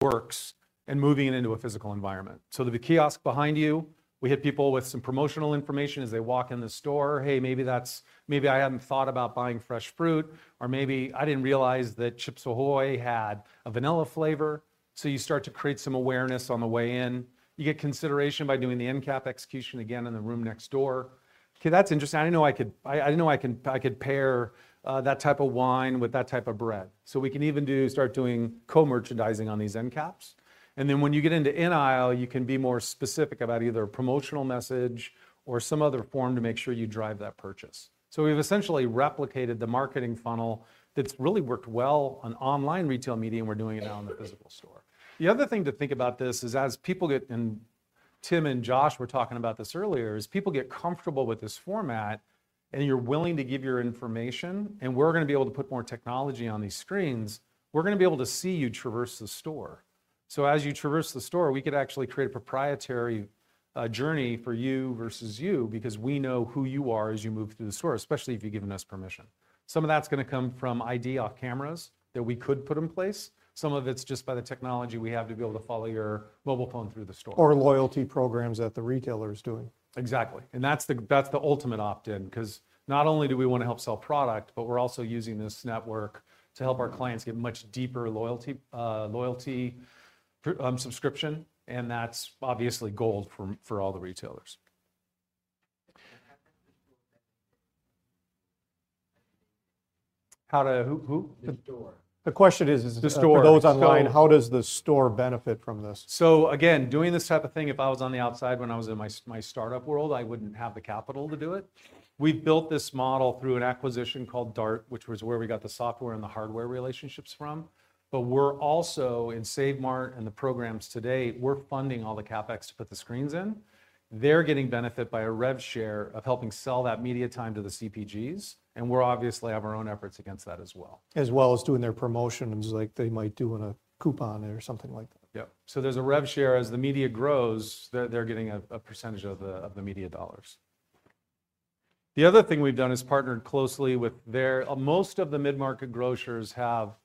works and moving it into a physical environment. So the kiosk behind you, we have people with some promotional information as they walk in the store. Hey, maybe I hadn't thought about buying fresh fruit," or maybe "I didn't realize that Chips Ahoy had a vanilla flavor." So you start to create some awareness on the way in. You get consideration by doing the end cap execution again in the room next door. Okay, that's interesting. I didn't know I could pair that type of wine with that type of bread. So we can even start doing co-merchandising on these end caps. And then when you get into end aisle, you can be more specific about either a promotional message or some other form to make sure you drive that purchase. So we've essentially replicated the marketing funnel that's really worked well on online retail media, and we're doing it now in the physical store. The other thing to think about this is, as Tim and Josh were talking about this earlier, as people get comfortable with this format and you're willing to give your information, and we're going to be able to put more technology on these screens, we're going to be able to see you traverse the store, so as you traverse the store, we could actually create a proprietary journey for you versus you because we know who you are as you move through the store, especially if you've given us permission. Some of that's going to come from ID off cameras that we could put in place. Some of it's just by the technology we have to be able to follow your mobile phone through the store. Or loyalty programs that the retailer is doing. Exactly. And that's the ultimate opt-in because not only do we want to help sell product, but we're also using this network to help our clients get much deeper loyalty subscription. And that's obviously gold for all the retailers. How does who? The store? The question is, for those online, how does the store benefit from this? So again, doing this type of thing, if I was on the outside when I was in my startup world, I wouldn't have the capital to do it. We've built this model through an acquisition called DART, which was where we got the software and the hardware relationships from. But we're also in Save Mart and the programs today, we're funding all the CapEx to put the screens in. They're getting benefit by a rev share of helping sell that media time to the CPGs. And we're obviously have our own efforts against that as well. As well as doing their promotions like they might do on a coupon or something like that. Yep. So there's a rev share as the media grows, they're getting a percentage of the media dollars. The other thing we've done is partnered closely with them. Most of the mid-market grocers have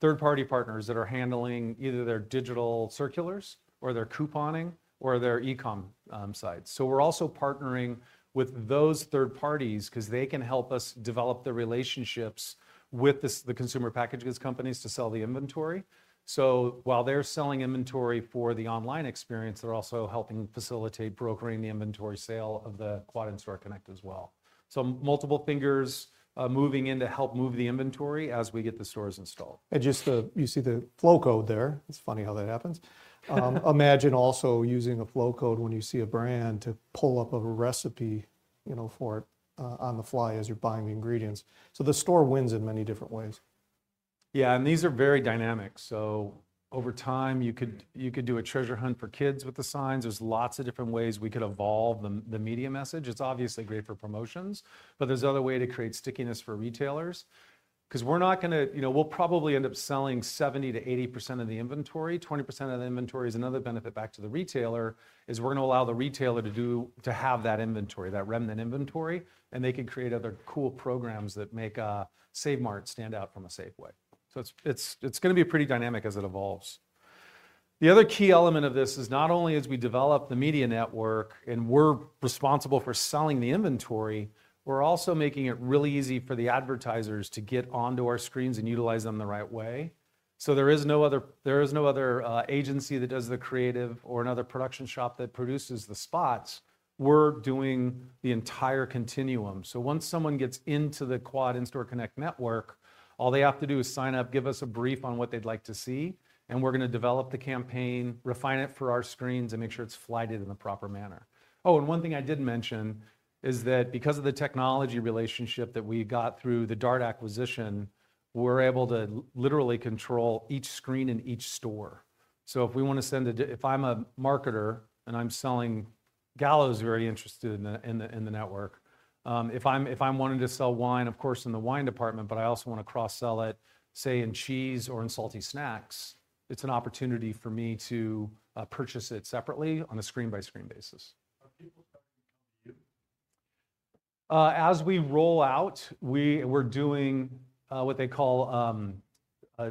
third-party partners that are handling either their digital circulars or their couponing or their e-comm sites. So we're also partnering with those third parties because they can help us develop the relationships with the consumer packaged goods companies to sell the inventory. So while they're selling inventory for the online experience, they're also helping facilitate brokering the inventory sale of the Quad In-Store Connect as well. So multiple fingers moving in to help move the inventory as we get the stores installed. And just you see the Flowcode there. It's funny how that happens. Imagine also using a Flowcode when you see a brand to pull up a recipe for it on the fly as you're buying the ingredients. So the store wins in many different ways. Yeah, and these are very dynamic. So over time, you could do a treasure hunt for kids with the signs. There's lots of different ways we could evolve the media message. It's obviously great for promotions, but there's another way to create stickiness for retailers. Because we're not going to we'll probably end up selling 70%-80% of the inventory. 20% of the inventory is another benefit back to the retailer is we're going to allow the retailer to have that inventory, that remnant inventory, and they can create other cool programs that make Save Mart stand out from a Safeway. So it's going to be pretty dynamic as it evolves. The other key element of this is not only as we develop the media network and we're responsible for selling the inventory, we're also making it really easy for the advertisers to get onto our screens and utilize them the right way. So there is no other agency that does the creative or another production shop that produces the spots. We're doing the entire continuum. So once someone gets into the Quad In-Store Connect network, all they have to do is sign up, give us a brief on what they'd like to see, and we're going to develop the campaign, refine it for our screens, and make sure it's flighted in the proper manner. Oh, and one thing I did mention is that because of the technology relationship that we got through the DART acquisition, we're able to literally control each screen in each store. So if I'm a marketer and I'm selling Gallo’s very interested in the network, if I'm wanting to sell wine, of course, in the wine department, but I also want to cross-sell it, say, in cheese or in salty snacks, it's an opportunity for me to purchase it separately on a screen-by-screen basis. As we roll out, we're doing what they call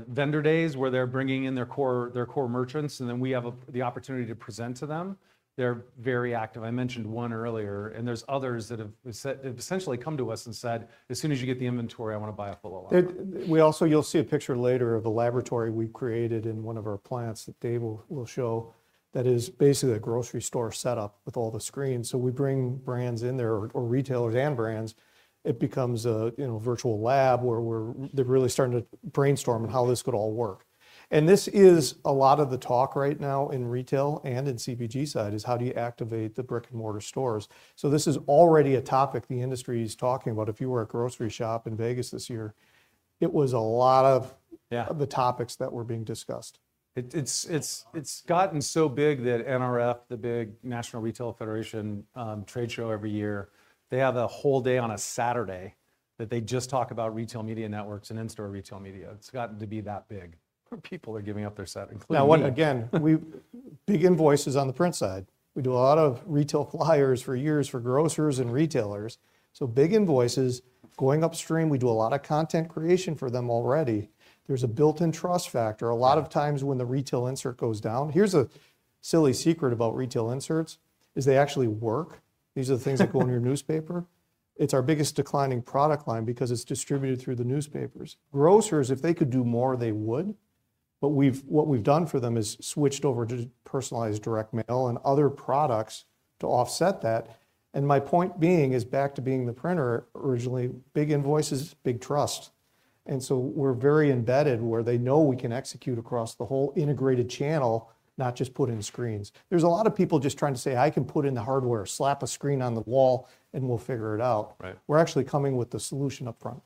vendor days where they're bringing in their core merchants, and then we have the opportunity to present to them. They're very active. I mentioned one earlier, and there's others that have essentially come to us and said, "As soon as you get the inventory, I want to buy a full alignment." We also, you'll see a picture later of the laboratory we created in one of our plants that Dave will show that is basically a grocery store setup with all the screens. So we bring brands in there or retailers and brands. It becomes a virtual lab where they're really starting to brainstorm on how this could all work. And this is a lot of the talk right now in retail and in CPG side is how do you activate the brick-and-mortar stores? So this is already a topic the industry is talking about. If you were at Groceryshop in Vegas this year, it was a lot of the topics that were being discussed. It's gotten so big that NRF, the big National Retail Federation trade show every year, they have a whole day on a Saturday that they just talk about retail media networks and in-store retail media. It's gotten to be that big. People are giving up their set. Now, again, big invoices on the print side. We do a lot of retail flyers for years for grocers and retailers. So big invoices going upstream, we do a lot of content creation for them already. There's a built-in trust factor. A lot of times when the retail insert goes down. Here's a silly secret about retail inserts: they actually work. These are the things that go in your newspaper. It's our biggest declining product line because it's distributed through the newspapers. Grocers, if they could do more, they would. But what we've done for them is switched over to personalized direct mail and other products to offset that. And my point being is back to being the printer originally, big invoices, big trust. And so we're very embedded where they know we can execute across the whole integrated channel, not just put in screens. There's a lot of people just trying to say, "I can put in the hardware, slap a screen on the wall, and we'll figure it out." We're actually coming with the solution upfront.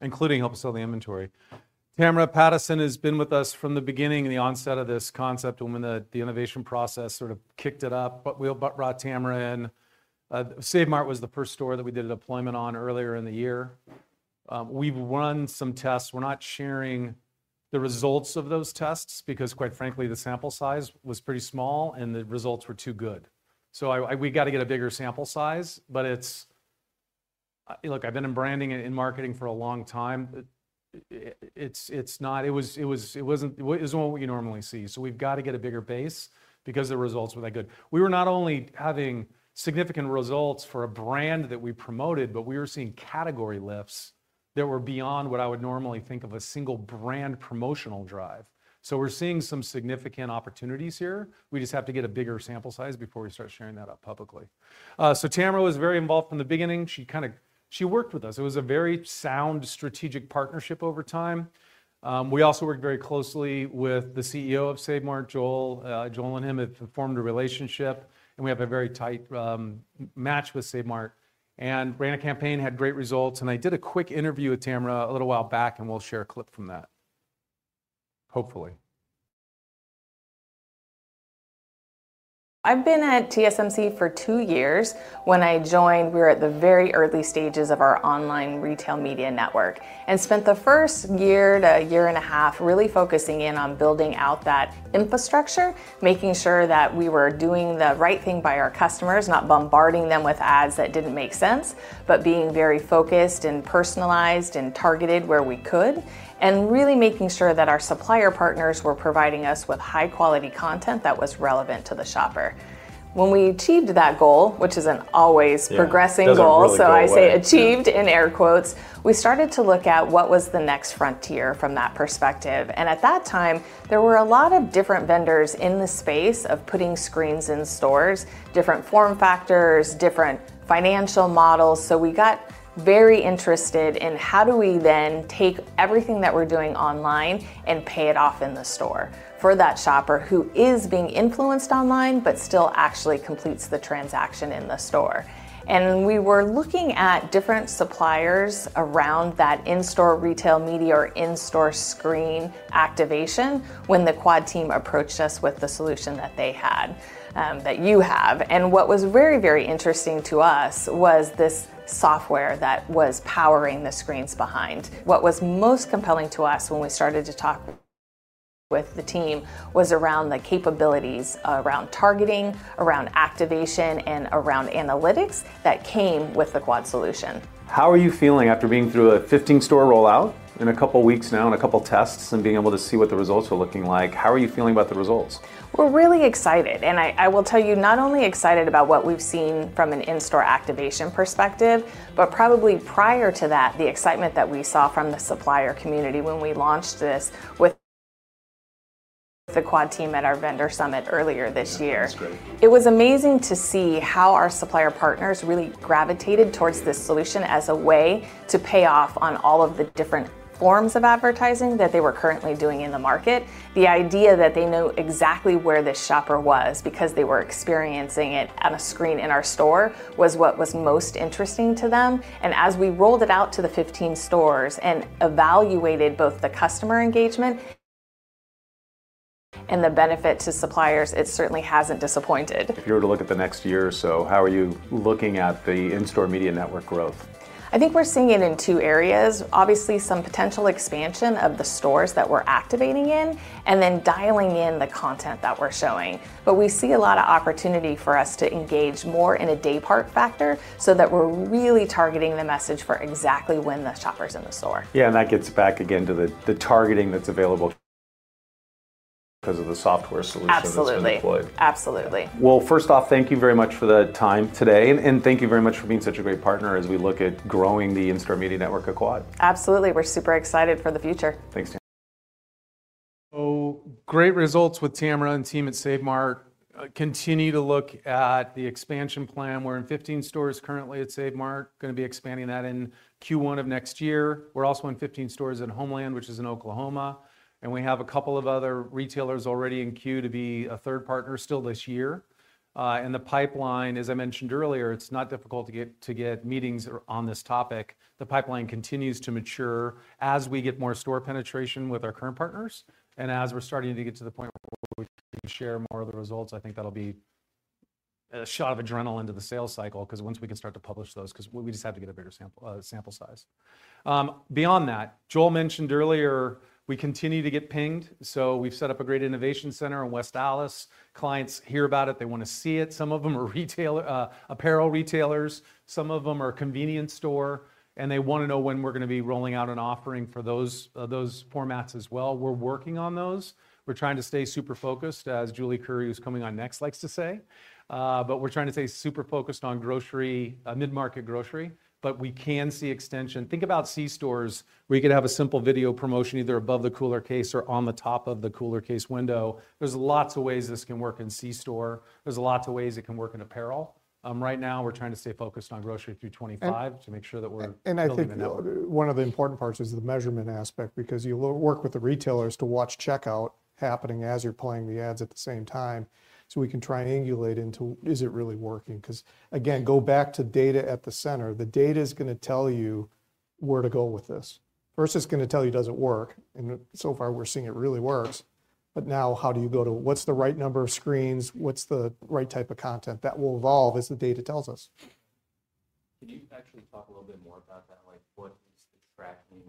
Including helping sell the inventory. Tamara Pattison has been with us from the beginning of the onset of this concept, when the innovation process sort of kicked it up. But we brought Tamara in. SaveMart was the first store that we did a deployment on earlier in the year. We've run some tests. We're not sharing the results of those tests because, quite frankly, the sample size was pretty small and the results were too good, so we got to get a bigger sample size. But look, I've been in branding and in marketing for a long time. It wasn't what we normally see, so we've got to get a bigger base because the results were that good. We were not only having significant results for a brand that we promoted, but we were seeing category lifts that were beyond what I would normally think of a single brand promotional drive, so we're seeing some significant opportunities here. We just have to get a bigger sample size before we start sharing that up publicly, so Tamara was very involved from the beginning. She kind of worked with us. It was a very sound strategic partnership over time. We also worked very closely with the CEO of Save Mart, Joel and him have formed a relationship, and we have a very tight match with Save Mart, and ran a campaign, had great results. I did a quick interview with Tamara a little while back, and we'll share a clip from that, hopefully. I've been at TSMC for two years. When I joined, we were at the very early stages of our online retail media network and spent the first year to a year and a half really focusing in on building out that infrastructure, making sure that we were doing the right thing by our customers, not bombarding them with ads that didn't make sense, but being very focused and personalized and targeted where we could, and really making sure that our supplier partners were providing us with high-quality content that was relevant to the shopper. When we achieved that goal, which is an always progressing goal, so I say achieved in air quotes, we started to look at what was the next frontier from that perspective. And at that time, there were a lot of different vendors in the space of putting screens in stores, different form factors, different financial models. So we got very interested in how do we then take everything that we're doing online and pay it off in the store for that shopper who is being influenced online, but still actually completes the transaction in the store. And we were looking at different suppliers around that in-store retail media or in-store screen activation when the Quad team approached us with the solution that they had, that you have. And what was very, very interesting to us was this software that was powering the screens behind. What was most compelling to us when we started to talk with the team was around the capabilities around targeting, around activation, and around analytics that came with the Quad solution. How are you feeling after being through a 15-store rollout in a couple of weeks now and a couple of tests and being able to see what the results were looking like? How are you feeling about the results? We're really excited, and I will tell you, not only excited about what we've seen from an in-store activation perspective, but probably prior to that, the excitement that we saw from the supplier community when we launched this with the Quad team at our vendor summit earlier this year. It was amazing to see how our supplier partners really gravitated towards this solution as a way to pay off on all of the different forms of advertising that they were currently doing in the market. The idea that they knew exactly where this shopper was because they were experiencing it on a screen in our store was what was most interesting to them, and as we rolled it out to the 15 stores and evaluated both the customer engagement and the benefit to suppliers, it certainly hasn't disappointed. If you were to look at the next year or so, how are you looking at the in-store media network growth? I think we're seeing it in two areas. Obviously, some potential expansion of the stores that we're activating in and then dialing in the content that we're showing, but we see a lot of opportunity for us to engage more in a daypart factor so that we're really targeting the message for exactly when the shopper's in the store. Yeah, and that gets back again to the targeting that's available because of the software solution that's been deployed. Absolutely. Well, first off, thank you very much for the time today. And thank you very much for being such a great partner as we look at growing the in-store media network at Quad. Absolutely. We're super excited for the future. Thanks, Tamara. Great results with Tamara and team at Save Mart. Continue to look at the expansion plan. We're in 15 stores currently at Save Mart, going to be expanding that in Q1 of next year. We're also in 15 stores in Homeland, which is in Oklahoma. We have a couple of other retailers already in queue to be a third partner still this year. The pipeline, as I mentioned earlier, it's not difficult to get meetings on this topic. The pipeline continues to mature as we get more store penetration with our current partners. And as we're starting to get to the point where we can share more of the results, I think that'll be a shot of adrenaline into the sales cycle because once we can start to publish those we just have to get a bigger sample size. Beyond that, Joel mentioned earlier, we continue to get pinged. So we've set up a great innovation center in West Allis. Clients hear about it. They want to see it. Some of them are apparel retailers. Some of them are convenience store. And they want to know when we're going to be rolling out an offering for those formats as well. We're working on those. We're trying to stay super focused, as Julie Currie, who's coming on next, likes to say. But we're trying to stay super focused on mid-market grocery. But we can see extension. Think about C-stores where you could have a simple video promotion either above the cooler case or on the top of the cooler case window. There's lots of ways this can work in C-store. There's lots of ways it can work in apparel. Right now, we're trying to stay focused on grocery through 25 to make sure that we're building it out. And I think one of the important parts is the measurement aspect because you work with the retailers to watch checkout happening as you're playing the ads at the same time. So we can triangulate into is it really working? Because, again, go back to data at the center. The data is going to tell you where to go with this. First, it's going to tell you does it work. And so far, we're seeing it really works. But now, how do you go to what's the right number of screens? What's the right type of content? That will evolve as the data tells us. Can you actually talk a little bit more about that? Like, what is the tracking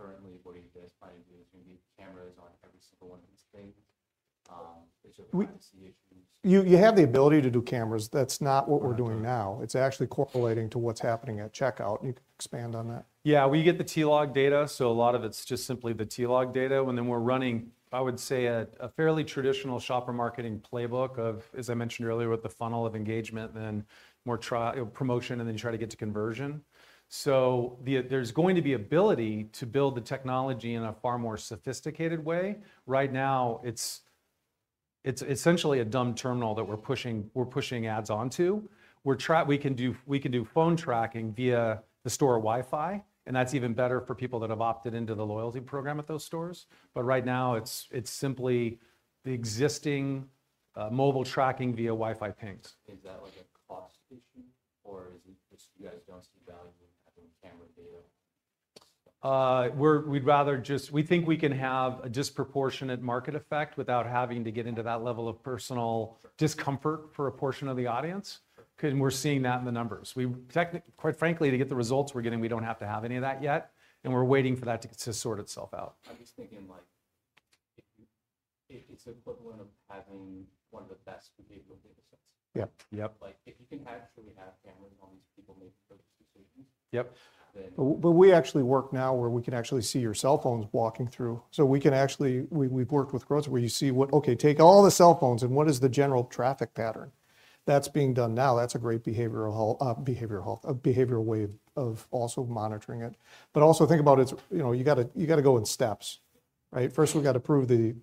currently? What are you guys planning to do? Is there going to be cameras on every single one of these things? Is there going to be privacy issues? You have the ability to do cameras. That's not what we're doing now. It's actually correlating to what's happening at checkout. You can expand on that. Yeah, we get the TLOG data. So a lot of it's just simply the TLOG data. And then we're running, I would say, a fairly traditional shopper marketing playbook of, as I mentioned earlier, with the funnel of engagement, then more promotion, and then you try to get to conversion. So there's going to be ability to build the technology in a far more sophisticated way. Right now, it's essentially a dumb terminal that we're pushing ads onto. We can do phone tracking via the store Wi-Fi. And that's even better for people that have opted into the loyalty program at those stores. But right now, it's simply the existing mobile tracking via Wi-Fi pings. Is that like a cost issue? Or is it just you guys don't see value in having camera data? We'd rather just we think we can have a disproportionate market effect without having to get into that level of personal discomfort for a portion of the audience. We're seeing that in the numbers. Quite frankly, to get the results we're getting, we don't have to have any of that yet. We're waiting for that to sort itself out. I'm just thinking, like, if it's equivalent of having one of the best behavioral data sets. Yeah. Yep. Like, if you can actually have cameras on these people making purchase decisions. Yep. But we actually work now where we can actually see your cell phones walking through. So we've worked with growth where you see what, okay, take all the cell phones and what is the general traffic pattern? That's being done now. That's a great behavioral way of also monitoring it. But also think about it, you got to go in steps, right? First, we got to prove the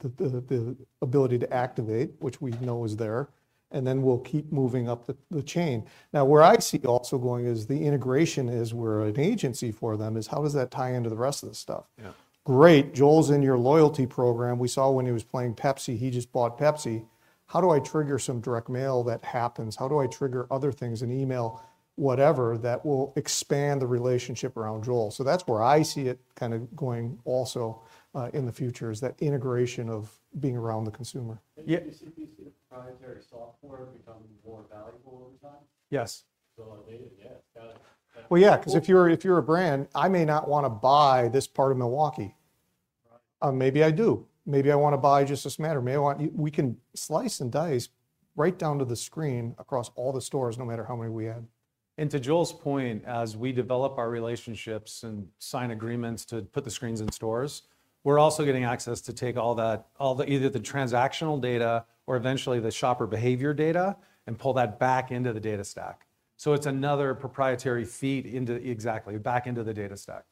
ability to activate, which we know is there. Then we'll keep moving up the chain. Now, where I see also going is the integration is we're an agency for them is how does that tie into the rest of the stuff? Yeah. Great. Joel's in your loyalty program. We saw when he was buying Pepsi, he just bought Pepsi. How do I trigger some direct mail that happens? How do I trigger other things, an email, whatever, that will expand the relationship around Joel? That's where I see it kind of going also in the future is that integration of being around the consumer. Do you see the proprietary software becoming more valuable over time? Yes. So yeah, it's got to. Yeah, because if you're a brand, I may not want to buy this part of Milwaukee. Maybe I do. Maybe I want to buy just a smatter. We can slice and dice right down to the screen across all the stores, no matter how many we add. And to Joel's point, as we develop our relationships and sign agreements to put the screens in stores, we're also getting access to take all that, either the transactional data or eventually the shopper behavior data and pull that back into the data stack. So it's another proprietary feed into exactly back into the data stack.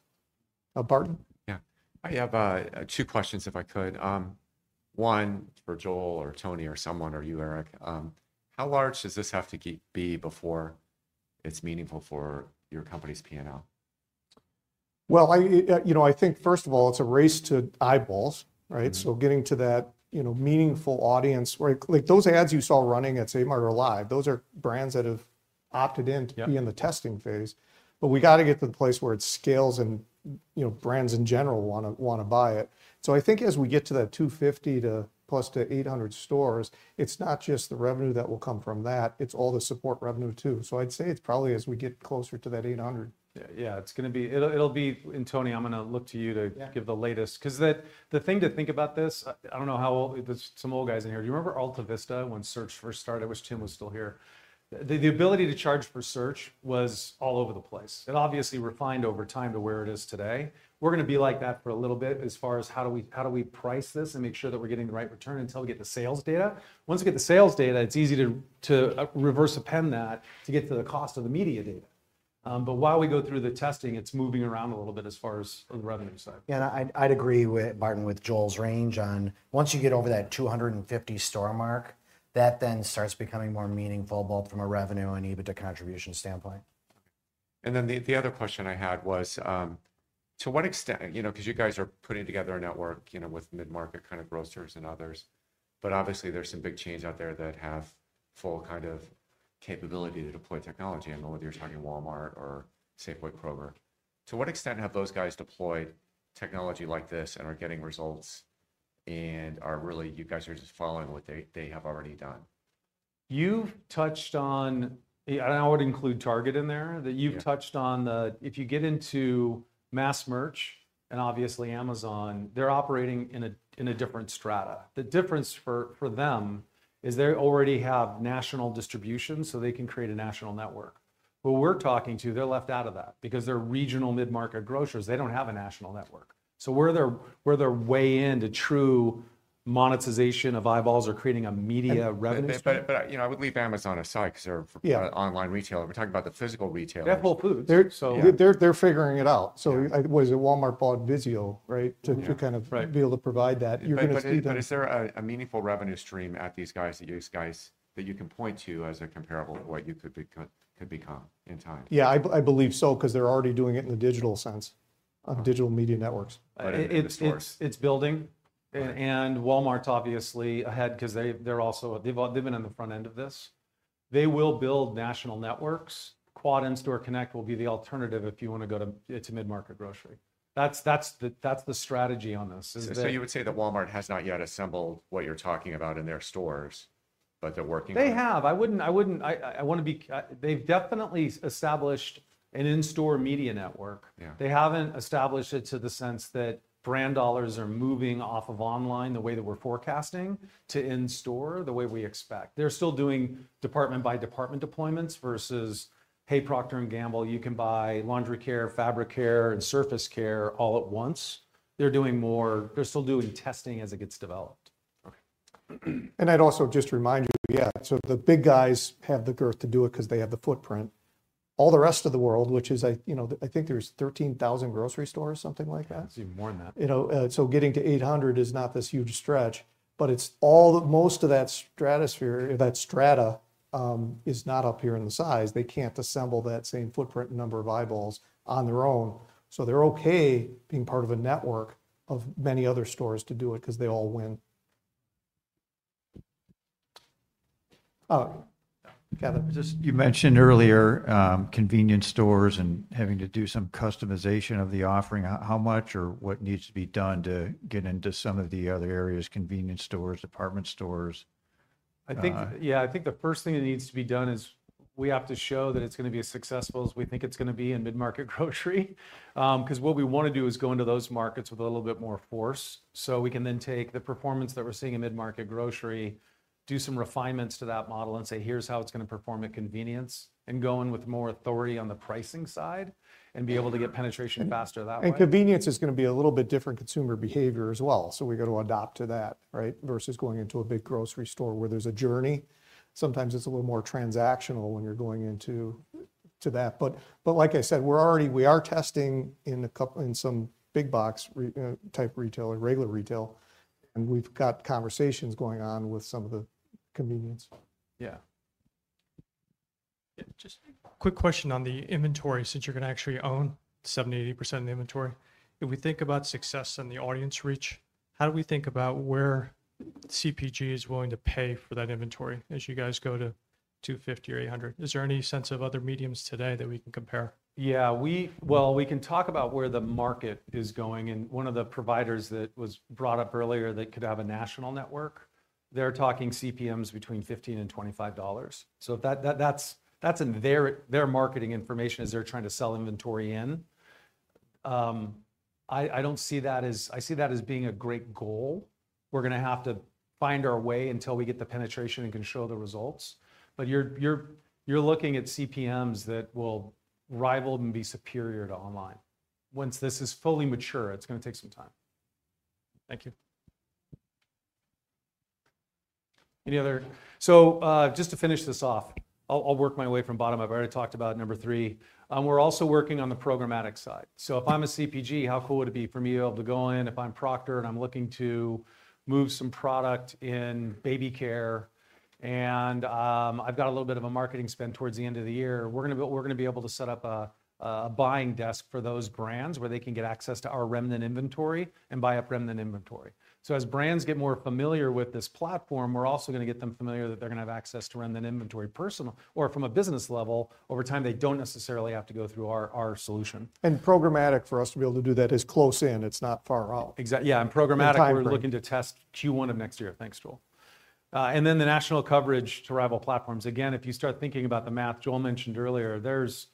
Now, Barton. Yeah. I have two questions, if I could. One, for Joel or Tony or someone or you, Eric. How large does this have to be before it's meaningful for your company's P&L? Well, you know, I think, first of all, it's a race to eyeballs, right? So getting to that meaningful audience, right? Like those ads you saw running at Save Mart or live, those are brands that have opted in to be in the testing phase. But we got to get to the place where it scales and brands in general want to buy it. So I think as we get to that 250- to 800-plus stores, it's not just the revenue that will come from that. It's all the support revenue too. So I'd say it's probably as we get closer to that 800. Yeah, it's going to be and Tony, I'm going to look to you to give the latest. Because the thing to think about this, I don't know how old some old guys in here. Do you remember AltaVista when search first started? It was Tim was still here. The ability to charge for search was all over the place. It obviously refined over time to where it is today. We're going to be like that for a little bit as far as how do we price this and make sure that we're getting the right return until we get the sales data. Once we get the sales data, it's easy to reverse engineer that to get to the cost of the media data. But while we go through the testing, it's moving around a little bit as far as the revenue side. Yeah, and I'd agree with Barton with Joel's range on once you get over that 250 store mark, that then starts becoming more meaningful both from a revenue and even to contribution standpoint. And then the other question I had was, to what extent, you know, because you guys are putting together a network, you know, with mid-market kind of grocers and others. But obviously, there's some big chains out there that have full kind of capability to deploy technology. I know whether you're talking Walmart or Safeway, Kroger. To what extent have those guys deployed technology like this and are getting results and are really, you guys are just following what they have already done? You've touched on, and I would include Target in there, that you've touched on the, if you get into mass merch and obviously Amazon, they're operating in a different strata. The difference for them is they already have national distribution, so they can create a national network. But we're talking to, they're left out of that because they're regional mid-market grocers. They don't have a national network. So where they're weighing in to true monetization of eyeballs or creating a media revenue stream. But I would leave Amazon aside because they're an online retailer. We're talking about the physical retailer. They're full of hope. They're figuring it out. So was it Walmart bought Vizio, right, to kind of be able to provide that? You're going to see them. But is there a meaningful revenue stream at these guys that you can point to as a comparable to what you could become in time? Yeah, I believe so because they're already doing it in the digital sense of digital media networks. It's building. And Walmart, obviously, ahead because they've been on the front end of this. They will build national networks. Quad In-Store Connect will be the alternative if you want to go to, it's a mid-market grocery. That's the strategy on this. So you would say that Walmart has not yet assembled what you're talking about in their stores, but they're working on it. They have. I want to be, they've definitely established an in-store media network. They haven't established it to the sense that brand dollars are moving off of online the way that we're forecasting to in-store the way we expect. They're still doing department-by-department deployments versus, hey, Procter & Gamble, you can buy laundry care, fabric care, and surface care all at once. They're doing more, they're still doing testing as it gets developed. And I'd also just remind you, yeah, so the big guys have the girth to do it because they have the footprint. All the rest of the world, which is, you know, I think there's 13,000 grocery stores, something like that. It's even more than that. So getting to 800 is not this huge stretch, but most of that stratosphere, that strata is not up here in the size. They can't assemble that same footprint number of eyeballs on their own. So they're okay being part of a network of many other stores to do it because they all win. You mentioned earlier convenience stores and having to do some customization of the offering. How much or what needs to be done to get into some of the other areas, convenience stores, department stores? I think, yeah, I think the first thing that needs to be done is we have to show that it's going to be as successful as we think it's going to be in mid-market grocery. Because what we want to do is go into those markets with a little bit more force. So we can then take the performance that we're seeing in mid-market grocery, do some refinements to that model and say, here's how it's going to perform at convenience and go in with more authority on the pricing side and be able to get penetration faster that way. And convenience is going to be a little bit different consumer behavior as well. So we got to adopt to that, right? Versus going into a big grocery store where there's a journey. Sometimes it's a little more transactional when you're going into that. But like I said, we're already testing in some big box type retail or regular retail. And we've got conversations going on with some of the convenience. Yeah. Just a quick question on the inventory, since you're going to actually own 70%-80% of the inventory. If we think about success and the audience reach, how do we think about where CPG is willing to pay for that inventory as you guys go to 250 or 800? Is there any sense of other mediums today that we can compare? Yeah, well, we can talk about where the market is going. And one of the providers that was brought up earlier that could have a national network, they're talking CPMs between $15 and $25. So that's in their marketing information as they're trying to sell inventory in. I don't see that as, I see that as being a great goal. We're going to have to find our way until we get the penetration and can show the results. But you're looking at CPMs that will rival and be superior to online. Once this is fully mature, it's going to take some time. Thank you. Any other? So, just to finish this off, I'll work my way from the bottom. I've already talked about number three. We're also working on the programmatic side. So, if I'm a CPG, how cool would it be for me to be able to go in? If I'm Procter and I'm looking to move some product in baby care and I've got a little bit of a marketing spend towards the end of the year, we're going to be able to set up a buying desk for those brands where they can get access to our remnant inventory and buy up remnant inventory. So, as brands get more familiar with this platform, we're also going to get them familiar that they're going to have access to remnant inventory personally or from a business level over time. They don't necessarily have to go through our solution. And programmatic for us to be able to do that is close in. It's not far out. Exactly. Yeah. And programmatic, we're looking to test Q1 of next year. Thanks, Joel. And then the national coverage to rival platforms. Again, if you start thinking about the math Joel mentioned earlier, there was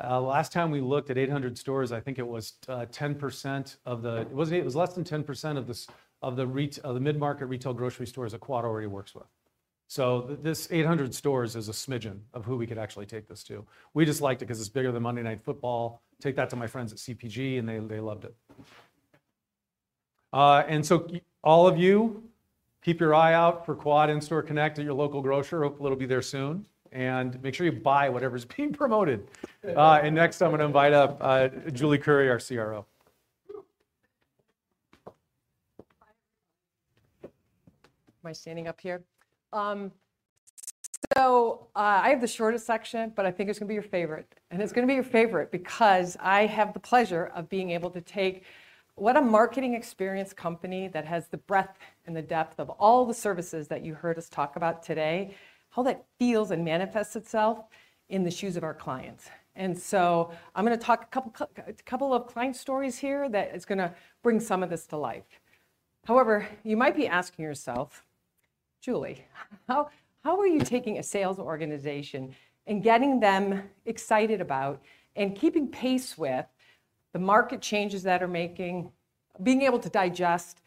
last time we looked at 800 stores, I think it was 10% of the, it was less than 10% of the mid-market retail grocery stores that Quad already works with. So this 800 stores is a smidgen of who we could actually take this to. We just liked it because it's bigger than Monday Night Football. Take that to my friends at CPG and they loved it. And so all of you, keep your eye out for Quad and In-Store Connect at your local grocery. Hopefully, it'll be there soon. And make sure you buy whatever's being promoted. And next, I'm going to invite up Julie Currie, our CRO. Am I standing up here? So I have the shortest section, but I think it's going to be your favorite. And it's going to be your favorite because I have the pleasure of being able to take what a marketing experience company that has the breadth and the depth of all the services that you heard us talk about today, how that feels and manifests itself in the shoes of our clients. And so I'm going to talk a couple of client stories here that is going to bring some of this to life. However, you might be asking yourself, Julie, how are you taking a sales organization and getting them excited about and keeping pace with the market changes that are making, being able to digest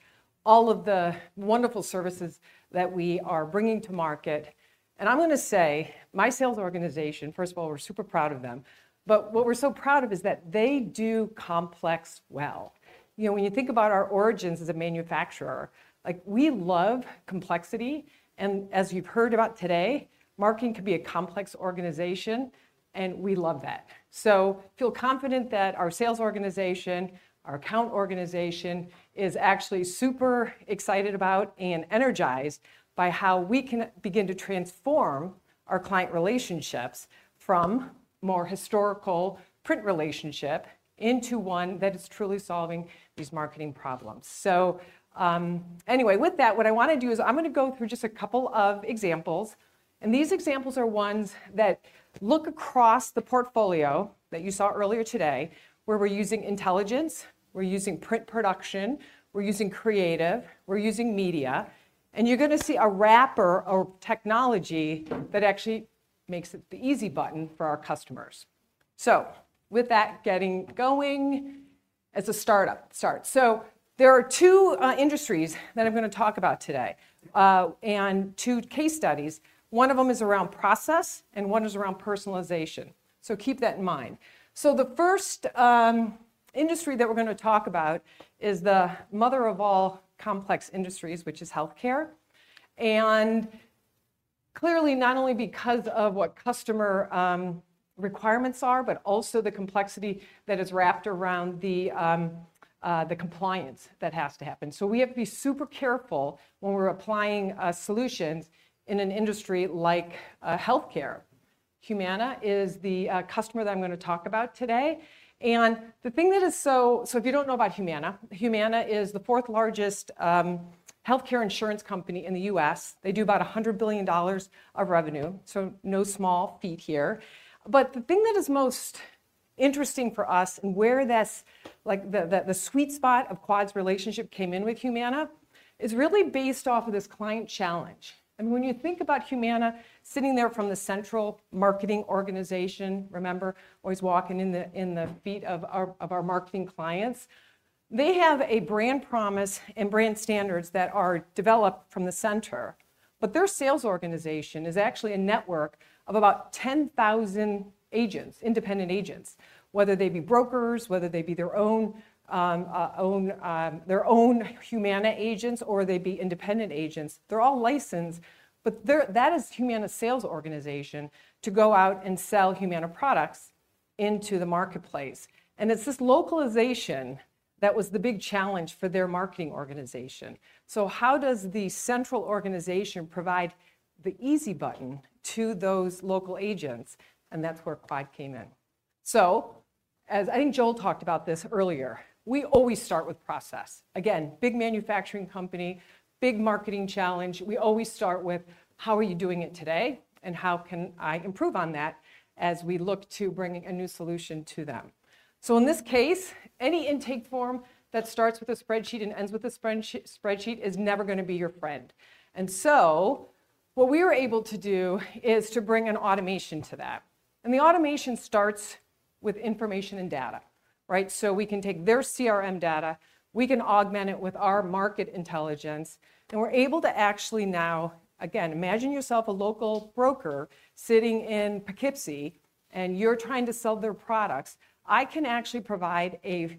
all of the wonderful services that we are bringing to market? And I'm going to say my sales organization, first of all, we're super proud of them, but what we're so proud of is that they do complex well. You know, when you think about our origins as a manufacturer, like we love complexity, and as you've heard about today, marketing can be a complex organization, and we love that, so feel confident that our sales organization, our account organization is actually super excited about and energized by how we can begin to transform our client relationships from more historical print relationship into one that is truly solving these marketing problems. So anyway, with that, what I want to do is I'm going to go through just a couple of examples, and these examples are ones that look across the portfolio that you saw earlier today, where we're using intelligence, we're using print production, we're using creative, we're using media, and you're going to see a wrapper or technology that actually makes it the easy button for our customers, so with that getting going as a startup start, so there are two industries that I'm going to talk about today and two case studies. One of them is around process and one is around personalization, so keep that in mind, so the first industry that we're going to talk about is the mother of all complex industries, which is healthcare. And clearly, not only because of what customer requirements are, but also the complexity that is wrapped around the compliance that has to happen. So we have to be super careful when we're applying solutions in an industry like healthcare. Humana is the customer that I'm going to talk about today. And the thing that is so, so if you don't know about Humana, Humana is the fourth largest healthcare insurance company in the U.S. They do about $100 billion of revenue. So no small feat here. But the thing that is most interesting for us and where this, like the sweet spot of Quad's relationship came in with Humana is really based off of this client challenge. When you think about Humana sitting there from the central marketing organization, remember, always walking in the feet of our marketing clients, they have a brand promise and brand standards that are developed from the center. Their sales organization is actually a network of about 10,000 agents, independent agents, whether they be brokers, whether they be their own Humana agents, or they be independent agents. They're all licensed, but that is Humana's sales organization to go out and sell Humana products into the marketplace. It's this localization that was the big challenge for their marketing organization. How does the central organization provide the easy button to those local agents? That's where Quad came in. As I think Joel talked about this earlier, we always start with process. Again, big manufacturing company, big marketing challenge. We always start with how are you doing it today and how can I improve on that as we look to bring a new solution to them, so in this case, any intake form that starts with a spreadsheet and ends with a spreadsheet is never going to be your friend, and so what we were able to do is to bring an automation to that, and the automation starts with information and data, right, so we can take their CRM data, we can augment it with our market intelligence, and we're able to actually now, again, imagine yourself a local broker sitting in Poughkeepsie and you're trying to sell their products. I can actually provide a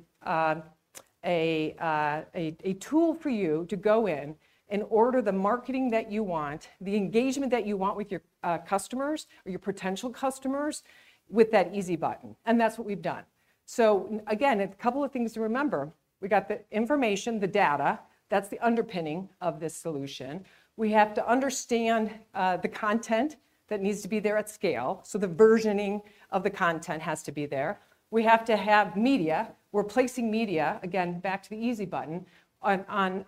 tool for you to go in and order the marketing that you want, the engagement that you want with your customers or your potential customers with that easy button. And that's what we've done. So again, a couple of things to remember. We got the information, the data. That's the underpinning of this solution. We have to understand the content that needs to be there at scale. So the versioning of the content has to be there. We have to have media. We're placing media, again, back to the easy button on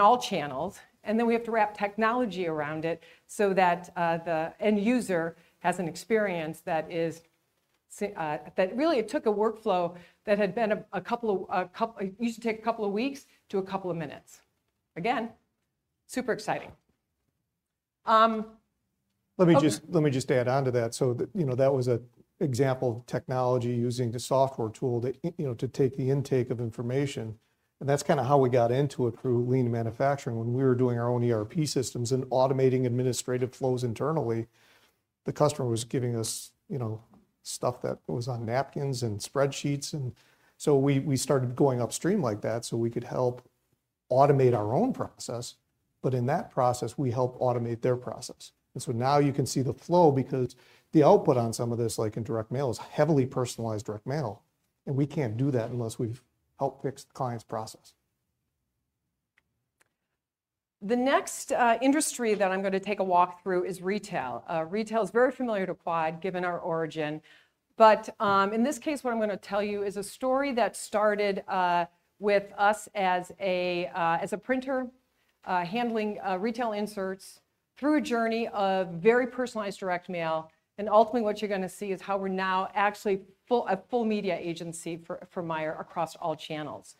all channels. And then we have to wrap technology around it so that the end user has an experience that used to take a couple of weeks to a couple of minutes. Again, super exciting. Let me just add on to that. So that was an example of technology using the software tool to take the intake of information. And that's kind of how we got into it through lean manufacturing when we were doing our own ERP systems and automating administrative flows internally. The customer was giving us stuff that was on napkins and spreadsheets. And so we started going upstream like that so we could help automate our own process. But in that process, we helped automate their process. And so now you can see the flow because the output on some of this, like in direct mail, is heavily personalized direct mail. And we can't do that unless we've helped fix the client's process. The next industry that I'm going to take a walk through is retail. Retail is very familiar to Quad given our origin. But in this case, what I'm going to tell you is a story that started with us as a printer handling retail inserts through a journey of very personalized direct mail. And ultimately, what you're going to see is how we're now actually a full media agency for Meijer across all channels.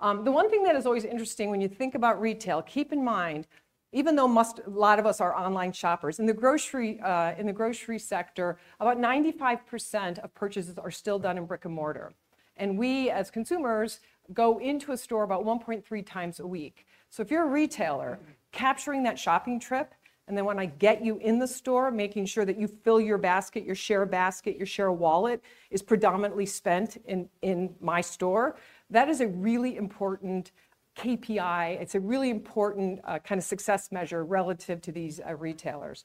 The one thing that is always interesting when you think about retail, keep in mind, even though a lot of us are online shoppers in the grocery sector, about 95% of purchases are still done in brick and mortar. And we as consumers go into a store about 1.3 times a week. So if you're a retailer, capturing that shopping trip, and then when I get you in the store, making sure that you fill your basket, your share of basket, your share of wallet is predominantly spent in my store, that is a really important KPI. It's a really important kind of success measure relative to these retailers.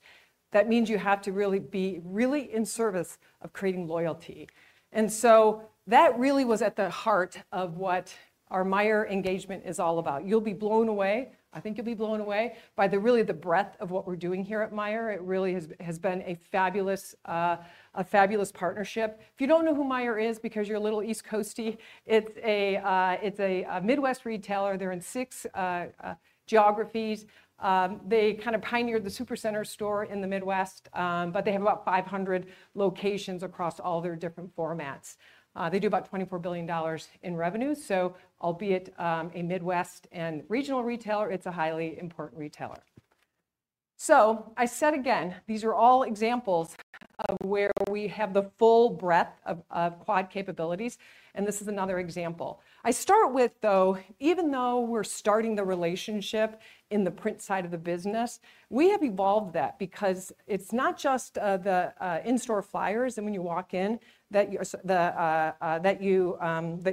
That means you have to really be really in service of creating loyalty. And so that really was at the heart of what our Meijer engagement is all about. You'll be blown away. I think you'll be blown away by really the breadth of what we're doing here at Meijer. It really has been a fabulous partnership. If you don't know who Meijer is because you're a little East Coastie, it's a Midwest retailer. They're in six geographies. They kind of pioneered the Supercenter store in the Midwest, but they have about 500 locations across all their different formats. They do about $24 billion in revenue. So albeit a Midwest and regional retailer, it's a highly important retailer. So I said again, these are all examples of where we have the full breadth of Quad capabilities. This is another example. I start with, though, even though we're starting the relationship in the print side of the business, we have evolved that because it's not just the in-store flyers and, when you walk in, the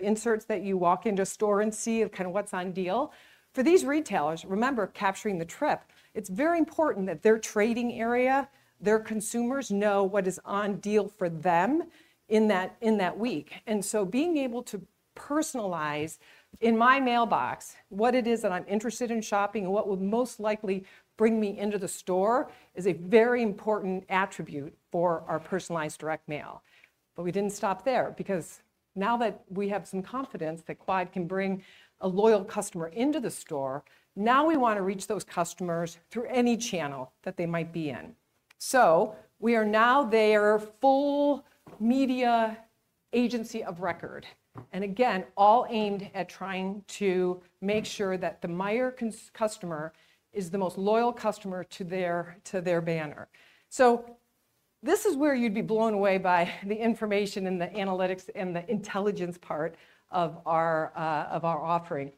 inserts that you walk into a store and see kind of what's on deal. For these retailers, remember, capturing the trip, it's very important that their trading area, their consumers know what is on deal for them in that week. So being able to personalize in my mailbox what it is that I'm interested in shopping and what would most likely bring me into the store is a very important attribute for our personalized direct mail. But we didn't stop there because now that we have some confidence that Quad can bring a loyal customer into the store, now we want to reach those customers through any channel that they might be in. So we are now their full media agency of record. And again, all aimed at trying to make sure that the Meijer customer is the most loyal customer to their banner. So this is where you'd be blown away by the information and the analytics and the intelligence part of our offering.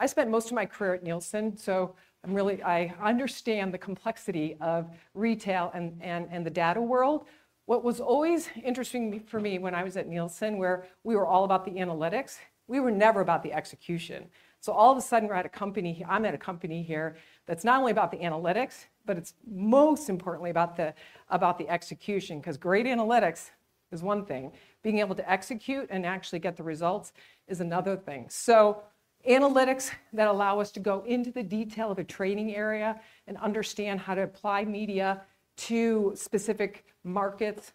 I spent most of my career at Nielsen, so I understand the complexity of retail and the data world. What was always interesting for me when I was at Nielsen, where we were all about the analytics, we were never about the execution. So all of a sudden, we're at a company. I'm at a company here that's not only about the analytics, but it's most importantly about the execution because great analytics is one thing. Being able to execute and actually get the results is another thing. So analytics that allow us to go into the detail of a trading area and understand how to apply media to specific markets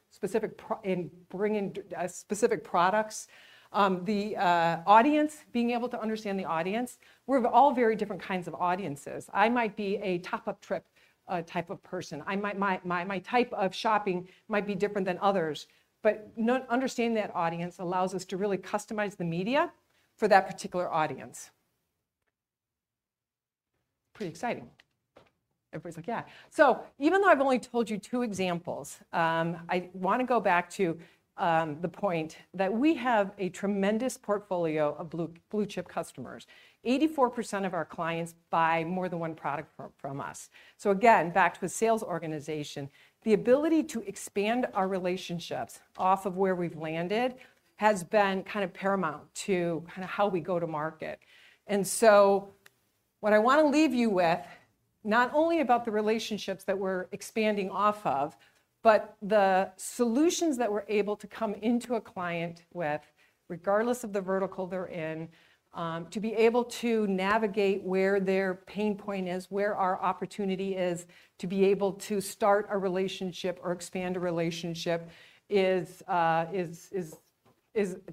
and bring in specific products. The audience, being able to understand the audience. We're all very different kinds of audiences. I might be a top-up trip type of person. My type of shopping might be different than others. But understanding that audience allows us to really customize the media for that particular audience. Pretty exciting. Everybody's like, yeah. So even though I've only told you two examples, I want to go back to the point that we have a tremendous portfolio of blue-chip customers. 84% of our clients buy more than one product from us. So again, back to a sales organization, the ability to expand our relationships off of where we've landed has been kind of paramount to kind of how we go to market. And so what I want to leave you with, not only about the relationships that we're expanding off of, but the solutions that we're able to come into a client with, regardless of the vertical they're in, to be able to navigate where their pain point is, where our opportunity is to be able to start a relationship or expand a relationship is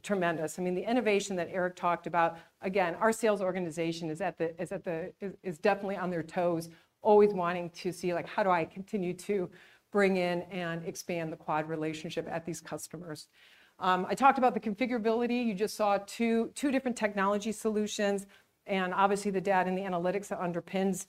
tremendous. I mean, the innovation that Eric talked about, again, our sales organization is definitely on their toes, always wanting to see like, how do I continue to bring in and expand the Quad relationship at these customers? I talked about the configurability. You just saw two different technology solutions, and obviously, the data and the analytics that underpins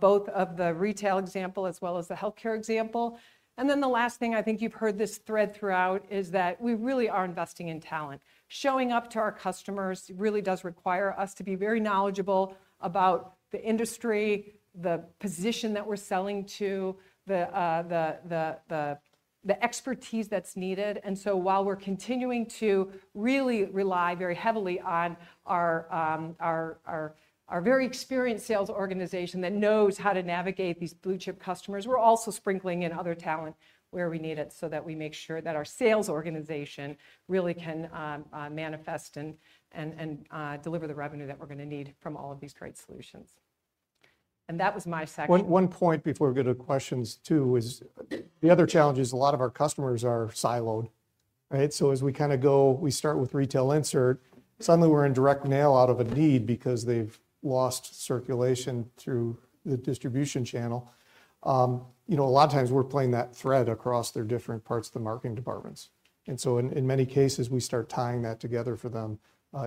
both of the retail example as well as the healthcare example. And then the last thing I think you've heard this thread throughout is that we really are investing in talent. Showing up to our customers really does require us to be very knowledgeable about the industry, the position that we're selling to, the expertise that's needed. So while we're continuing to really rely very heavily on our very experienced sales organization that knows how to navigate these blue-chip customers, we're also sprinkling in other talent where we need it so that we make sure that our sales organization really can manifest and deliver the revenue that we're going to need from all of these great solutions. That was my section. One point before we get to questions two is the other challenge is a lot of our customers are siloed, right? So as we kind of go, we start with retail insert. Suddenly, we're in direct mail out of a need because they've lost circulation through the distribution channel. A lot of times, we're playing that thread across their different parts of the marketing departments. In many cases, we start tying that together for them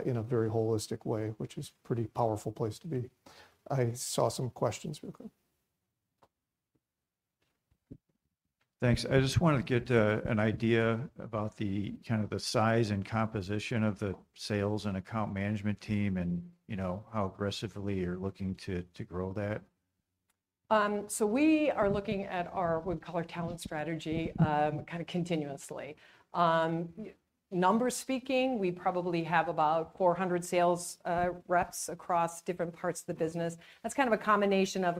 in a very holistic way, which is a pretty powerful place to be. I saw some questions real quick. Thanks. I just wanted to get an idea about the kind of the size and composition of the sales and account management team and how aggressively you're looking to grow that. We are looking at our, what we call our talent strategy kind of continuously. Numbers speaking, we probably have about 400 sales reps across different parts of the business. That's kind of a combination of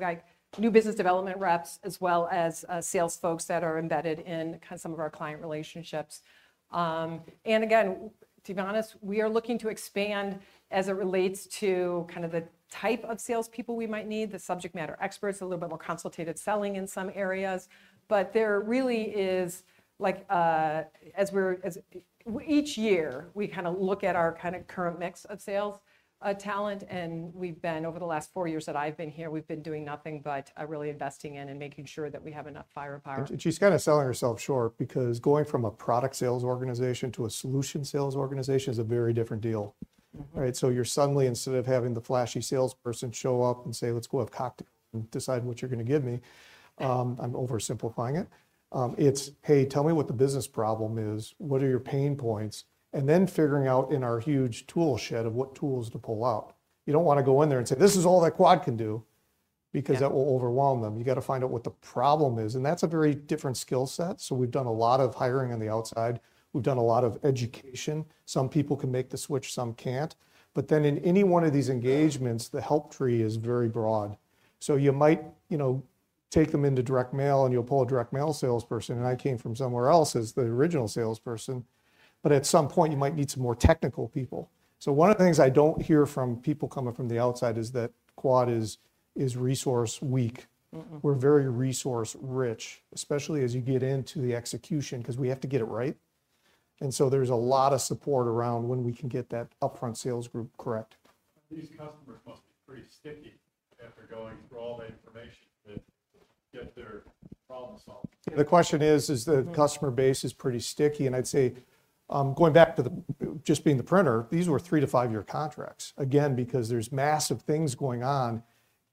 new business development reps as well as sales folks that are embedded in kind of some of our client relationships. Again, to be honest, we are looking to expand as it relates to kind of the type of salespeople we might need, the subject matter experts, a little bit more consultative selling in some areas. There really is, like each year, we kind of look at our kind of current mix of sales talent. We've been over the last four years that I've been here, we've been doing nothing but really investing in and making sure that we have enough firepower. She's kind of selling herself short because going from a product sales organization to a solution sales organization is a very different deal, right? You're suddenly, instead of having the flashy salesperson show up and say, "Let's go have cocktails and decide what you're going to give me," I'm oversimplifying it. It's "Hey, tell me what the business problem is. What are your pain points?" and then figuring out in our huge tool shed of what tools to pull out. You don't want to go in there and say, "This is all that Quad can do," because that will overwhelm them. You got to find out what the problem is, and that's a very different skill set, so we've done a lot of hiring on the outside. We've done a lot of education. Some people can make the switch, some can't, but then in any one of these engagements, the help tree is very broad, so you might take them into direct mail and you'll pull a direct mail salesperson, and I came from somewhere else as the original salesperson, but at some point, you might need some more technical people. One of the things I don't hear from people coming from the outside is that Quad is resource weak. We're very resource rich, especially as you get into the execution because we have to get it right. And so there's a lot of support around when we can get that upfront sales group correct. These customers must be pretty sticky after going through all the information to get their problem solved. The question is, is the customer base pretty sticky? And I'd say going back to just being the printer, these were three- to five-year contracts, again, because there's massive things going on.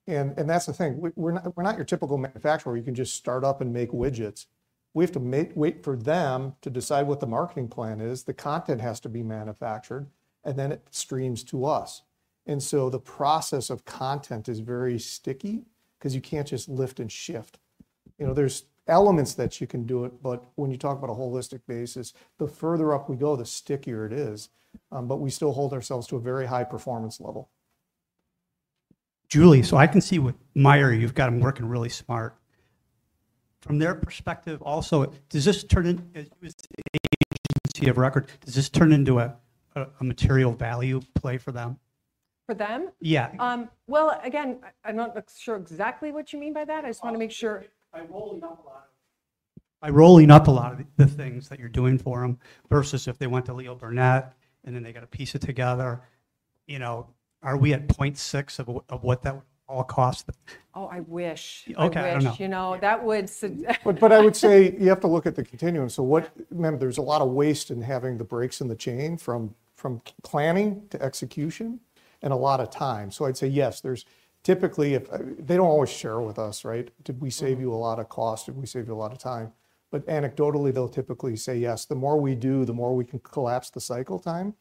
And that's the thing. We're not your typical manufacturer where you can just start up and make widgets. We have to wait for them to decide what the marketing plan is. The content has to be manufactured, and then it streams to us. And so the process of content is very sticky because you can't just lift and shift. There's elements that you can do it, but when you talk about a holistic basis, the further up we go, the stickier it is. But we still hold ourselves to a very high performance level. Julie, so I can see with Meijer, you've got them working really smart. From their perspective also, does this turn into an agency of record? Does this turn into a material value play for them? For them? Yeah. Well, again, I'm not sure exactly what you mean by that. I just want to make sure. By rolling up a lot of. By rolling up a lot of the things that you're doing for them versus if they went to Leo Burnett and then they got to piece it together, are we at 0.6 of what that would all cost? Oh, I wish, I wish that would. But I would say you have to look at the continuum. So remember, there's a lot of waste in having the breaks in the chain from planning to execution and a lot of time. So I'd say yes, there's typically they don't always share with us, right? Did we save you a lot of cost? Did we save you a lot of time? But anecdotally, they'll typically say yes. The more we do, the more we can collapse the cycle time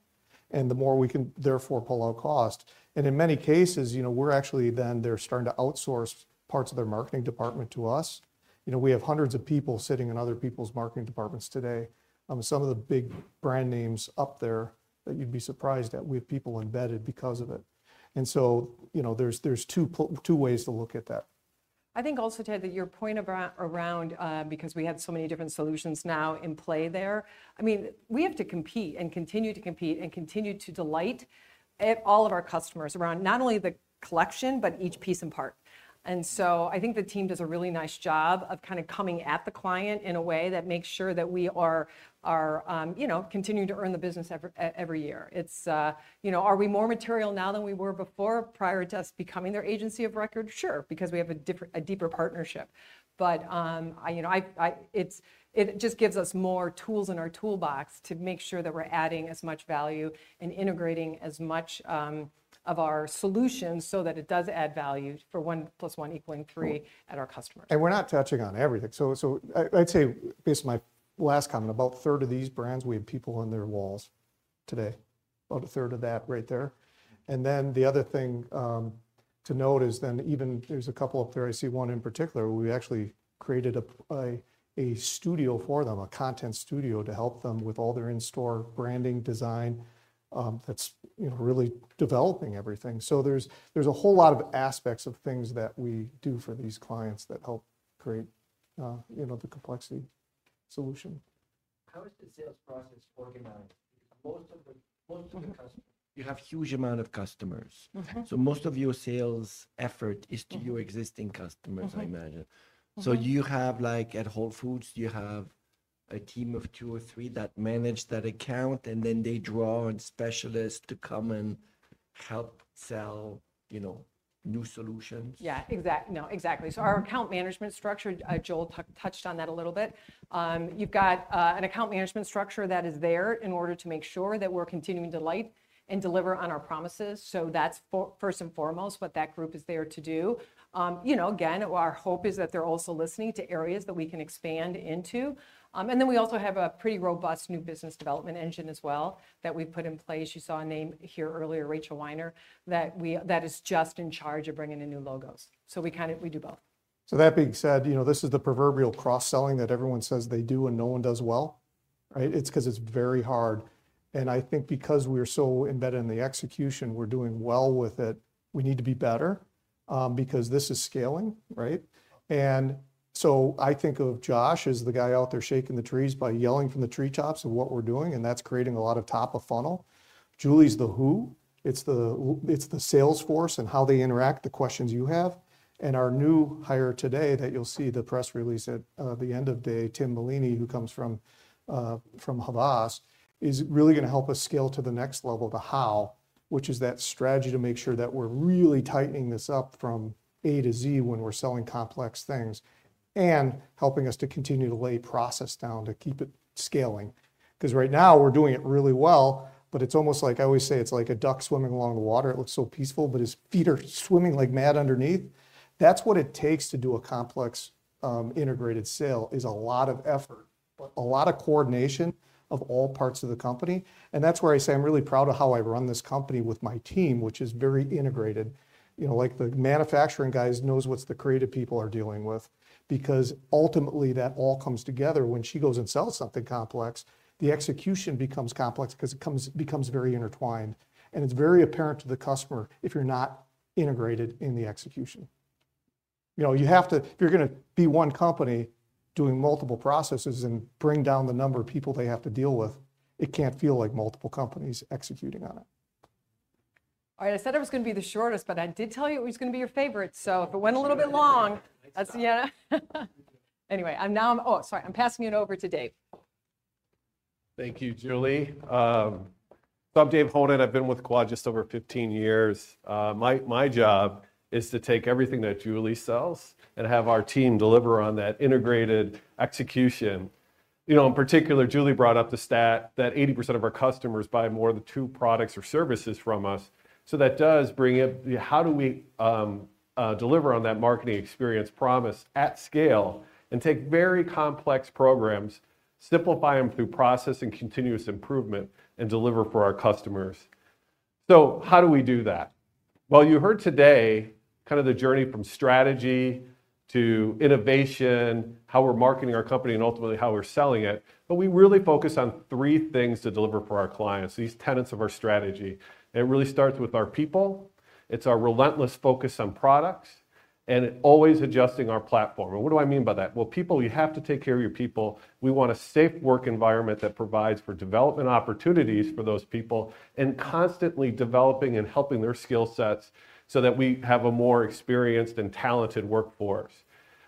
and the more we can therefore pull out cost. And in many cases, we're actually then they're starting to outsource parts of their marketing department to us. We have hundreds of people sitting in other people's marketing departments today. Some of the big brand names up there that you'd be surprised at, we have people embedded because of it. And so there's two ways to look at that. I think also to your point around because we have so many different solutions now in play there. I mean, we have to compete and continue to compete and continue to delight all of our customers around not only the collection, but each piece and part. And so I think the team does a really nice job of kind of coming at the client in a way that makes sure that we are continuing to earn the business every year. Are we more material now than we were before prior to us becoming their agency of record? Sure, because we have a deeper partnership. It just gives us more tools in our toolbox to make sure that we're adding as much value and integrating as much of our solutions so that it does add value for one plus one equaling three at our customers. We're not touching on everything. I'd say based on my last comment, about a third of these brands, we have people on their walls today. About a third of that right there. Then the other thing to note is then even there's a couple up there. I see one in particular where we actually created a studio for them, a content studio to help them with all their in-store branding design that's really developing everything. There's a whole lot of aspects of things that we do for these clients that help create the complexity solution. How is the sales process organized? Because most of the customers. You have a huge amount of customers. So most of your sales effort is to your existing customers, I imagine. So you have at Whole Foods, you have a team of two or three that manage that account, and then they draw in specialists to come and help sell new solutions. Yeah, exactly. No, exactly. So our account management structure, Joel touched on that a little bit. You've got an account management structure that is there in order to make sure that we're continuing to light and deliver on our promises. So that's first and foremost what that group is there to do. Again, our hope is that they're also listening to areas that we can expand into. And then we also have a pretty robust new business development engine as well that we've put in place. You saw a name here earlier, Rachel Weiner, that is just in charge of bringing in new logos. So we do both. So that being said, this is the proverbial cross-selling that everyone says they do and no one does well, right? It's because it's very hard. And I think because we're so embedded in the execution, we're doing well with it, we need to be better because this is scaling, right? And so I think of Josh as the guy out there shaking the trees by yelling from the treetops of what we're doing, and that's creating a lot of top of funnel. Julie's the who. It's the salesforce and how they interact, the questions you have. Our new hire today that you'll see the press release at the end of day, Tim Maleeny, who comes from Havas, is really going to help us scale to the next level, the how, which is that strategy to make sure that we're really tightening this up from A to Z when we're selling complex things and helping us to continue to lay process down to keep it scaling. Because right now, we're doing it really well, but it's almost like I always say it's like a duck swimming along the water. It looks so peaceful, but his feet are swimming like mad underneath. That's what it takes to do a complex integrated sale, is a lot of effort, but a lot of coordination of all parts of the company. And that's where I say I'm really proud of how I run this company with my team, which is very integrated. The manufacturing guys knows what the creative people are dealing with because ultimately that all comes together. When she goes and sells something complex, the execution becomes complex because it becomes very intertwined. And it's very apparent to the customer if you're not integrated in the execution. You have to, if you're going to be one company doing multiple processes and bring down the number of people they have to deal with, it can't feel like multiple companies executing on it. All right, I said I was going to be the shortest, but I did tell you it was going to be your favorite. So if it went a little bit long, that's the end. Anyway, I'm now, oh, sorry, I'm passing it over to Dave. Thank you, Julie. I'm Dave Honan. I've been with Quad just over 15 years. My job is to take everything that Julie sells and have our team deliver on that integrated execution. In particular, Julie brought up the stat that 80% of our customers buy more than two products or services from us. So that does bring up how do we deliver on that marketing experience promise at scale and take very complex programs, simplify them through process and continuous improvement, and deliver for our customers. So how do we do that? Well, you heard today kind of the journey from strategy to innovation, how we're marketing our company, and ultimately how we're selling it. But we really focus on three things to deliver for our clients, these tenets of our strategy. It really starts with our people. It's our relentless focus on products and always adjusting our platform. What do I mean by that? People, you have to take care of your people. We want a safe work environment that provides for development opportunities for those people and constantly developing and helping their skill sets so that we have a more experienced and talented workforce.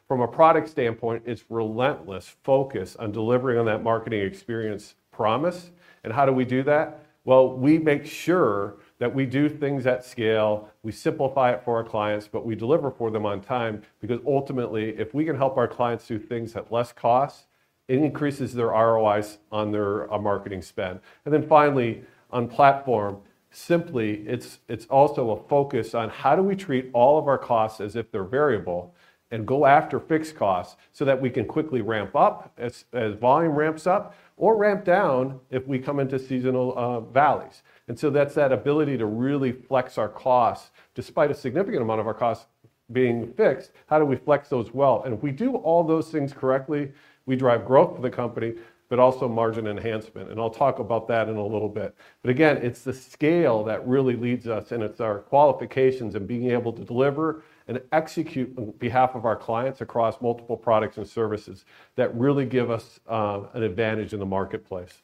From a product standpoint, it's relentless focus on delivering on that marketing experience promise. How do we do that? We make sure that we do things at scale. We simplify it for our clients, but we deliver for them on time because ultimately, if we can help our clients do things at less cost, it increases their ROIs on their marketing spend. And then finally, on platform, simply, it's also a focus on how do we treat all of our costs as if they're variable and go after fixed costs so that we can quickly ramp up as volume ramps up or ramp down if we come into seasonal valleys. And so that's that ability to really flex our costs despite a significant amount of our costs being fixed. How do we flex those well? And if we do all those things correctly, we drive growth for the company, but also margin enhancement. And I'll talk about that in a little bit. But again, it's the scale that really leads us, and it's our qualifications and being able to deliver and execute on behalf of our clients across multiple products and services that really give us an advantage in the marketplace.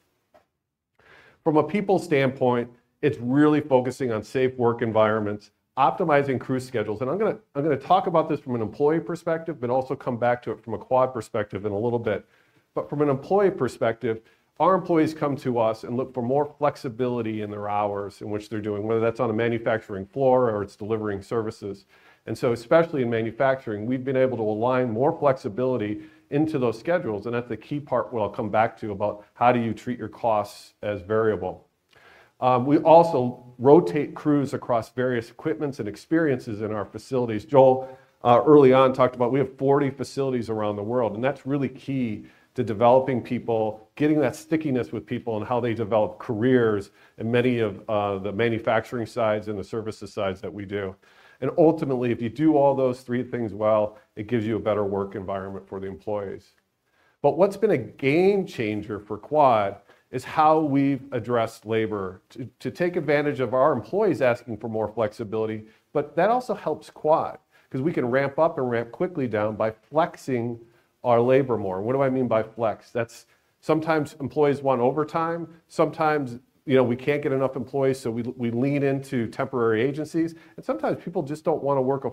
From a people standpoint, it's really focusing on safe work environments, optimizing crew schedules. And I'm going to talk about this from an employee perspective, but also come back to it from a Quad perspective in a little bit. But from an employee perspective, our employees come to us and look for more flexibility in their hours in which they're doing, whether that's on a manufacturing floor or it's delivering services. And so especially in manufacturing, we've been able to align more flexibility into those schedules. And that's the key part where I'll come back to about how do you treat your costs as variable. We also rotate crews across various equipments and experiences in our facilities. Joel early on talked about we have 40 facilities around the world, and that's really key to developing people, getting that stickiness with people and how they develop careers in many of the manufacturing sides and the services sides that we do. And ultimately, if you do all those three things well, it gives you a better work environment for the employees. But what's been a game changer for Quad is how we've addressed labor to take advantage of our employees asking for more flexibility, but that also helps Quad because we can ramp up and ramp quickly down by flexing our labor more. What do I mean by flex? Sometimes employees want overtime. Sometimes we can't get enough employees, so we lean into temporary agencies. And sometimes people just don't want to work a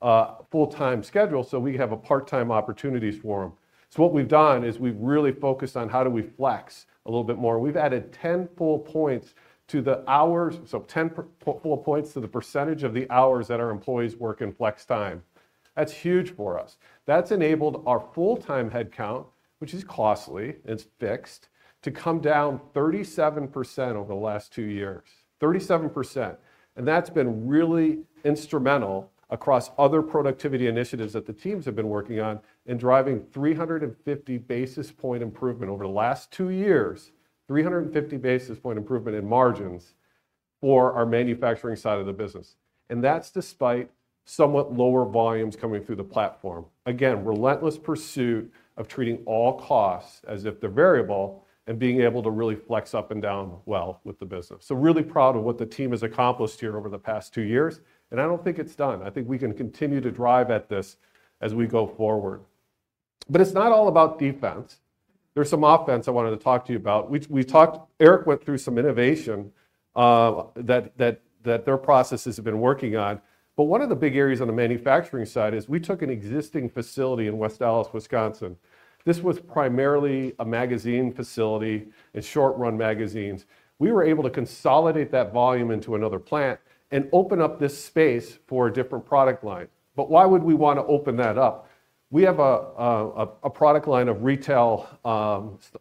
full-time schedule, so we have a part-time opportunity for them. So what we've done is we've really focused on how do we flex a little bit more. We've added 10 full points to the hours, so 10 full points to the percentage of the hours that our employees work in flex time. That's huge for us. That's enabled our full-time headcount, which is costly and it's fixed, to come down 37% over the last two years. 37%. And that's been really instrumental across other productivity initiatives that the teams have been working on in driving 350 basis point improvement over the last two years, 350 basis point improvement in margins for our manufacturing side of the business. And that's despite somewhat lower volumes coming through the platform. Again, relentless pursuit of treating all costs as if they're variable and being able to really flex up and down well with the business. So really proud of what the team has accomplished here over the past two years. And I don't think it's done. I think we can continue to drive at this as we go forward. But it's not all about defense. There's some offense I wanted to talk to you about. Eric went through some innovation that their processes have been working on. But one of the big areas on the manufacturing side is we took an existing facility in West Allis, Wisconsin. This was primarily a magazine facility and short-run magazines. We were able to consolidate that volume into another plant and open up this space for a different product line. But why would we want to open that up? We have a product line of retail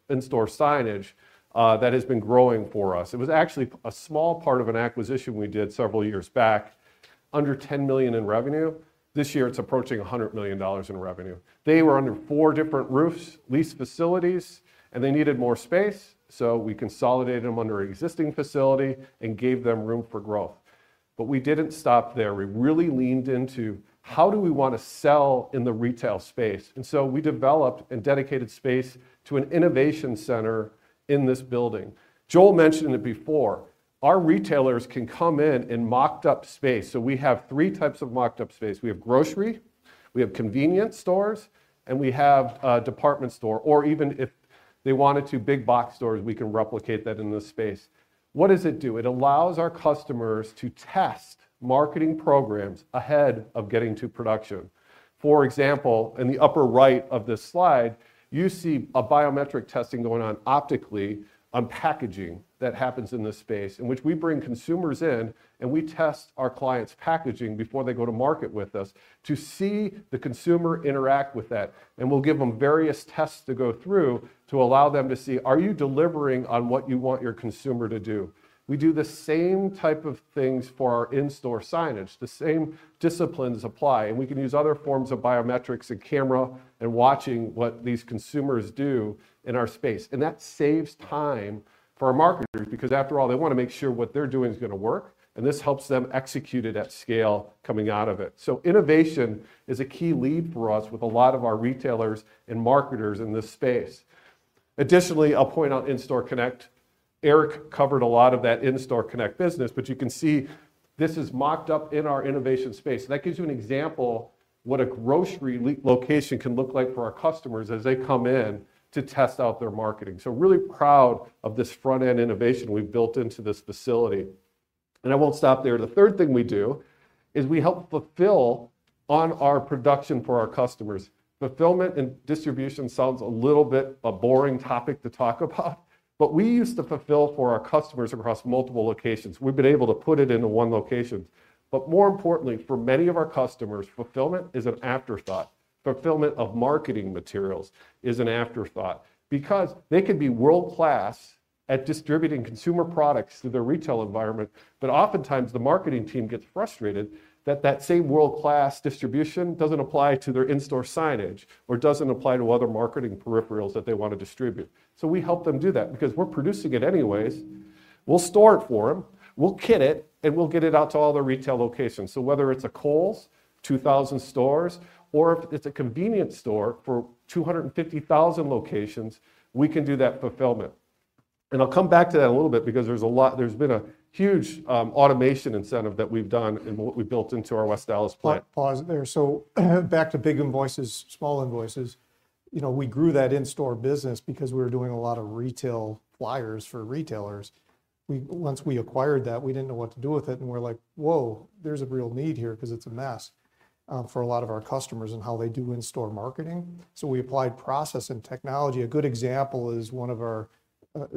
in-store signage that has been growing for us. It was actually a small part of an acquisition we did several years back, under $10 million in revenue. This year, it's approaching $100 million in revenue. They were under four different roofs, leased facilities, and they needed more space. So we consolidated them under an existing facility and gave them room for growth. But we didn't stop there. We really leaned into how do we want to sell in the retail space. And so we developed and dedicated space to an innovation center in this building. Joel mentioned it before. Our retailers can come in in mocked-up space. So we have three types of mocked-up space. We have grocery, we have convenience stores, and we have department store. Or even if they wanted to, big box stores, we can replicate that in this space. What does it do? It allows our customers to test marketing programs ahead of getting to production. For example, in the upper right of this slide, you see biometric testing going on optically on packaging that happens in this space, in which we bring consumers in and we test our clients' packaging before they go to market with us to see the consumer interact with that, and we'll give them various tests to go through to allow them to see, are you delivering on what you want your consumer to do? We do the same type of things for our in-store signage. The same disciplines apply, and we can use other forms of biometrics and camera and watching what these consumers do in our space, and that saves time for our marketers because after all, they want to make sure what they're doing is going to work. And this helps them execute it at scale coming out of it. So innovation is a key lead for us with a lot of our retailers and marketers in this space. Additionally, I'll point out In-Store Connect. Eric covered a lot of that In-Store Connect business, but you can see this is mocked up in our innovation space. That gives you an example of what a grocery location can look like for our customers as they come in to test out their marketing. So really proud of this front-end innovation we've built into this facility. And I won't stop there. The third thing we do is we help fulfill on our production for our customers. Fulfillment and distribution sounds a little bit of a boring topic to talk about, but we used to fulfill for our customers across multiple locations. We've been able to put it into one location. But more importantly, for many of our customers, fulfillment is an afterthought. Fulfillment of marketing materials is an afterthought because they can be world-class at distributing consumer products to their retail environment, but oftentimes the marketing team gets frustrated that that same world-class distribution doesn't apply to their in-store signage or doesn't apply to other marketing peripherals that they want to distribute. So we help them do that because we're producing it anyways. We'll store it for them. We'll kit it, and we'll get it out to all the retail locations. So whether it's a Kohl's, 2,000 stores, or if it's a convenience store for 250,000 locations, we can do that fulfillment. And I'll come back to that a little bit because there's been a huge automation incentive that we've done and what we built into our West Allis plant. Pause there. So back to big invoices, small invoices. We grew that in-store business because we were doing a lot of retail flyers for retailers. Once we acquired that, we didn't know what to do with it. And we're like, "Whoa, there's a real need here because it's a mess for a lot of our customers and how they do in-store marketing." So we applied process and technology. A good example is one of our,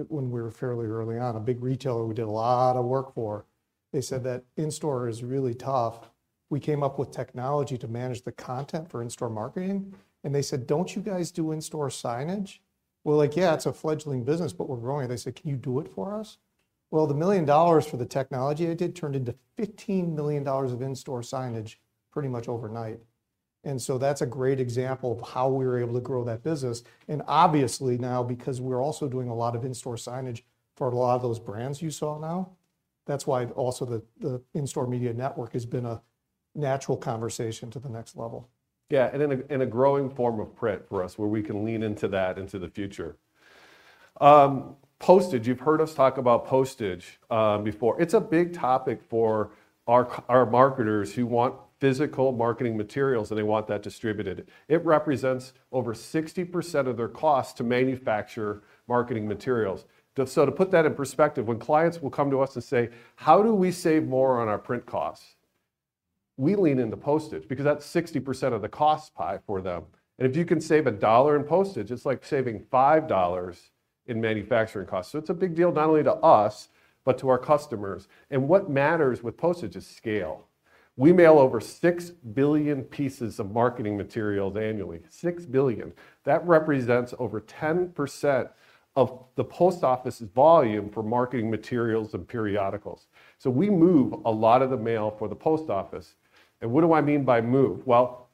when we were fairly early on, a big retailer we did a lot of work for. They said that in-store is really tough. We came up with technology to manage the content for in-store marketing. And they said, "Don't you guys do in-store signage?" We're like, "Yeah, it's a fledgling business, but we're growing." They said, "Can you do it for us?" Well, the $1 million for the technology I did turned into $15 million of in-store signage pretty much overnight. And so that's a great example of how we were able to grow that business. And obviously now, because we're also doing a lot of in-store signage for a lot of those brands you saw now, that's why also the in-store media network has been a natural conversation to the next level. Yeah, and a growing form of print for us where we can lean into that into the future. Postage, you've heard us talk about postage before. It's a big topic for our marketers who want physical marketing materials and they want that distributed. It represents over 60% of their costs to manufacture marketing materials. So to put that in perspective, when clients will come to us and say, "How do we save more on our print costs?" We lean into postage because that's 60% of the cost pie for them. If you can save $1 in postage, it's like saving $5 in manufacturing costs. So it's a big deal not only to us, but to our customers. What matters with postage is scale. We mail over six billion pieces of marketing materials annually. Six billion. That represents over 10% of the post office's volume for marketing materials and periodicals. So we move a lot of the mail for the post office. What do I mean by move? Well,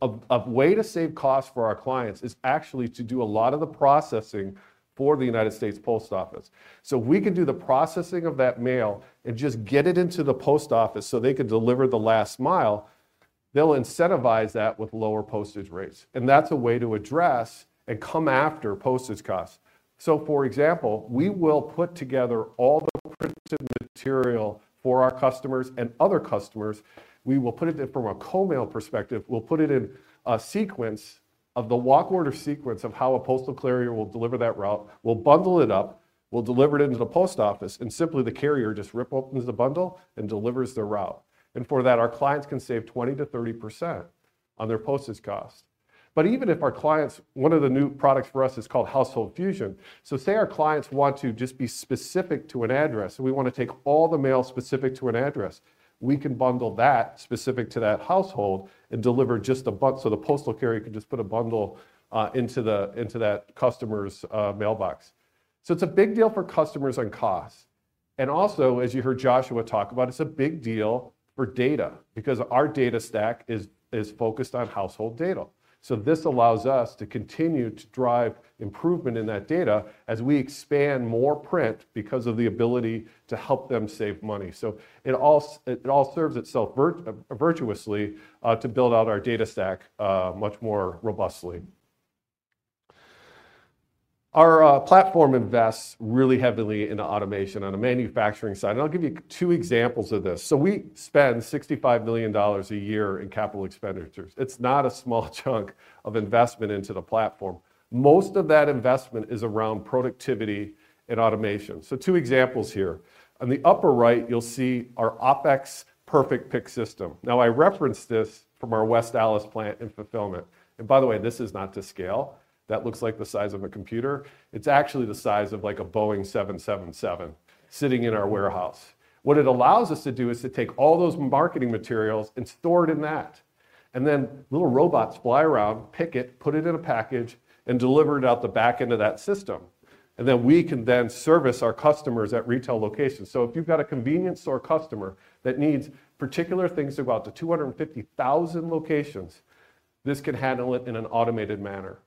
a way to save costs for our clients is actually to do a lot of the processing for the United States Post Office. So we can do the processing of that mail and just get it into the post office so they can deliver the last mile. They'll incentivize that with lower postage rates. And that's a way to address and come after postage costs. So for example, we will put together all the printed material for our customers and other customers. We will put it from a co-mail perspective. We'll put it in a sequence of the walk order sequence of how a postal carrier will deliver that route. We'll bundle it up. We'll deliver it into the post office. And simply the carrier just rips the bundle and delivers the route. And for that, our clients can save 20%-30% on their postal costs. But even if our clients, one of the new products for us is called Household Fusion. So say our clients want to just be specific to an address. So we want to take all the mail specific to an address. We can bundle that specific to that household and deliver just a bundle. So the postal carrier can just put a bundle into that customer's mailbox. So it's a big deal for customers and costs. And also, as you heard Joshua talk about, it's a big deal for data because our data stack is focused on household data. So this allows us to continue to drive improvement in that data as we expand more print because of the ability to help them save money. So it all serves itself virtuously to build out our data stack much more robustly. Our platform invests really heavily in automation on a manufacturing side. And I'll give you two examples of this. So we spend $65 million a year in capital expenditures. It's not a small chunk of investment into the platform. Most of that investment is around productivity and automation. So two examples here. On the upper right, you'll see our OPEX Perfect Pick system. Now, I referenced this from our West Allis plant in fulfillment. By the way, this is not to scale. That looks like the size of a computer. It's actually the size of like a Boeing 777 sitting in our warehouse. What it allows us to do is to take all those marketing materials and store it in that. Little robots fly around, pick it, put it in a package, and deliver it out the back into that system. We can then service our customers at retail locations. If you've got a convenience store customer that needs particular things about the 250,000 locations, this can handle it in an automated manner.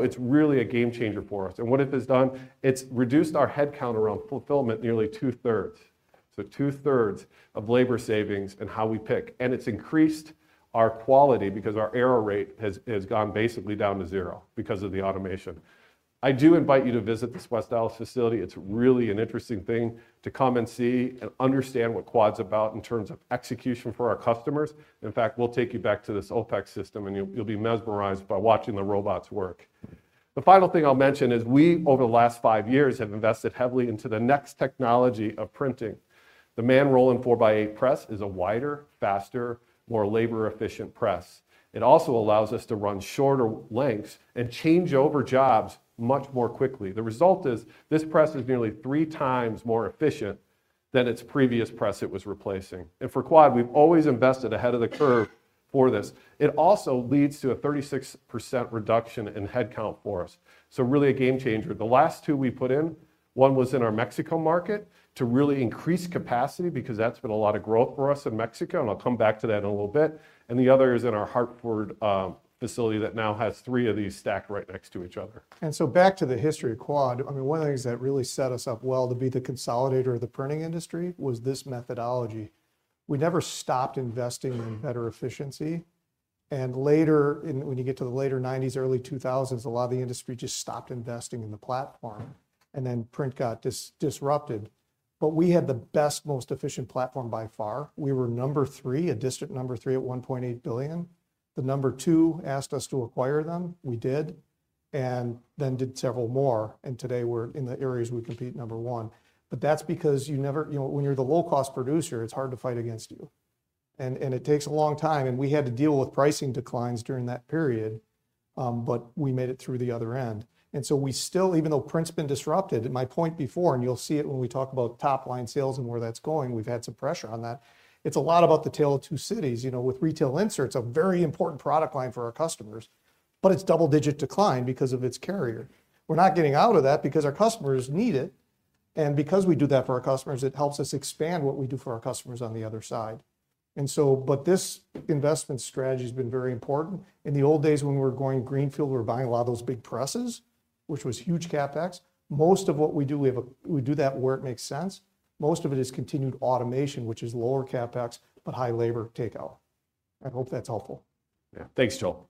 It's really a game changer for us. What it has done, it's reduced our headcount around fulfillment nearly two-thirds. Two-thirds of labor savings in how we pick. And it's increased our quality because our error rate has gone basically down to zero because of the automation. I do invite you to visit this West Allis facility. It's really an interesting thing to come and see and understand what Quad's about in terms of execution for our customers. In fact, we'll take you back to this OPEX system, and you'll be mesmerized by watching the robots work. The final thing I'll mention is we, over the last five years, have invested heavily into the next technology of printing. The Manroland 4x8 press is a wider, faster, more labor-efficient press. It also allows us to run shorter lengths and changeover jobs much more quickly. The result is this press is nearly three times more efficient than its previous press it was replacing. And for Quad, we've always invested ahead of the curve for this. It also leads to a 36% reduction in headcount for us, so really a game changer. The last two we put in, one was in our Mexico market to really increase capacity because that's been a lot of growth for us in Mexico, and I'll come back to that in a little bit, and the other is in our Hartford facility that now has three of these stacked right next to each other. And so back to the history of Quad, I mean, one of the things that really set us up well to be the consolidator of the printing industry was this methodology. We never stopped investing in better efficiency. And later, when you get to the later 1990s, early 2000s, a lot of the industry just stopped investing in the platform, and then print got disrupted. But we had the best, most efficient platform by far. We were number three, a distant number three at $1.8 billion. The number two asked us to acquire them. We did, and then did several more. And today, we're in the areas we compete number one. But that's because when you're the low-cost producer, it's hard to fight against you. And it takes a long time. And we had to deal with pricing declines during that period, but we made it through the other end. And so we still, even though print's been disrupted, my point before, and you'll see it when we talk about top-line sales and where that's going, we've had some pressure on that. It's a lot about the tale of two cities. With retail inserts, a very important product line for our customers, but it's double-digit decline because of its carrier. We're not getting out of that because our customers need it. Because we do that for our customers, it helps us expand what we do for our customers on the other side. And so, but this investment strategy has been very important. In the old days when we were going greenfield, we were buying a lot of those big presses, which was huge CapEx. Most of what we do, we do that where it makes sense. Most of it is continued automation, which is lower CapEx, but high labor takeout. I hope that's helpful. Yeah, thanks, Joel.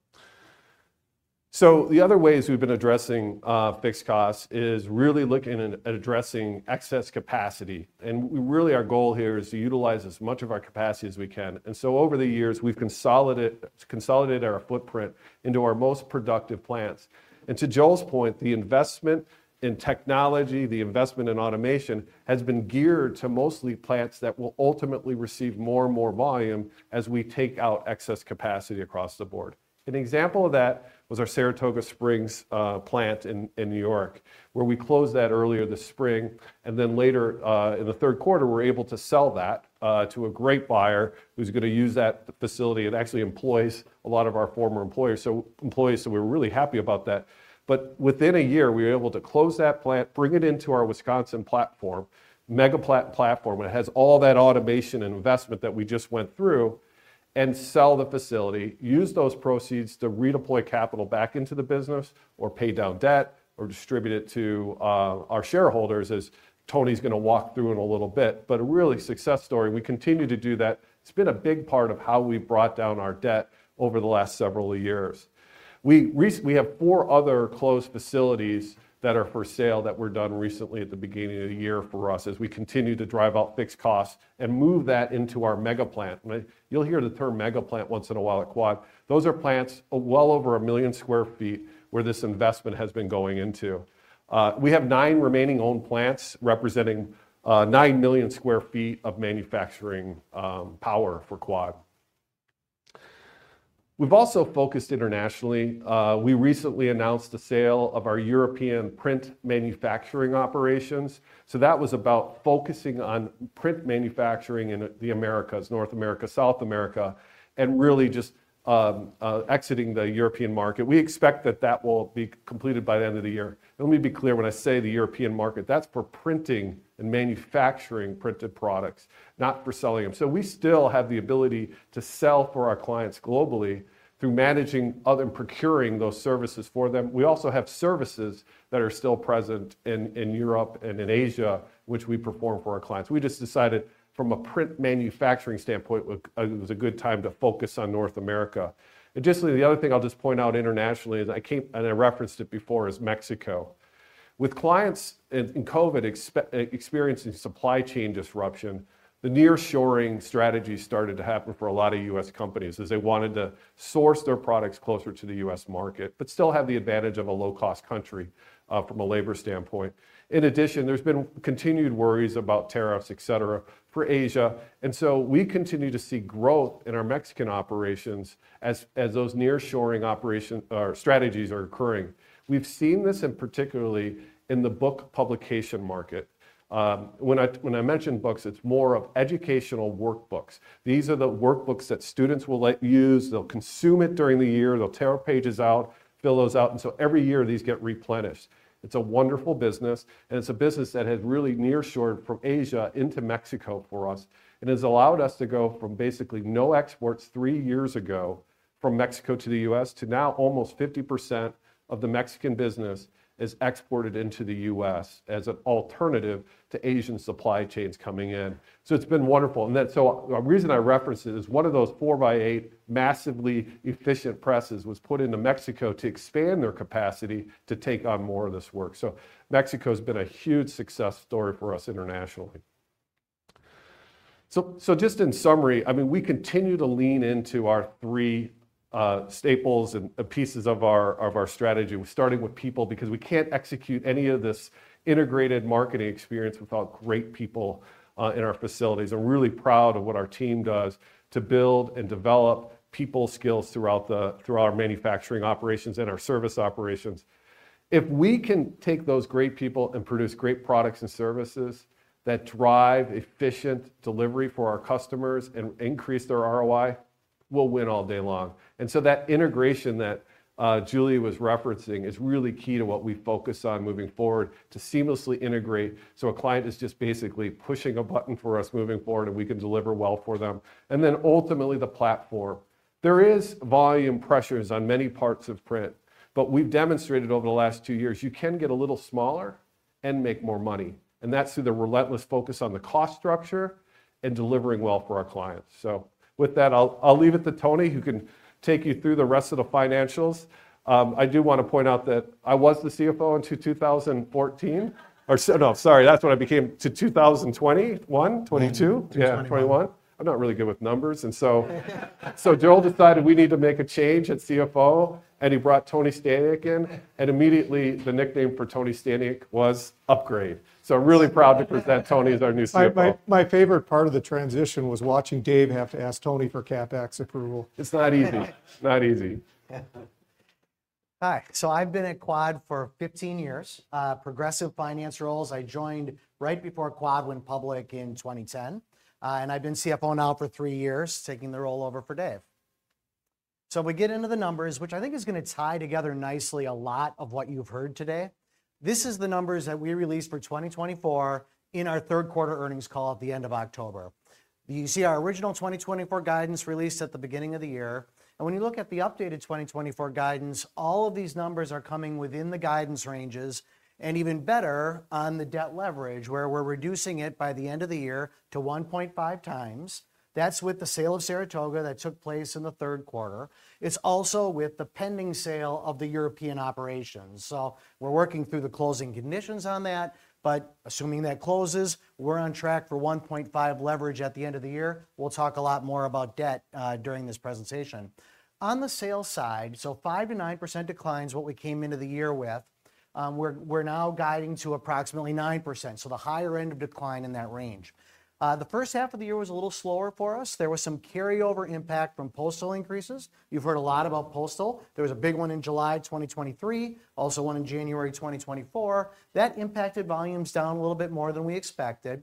The other ways we've been addressing fixed costs is really looking at addressing excess capacity. Really, our goal here is to utilize as much of our capacity as we can. So over the years, we've consolidated our footprint into our most productive plants. To Joel's point, the investment in technology, the investment in automation has been geared to mostly plants that will ultimately receive more and more volume as we take out excess capacity across the board. An example of that was our Saratoga Springs plant in New York, where we closed that earlier this spring. Then later in the third quarter, we were able to sell that to a great buyer who's going to use that facility. It actually employs a lot of our former employees. So we were really happy about that. But within a year, we were able to close that plant, bring it into our Wisconsin platform, mega-platform that has all that automation and investment that we just went through, and sell the facility, use those proceeds to redeploy capital back into the business or pay down debt or distribute it to our shareholders, as Tony's going to walk through in a little bit. But a real success story, we continue to do that. It's been a big part of how we've brought down our debt over the last several years. We have four other closed facilities that are for sale that were done recently at the beginning of the year for us as we continue to drive out fixed costs and move that into our mega-plant. You'll hear the term mega-plant once in a while at Quad. Those are plants well over a million sq ft where this investment has been going into. We have nine remaining owned plants representing 9 million sq ft of manufacturing power for Quad. We've also focused internationally. We recently announced the sale of our European print manufacturing operations. So that was about focusing on print manufacturing in the Americas, North America, South America, and really just exiting the European market. We expect that that will be completed by the end of the year. Let me be clear when I say the European market, that's for printing and manufacturing printed products, not for selling them. So we still have the ability to sell for our clients globally through managing and procuring those services for them. We also have services that are still present in Europe and in Asia, which we perform for our clients. We just decided from a print manufacturing standpoint, it was a good time to focus on North America. And just the other thing I'll just point out internationally is, I referenced it before, is Mexico. With clients in COVID experiencing supply chain disruption, the nearshoring strategy started to happen for a lot of U.S. companies as they wanted to source their products closer to the U.S. market, but still have the advantage of a low-cost country from a labor standpoint. In addition, there's been continued worries about tariffs, etc., for Asia. And so we continue to see growth in our Mexican operations as those nearshoring strategies are occurring. We've seen this particularly in the book publication market. When I mention books, it's more of educational workbooks. These are the workbooks that students will use. They'll consume it during the year. They'll tear our pages out, fill those out. Every year, these get replenished. It's a wonderful business. It's a business that has really nearshored from Asia into Mexico for us and has allowed us to go from basically no exports three years ago from Mexico to the U.S. to now almost 50% of the Mexican business is exported into the U.S. as an alternative to Asian supply chains coming in. It's been wonderful. The reason I referenced it is one of those 4x8 massively efficient presses was put into Mexico to expand their capacity to take on more of this work. Mexico has been a huge success story for us internationally. Just in summary, I mean, we continue to lean into our three staples and pieces of our strategy, starting with people because we can't execute any of this integrated marketing experience without great people in our facilities. I'm really proud of what our team does to build and develop people skills throughout our manufacturing operations and our service operations. If we can take those great people and produce great products and services that drive efficient delivery for our customers and increase their ROI, we'll win all day long, and so that integration that Julie was referencing is really key to what we focus on moving forward to seamlessly integrate, so a client is just basically pushing a button for us moving forward, and we can deliver well for them, and then ultimately, the platform. There is volume pressures on many parts of print, but we've demonstrated over the last two years, you can get a little smaller and make more money, and that's through the relentless focus on the cost structure and delivering well for our clients. So with that, I'll leave it to Tony, who can take you through the rest of the financials. I do want to point out that I was the CFO until 2014. Or no, sorry, that's what I became to 2021, 2022. Yeah, 2021. I'm not really good with numbers. And so Joel decided we need to make a change at CFO, and he brought Tony Staniak in. And immediately, the nickname for Tony Staniak was Upgrade. So I'm really proud to present Tony as our new CFO. My favorite part of the transition was watching Dave have to ask Tony for CapEx approval. It's not easy. It's not easy. Hi. So I've been at Quad for 15 years, progressive finance roles. I joined right before Quad went public in 2010. And I've been CFO now for three years, taking the role over for Dave. So we get into the numbers, which I think is going to tie together nicely a lot of what you've heard today. This is the numbers that we released for 2024 in our third quarter earnings call at the end of October. You see our original 2024 guidance released at the beginning of the year. And when you look at the updated 2024 guidance, all of these numbers are coming within the guidance ranges. And even better on the debt leverage, where we're reducing it by the end of the year to 1.5 times. That's with the sale of Saratoga that took place in the third quarter. It's also with the pending sale of the European operations. So we're working through the closing conditions on that. But assuming that closes, we're on track for 1.5 leverage at the end of the year. We'll talk a lot more about debt during this presentation. On the sales side, so 5%-9% declines what we came into the year with. We're now guiding to approximately 9%. So the higher end of decline in that range. The first half of the year was a little slower for us. There was some carryover impact from postal increases. You've heard a lot about postal. There was a big one in July 2023, also one in January 2024. That impacted volumes down a little bit more than we expected.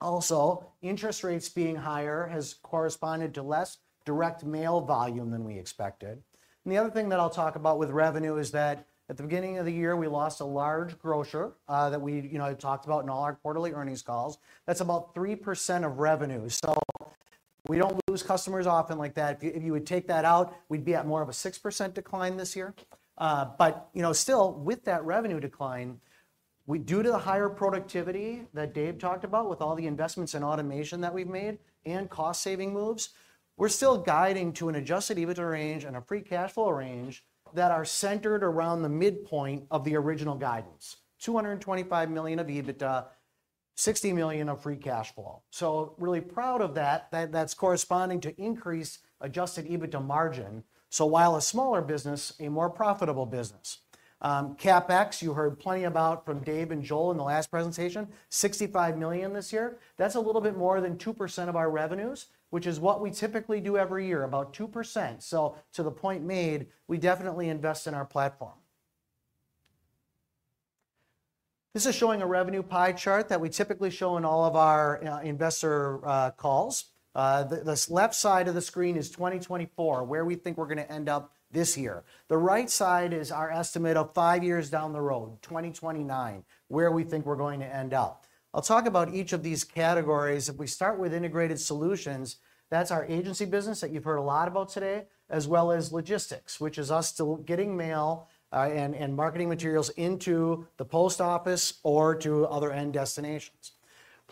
Also, interest rates being higher has corresponded to less direct mail volume than we expected. And the other thing that I'll talk about with revenue is that at the beginning of the year, we lost a large grocer that we talked about in all our quarterly earnings calls. That's about 3% of revenue. So we don't lose customers often like that. If you would take that out, we'd be at more of a 6% decline this year. But still, with that revenue decline, due to the higher productivity that Dave talked about with all the investments in automation that we've made and cost-saving moves, we're still guiding to an adjusted EBITDA range and a free cash flow range that are centered around the midpoint of the original guidance: $225 million of EBITDA, $60 million of free cash flow. So really proud of that. That's corresponding to increased adjusted EBITDA margin. So while a smaller business, a more profitable business. CapEx, you heard plenty about from Dave and Joel in the last presentation, $65 million this year. That's a little bit more than 2% of our revenues, which is what we typically do every year, about 2%. So to the point made, we definitely invest in our platform. This is showing a revenue pie chart that we typically show in all of our investor calls. The left side of the screen is 2024, where we think we're going to end up this year. The right side is our estimate of five years down the road, 2029, where we think we're going to end up. I'll talk about each of these categories. If we start with integrated solutions, that's our agency business that you've heard a lot about today, as well as logistics, which is us getting mail and marketing materials into the post office or to other end destinations.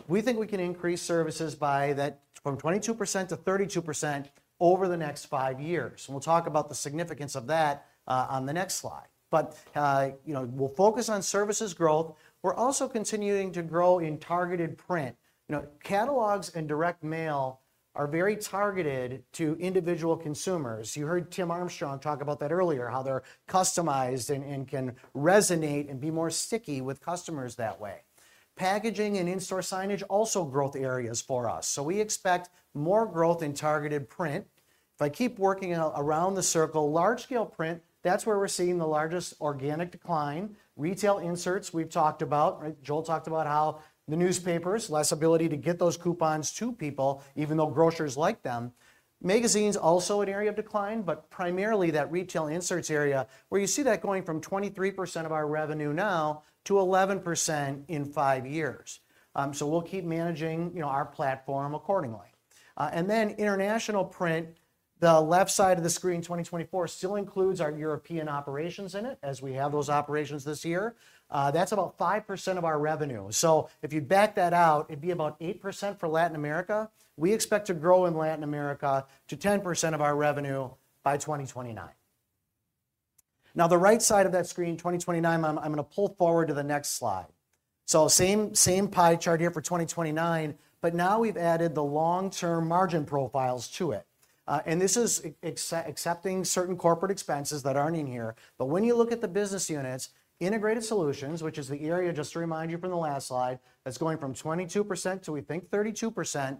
We think we can increase services from 22%-32% over the next five years. And we'll talk about the significance of that on the next slide. But we'll focus on services growth. We're also continuing to grow in targeted print. Catalogs and direct mail are very targeted to individual consumers. You heard Tim Armstrong talk about that earlier, how they're customized and can resonate and be more sticky with customers that way. Packaging and in-store signage are also growth areas for us. So we expect more growth in targeted print. If I keep working around the circle, large-scale print, that's where we're seeing the largest organic decline. Retail inserts, we've talked about. Joel talked about how the newspapers, less ability to get those coupons to people, even though grocers like them. Magazines are also an area of decline, but primarily that retail inserts area, where you see that going from 23% of our revenue now to 11% in five years. So we'll keep managing our platform accordingly. And then international print, the left side of the screen, 2024 still includes our European operations in it, as we have those operations this year. That's about 5% of our revenue. So if you back that out, it'd be about 8% for Latin America. We expect to grow in Latin America to 10% of our revenue by 2029. Now, the right side of that screen, 2029, I'm going to pull forward to the next slide. So same pie chart here for 2029, but now we've added the long-term margin profiles to it. And this is accepting certain corporate expenses that aren't in here. But when you look at the business units, integrated solutions, which is the area just to remind you from the last slide, that's going from 22% to, we think, 32%.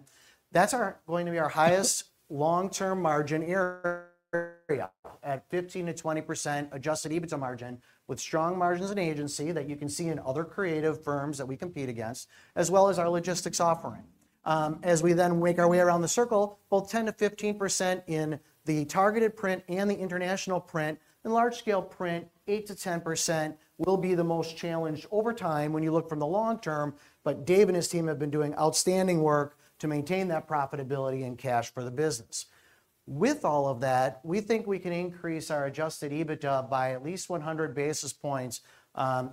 That's going to be our highest long-term margin area at 15%-20% Adjusted EBITDA margin with strong margins and agency that you can see in other creative firms that we compete against, as well as our logistics offering. As we then make our way around the circle, both 10%-15% in the targeted print and the international print and large-scale print, 8%-10% will be the most challenged over time when you look from the long term, but Dave and his team have been doing outstanding work to maintain that profitability and cash for the business. With all of that, we think we can increase our Adjusted EBITDA by at least 100 basis points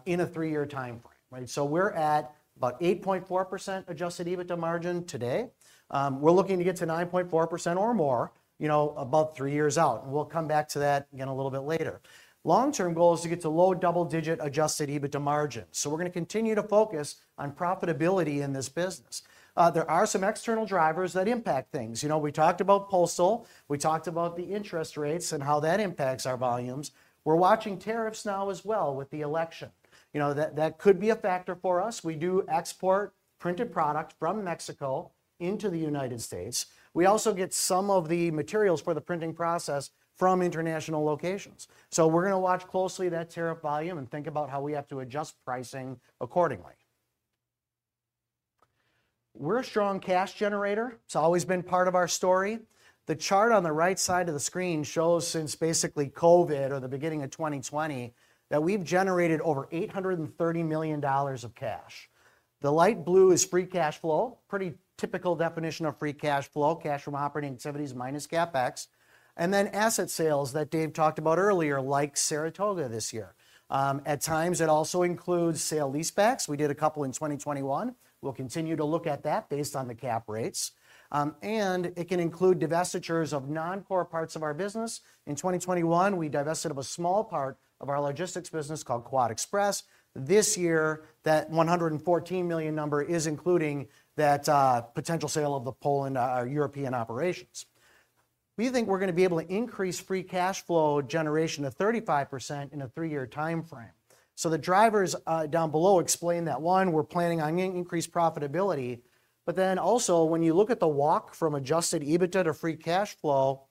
in a three-year timeframe, so we're at about 8.4% Adjusted EBITDA margin today. We're looking to get to 9.4% or more about three years out. We'll come back to that again a little bit later. Long-term goal is to get to low double-digit Adjusted EBITDA margin. We're going to continue to focus on profitability in this business. There are some external drivers that impact things. We talked about postal. We talked about the interest rates and how that impacts our volumes. We're watching tariffs now as well with the election. That could be a factor for us. We do export printed product from Mexico into the United States. We also get some of the materials for the printing process from international locations. We're going to watch closely that tariff volume and think about how we have to adjust pricing accordingly. We're a strong cash generator. It's always been part of our story. The chart on the right side of the screen shows since basically COVID or the beginning of 2020 that we've generated over $830 million of cash. The light blue is free cash flow, pretty typical definition of free cash flow, cash from operating activities minus CapEx, and then asset sales that Dave talked about earlier, like Saratoga this year. At times, it also includes sale leasebacks. We did a couple in 2021. We'll continue to look at that based on the cap rates, and it can include divestitures of non-core parts of our business. In 2021, we divested of a small part of our logistics business called Quad Express. This year, that $114 million number is including that potential sale of the Poland European operations. We think we're going to be able to increase free cash flow generation to 35% in a three-year timeframe. The drivers down below explain that, one, we're planning on increased profitability. But then also, when you look at the walk from Adjusted EBITDA to free cash flow,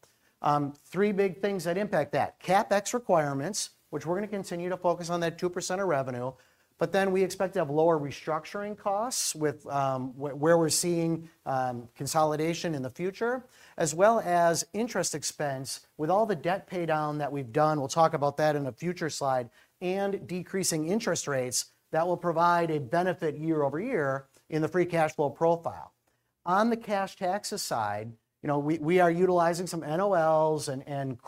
three big things that impact that: CapEx requirements, which we're going to continue to focus on that 2% of revenue. But then we expect to have lower restructuring costs where we're seeing consolidation in the future, as well as interest expense with all the debt paydown that we've done. We'll talk about that in a future slide. And decreasing interest rates that will provide a benefit year over year in the free cash flow profile. On the cash taxes side, we are utilizing some NOLs and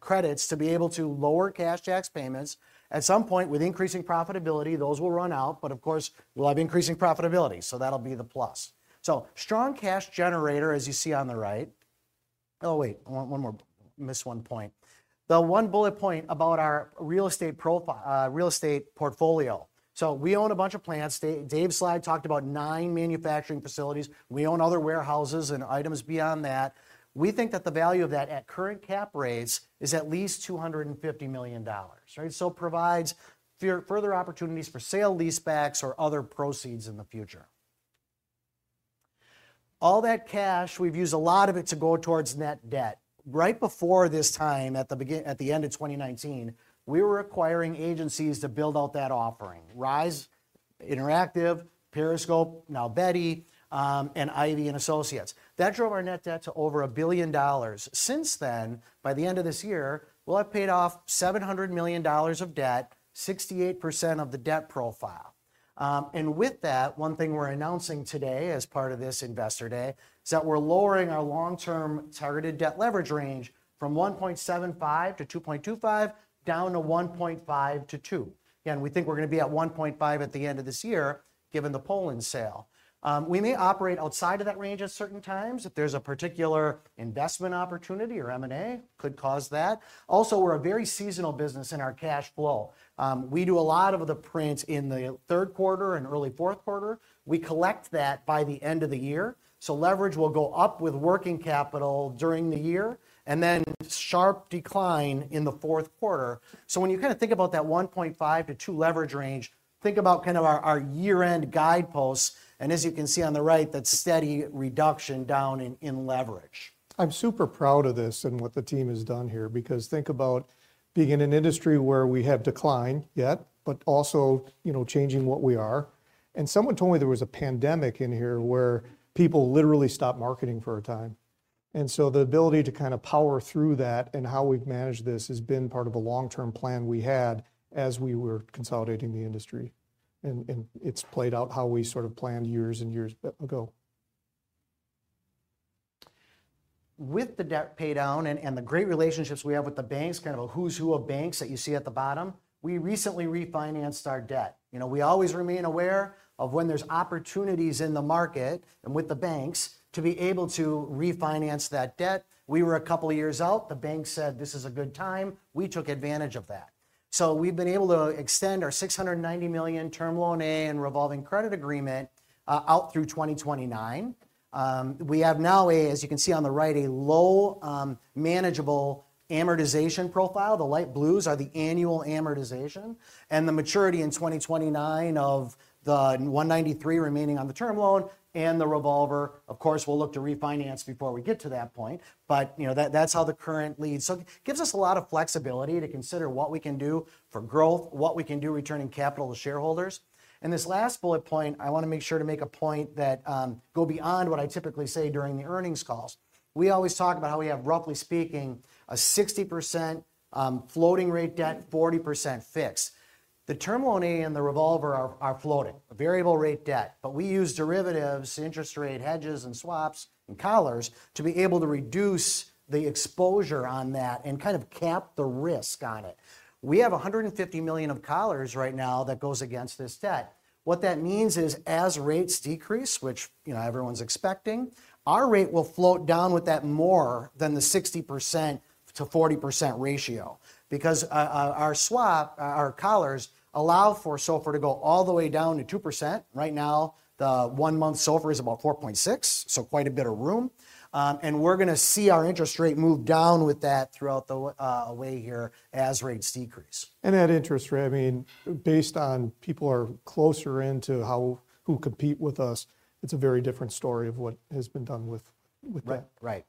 credits to be able to lower cash tax payments. At some point, with increasing profitability, those will run out. But of course, we'll have increasing profitability. So that'll be the plus. So strong cash generator, as you see on the right. Oh, wait, I missed one point. The one bullet point about our real estate portfolio. We own a bunch of plants. Dave's slide talked about nine manufacturing facilities. We own other warehouses and items beyond that. We think that the value of that at current cap rates is at least $250 million. It provides further opportunities for sale leasebacks or other proceeds in the future. All that cash, we've used a lot of it to go towards net debt. Right before this time, at the end of 2019, we were acquiring agencies to build out that offering: Rise Interactive, Periscope, now Betty, and Ivie & Associates. That drove our net debt to over a billion dollars. Since then, by the end of this year, we'll have paid off $700 million of debt, 68% of the debt profile. With that, one thing we're announcing today as part of this investor day is that we're lowering our long-term targeted debt leverage range from 1.75-2.25 down to 1.5-2. Again, we think we're going to be at 1.5 at the end of this year, given the Poland sale. We may operate outside of that range at certain times if there's a particular investment opportunity or M&A could cause that. Also, we're a very seasonal business in our cash flow. We do a lot of the print in the third quarter and early fourth quarter. We collect that by the end of the year. So leverage will go up with working capital during the year and then sharp decline in the fourth quarter. So when you kind of think about that 1.5-2 leverage range, think about kind of our year-end guideposts. As you can see on the right, that's a steady reduction down in leverage. I'm super proud of this and what the team has done here because think about being in an industry where we have declined yet, but also changing what we are. Someone told me there was a pandemic in here where people literally stopped marketing for a time. So the ability to kind of power through that and how we've managed this has been part of a long-term plan we had as we were consolidating the industry. It's played out how we sort of planned years and years ago. With the debt paydown and the great relationships we have with the banks, kind of a who's who of banks that you see at the bottom, we recently refinanced our debt. We always remain aware of when there's opportunities in the market and with the banks to be able to refinance that debt. We were a couple of years out. The bank said, "This is a good time." We took advantage of that. So we've been able to extend our $690 million term loan and revolving credit agreement out through 2029. We have now, as you can see on the right, a low manageable amortization profile. The light blues are the annual amortization and the maturity in 2029 of the $193 million remaining on the term loan and the revolver. Of course, we'll look to refinance before we get to that point. But that's how the current leads. So it gives us a lot of flexibility to consider what we can do for growth, what we can do returning capital to shareholders. This last bullet point, I want to make sure to make a point that goes beyond what I typically say during the earnings calls. We always talk about how we have, roughly speaking, a 60% floating-rate debt, 40% fixed. The term loan and the revolver are floating, a variable-rate debt. But we use derivatives, interest rate hedges, and swaps and collars to be able to reduce the exposure on that and kind of cap the risk on it. We have $150 million of collars right now that goes against this debt. What that means is, as rates decrease, which everyone's expecting, our rate will float down with that more than the 60%-40% ratio because our swap, our collars allow for SOFR to go all the way down to 2%. Right now, the one-month SOFR is about 4.6%, so quite a bit of room. And we're going to see our interest rate move down with that throughout the way here as rates decrease. And that interest rate, I mean, based on people who are closer to how we compete. With us, it's a very different story of what has been done with that. Right.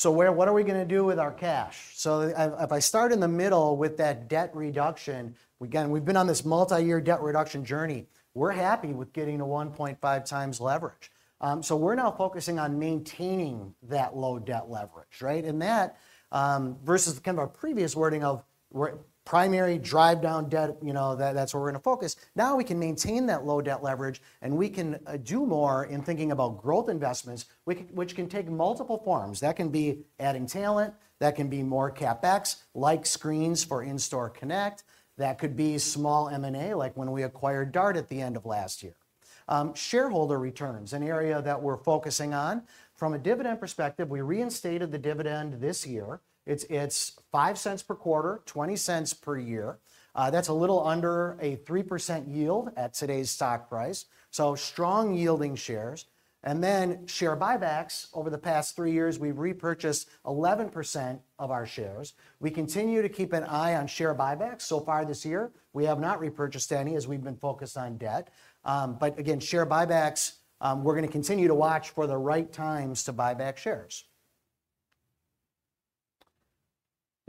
So what are we going to do with our cash? So if I start in the middle with that debt reduction, again, we've been on this multi-year debt reduction journey. We're happy with getting a 1.5 times leverage. So we're now focusing on maintaining that low debt leverage, right? And that versus kind of our previous wording of primary drive-down debt, that's where we're going to focus. Now we can maintain that low debt leverage, and we can do more in thinking about growth investments, which can take multiple forms. That can be adding talent. That can be more CapEx, like screens for In-Store Connect. That could be small M&A, like when we acquired DART at the end of last year. Shareholder returns, an area that we're focusing on. From a dividend perspective, we reinstated the dividend this year. It's $0.05 per quarter, $0.20 per year. That's a little under a 3% yield at today's stock price. So strong yielding shares. And then share buybacks. Over the past three years, we've repurchased 11% of our shares. We continue to keep an eye on share buybacks. So far this year, we have not repurchased any as we've been focused on debt. But again, share buybacks, we're going to continue to watch for the right times to buy back shares.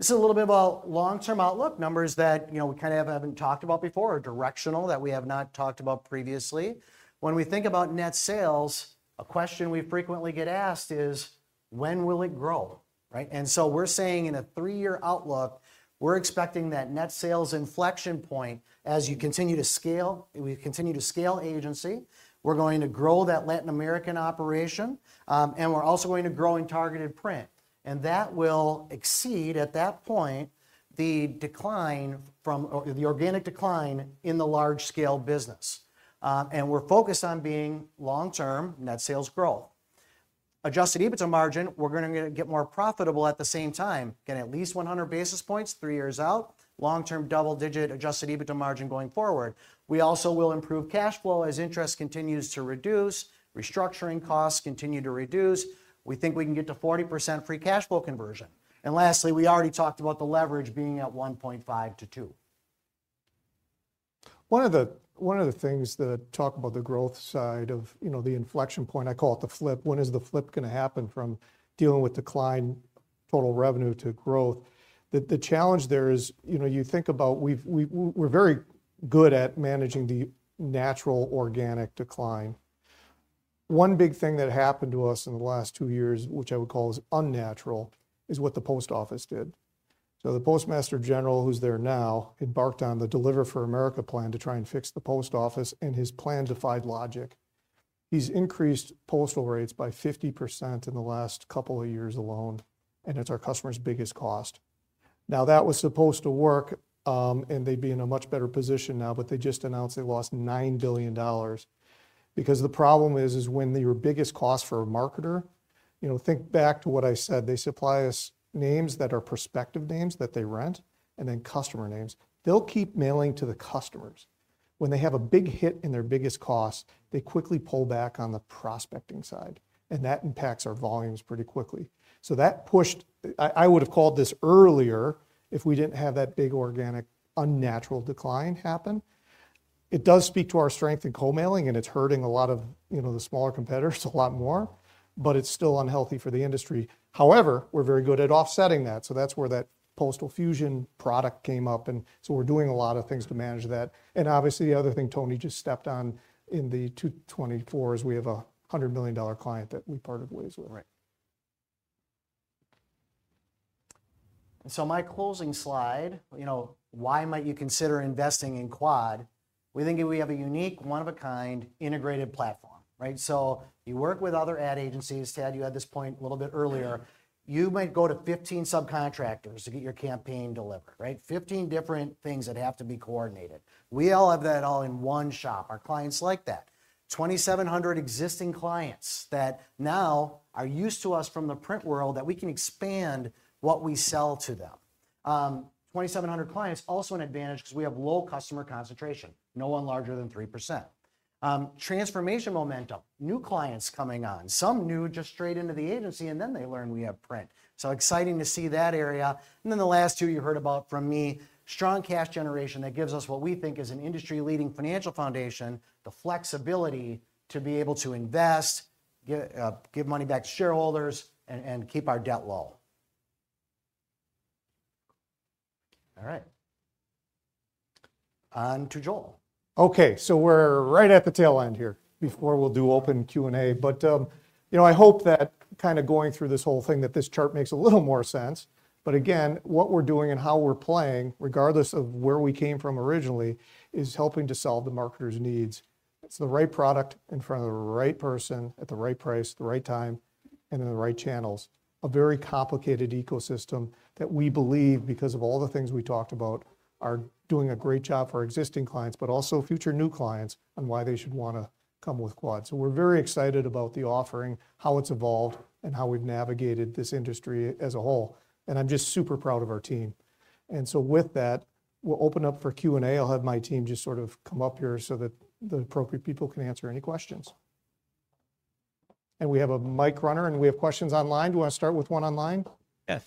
This is a little bit about long-term outlook. Numbers that we kind of haven't talked about before are directional that we have not talked about previously. When we think about net sales, a question we frequently get asked is, when will it grow? And so we're saying in a three-year outlook, we're expecting that net sales inflection point as you continue to scale, we continue to scale agency. We're going to grow that Latin American operation. And we're also going to grow in targeted print. And that will exceed at that point the decline from the organic decline in the large-scale business. And we're focused on being long-term net sales growth. Adjusted EBITDA margin, we're going to get more profitable at the same time. Get at least 100 basis points three years out, long-term double-digit adjusted EBITDA margin going forward. We also will improve cash flow as interest continues to reduce. Restructuring costs continue to reduce. We think we can get to 40% free cash flow conversion, and lastly, we already talked about the leverage being at 1.5-2. One of the things to talk about the growth side of the inflection point, I call it the flip. When is the flip going to happen from dealing with declined total revenue to growth? The challenge there is you think about we're very good at managing the natural organic decline. One big thing that happened to us in the last two years, which I would call unnatural, is what the post office did. So the Postmaster General who's there now, he embarked on the Delivering for America plan to try and fix the post office and his plantified logic. He's increased postal rates by 50% in the last couple of years alone, and it's our customer's biggest cost. Now, that was supposed to work, and they'd be in a much better position now, but they just announced they lost $9 billion. Because the problem is when your biggest cost for a marketer, think back to what I said, they supply us names that are prospective names that they rent and then customer names. They'll keep mailing to the customers. When they have a big hit in their biggest cost, they quickly pull back on the prospecting side. And that impacts our volumes pretty quickly. So that pushed. I would have called this earlier if we didn't have that big organic unnatural decline happen. It does speak to our strength in co-mailing, and it's hurting a lot of the smaller competitors a lot more, but it's still unhealthy for the industry. However, we're very good at offsetting that. So that's where that postal fusion product came up. And so we're doing a lot of things to manage that. And obviously, the other thing Tony just stepped on in the 224 is we have a $100 million client that we parted ways with. Right. And so my closing slide, why might you consider investing in Quad? We think we have a unique, one-of-a-kind integrated platform. So you work with other ad agencies, Ted, you had this point a little bit earlier. You might go to 15 subcontractors to get your campaign delivered, right? 15 different things that have to be coordinated. We all have that all in one shop. Our clients like that. 2,700 existing clients that now are used to us from the print world that we can expand what we sell to them. 2,700 clients also an advantage because we have low customer concentration, no one larger than 3%. Transformation momentum, new clients coming on. Some new just straight into the agency, and then they learn we have print. So exciting to see that area. And then the last two you heard about from me, strong cash generation that gives us what we think is an industry-leading financial foundation, the flexibility to be able to invest, give money back to shareholders, and keep our debt low. All right. On to Joel. Okay. So we're right at the tail end here before we'll do open Q&A. But I hope that kind of going through this whole thing, that this chart makes a little more sense. But again, what we're doing and how we're playing, regardless of where we came from originally, is helping to solve the marketers' needs. It's the right product in front of the right person at the right price, the right time, and in the right channels. A very complicated ecosystem that we believe, because of all the things we talked about, are doing a great job for existing clients, but also future new clients on why they should want to come with Quad. So we're very excited about the offering, how it's evolved, and how we've navigated this industry as a whole. And I'm just super proud of our team. And so with that, we'll open up for Q&A. I'll have my team just sort of come up here so that the appropriate people can answer any questions. And we have a mic runner, and we have questions online. Do you want to start with one online? Yes.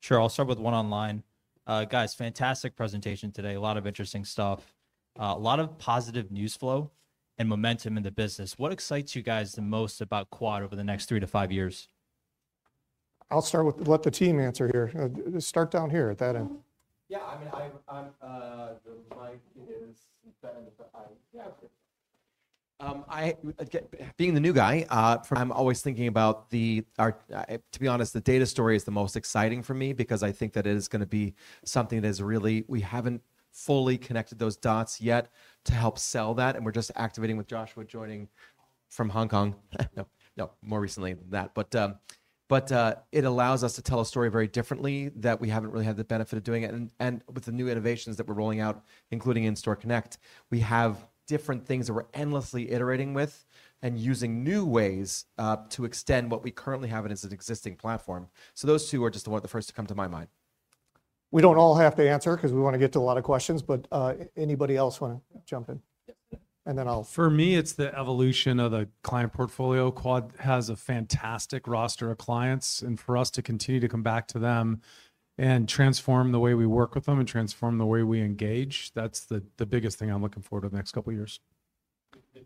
Sure. I'll start with one online. Guys, fantastic presentation today. A lot of interesting stuff, a lot of positive news flow and momentum in the business. What excites you guys the most about Quad over the next three to five years? I'll start with what the team answer here. Start down here at that end. Yeah. I mean, the mic is better than I answered. Being the new guy, I'm always thinking about, to be honest, the data story is the most exciting for me because I think that it is going to be something that is really, we haven't fully connected those dots yet to help sell that. And we're just activating with Joshua joining from Hong Kong. No, more recently than that. But it allows us to tell a story very differently that we haven't really had the benefit of doing it. And with the new innovations that we're rolling out, including In-Store Connect, we have different things that we're endlessly iterating with and using new ways to extend what we currently have as an existing platform. So those two are just the first to come to my mind. We don't all have to answer because we want to get to a lot of questions. But anybody else want to jump in? And then I'll... For me, it's the evolution of the client portfolio. Quad has a fantastic roster of clients. And for us to continue to come back to them and transform the way we work with them and transform the way we engage, that's the biggest thing I'm looking forward to the next couple of years. We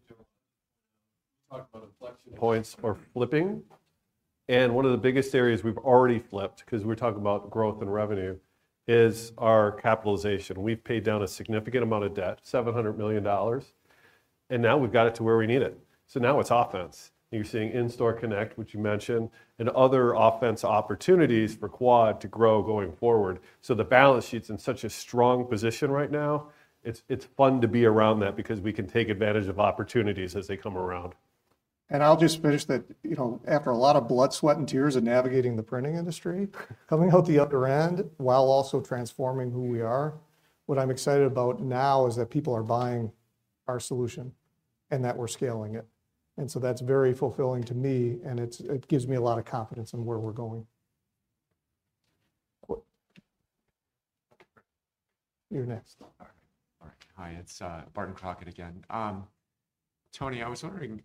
talked about inflection points or flipping. One of the biggest areas we've already flipped because we're talking about growth and revenue is our capitalization. We've paid down a significant amount of debt, $700 million. Now we've got it to where we need it. Now it's offense. You're seeing In-Store Connect, which you mentioned, and other offense opportunities for Quad to grow going forward. The balance sheet's in such a strong position right now. It's fun to be around that because we can take advantage of opportunities as they come around. I'll just finish that. After a lot of blood, sweat, and tears in navigating the printing industry, coming out the other end while also transforming who we are, what I'm excited about now is that people are buying our solution and that we're scaling it. And so that's very fulfilling to me, and it gives me a lot of confidence in where we're going. You're next. All right. Hi. It's Barton Crockett again. Tony, I was wondering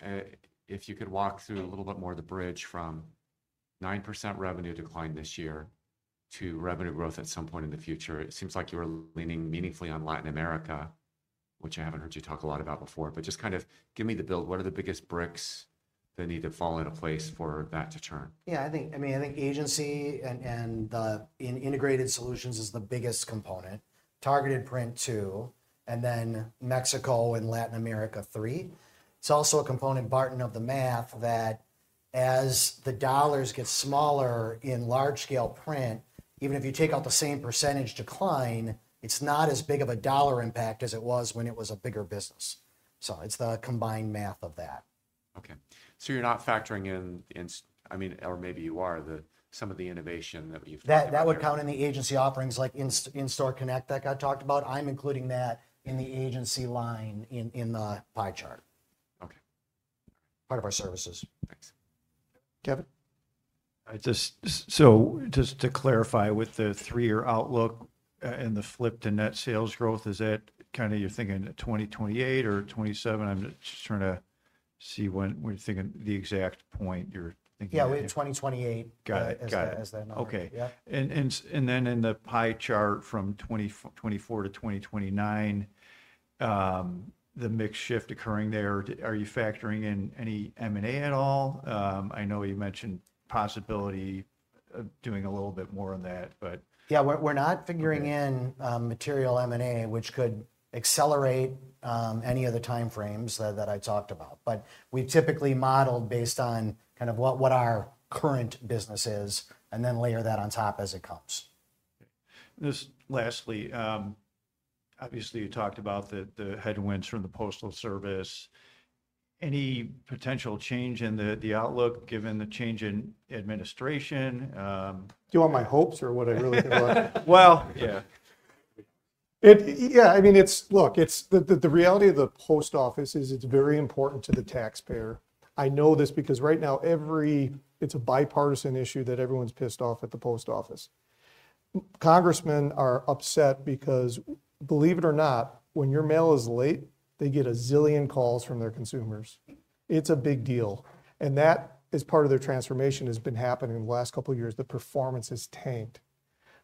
if you could walk through a little bit more of the bridge from 9% revenue decline this year to revenue growth at some point in the future. It seems like you were leaning meaningfully on Latin America, which I haven't heard you talk a lot about before. But just kind of give me the build. What are the biggest bricks that need to fall into place for that to turn? Yeah. I mean, I think agency and integrated solutions is the biggest component. Targeted print two, and then Mexico and Latin America three. It's also a component, Barton, of the math that as the dollars get smaller in large-scale print, even if you take out the same percentage decline, it's not as big of a dollar impact as it was when it was a bigger business. So it's the combined math of that. Okay. So you're not factoring in, I mean, or maybe you are, some of the innovation that we've found. That would count in the agency offerings like In-Store Connect that got talked about. I'm including that in the agency line in the pie chart. Okay. Part of our services. Thanks. Kevin? So just to clarify with the three-year outlook and the flip to net sales growth, is that kind of you're thinking 2028 or 2027? I'm just trying to see when you're thinking the exact point you're thinking about. Yeah, we have 2028 as that number. Okay. And then in the pie chart from 2024 to 2029, the mix shift occurring there, are you factoring in any M&A at all? I know you mentioned possibility of doing a little bit more on that, but. Yeah, we're not figuring in material M&A, which could accelerate any of the time frames that I talked about. But we typically modeled based on kind of what our current business is and then layer that on top as it comes. Lastly, obviously, you talked about the headwinds from the postal service. Any potential change in the outlook given the change in administration? Do you want my hopes or what I really think? Well, yeah. Yeah, I mean, look, the reality of the post office is it's very important to the taxpayer. I know this because right now, it's a bipartisan issue that everyone's pissed off at the post office. Congressmen are upset because, believe it or not, when your mail is late, they get a zillion calls from their consumers. It's a big deal. And that is part of their transformation that has been happening in the last couple of years. The performance has tanked.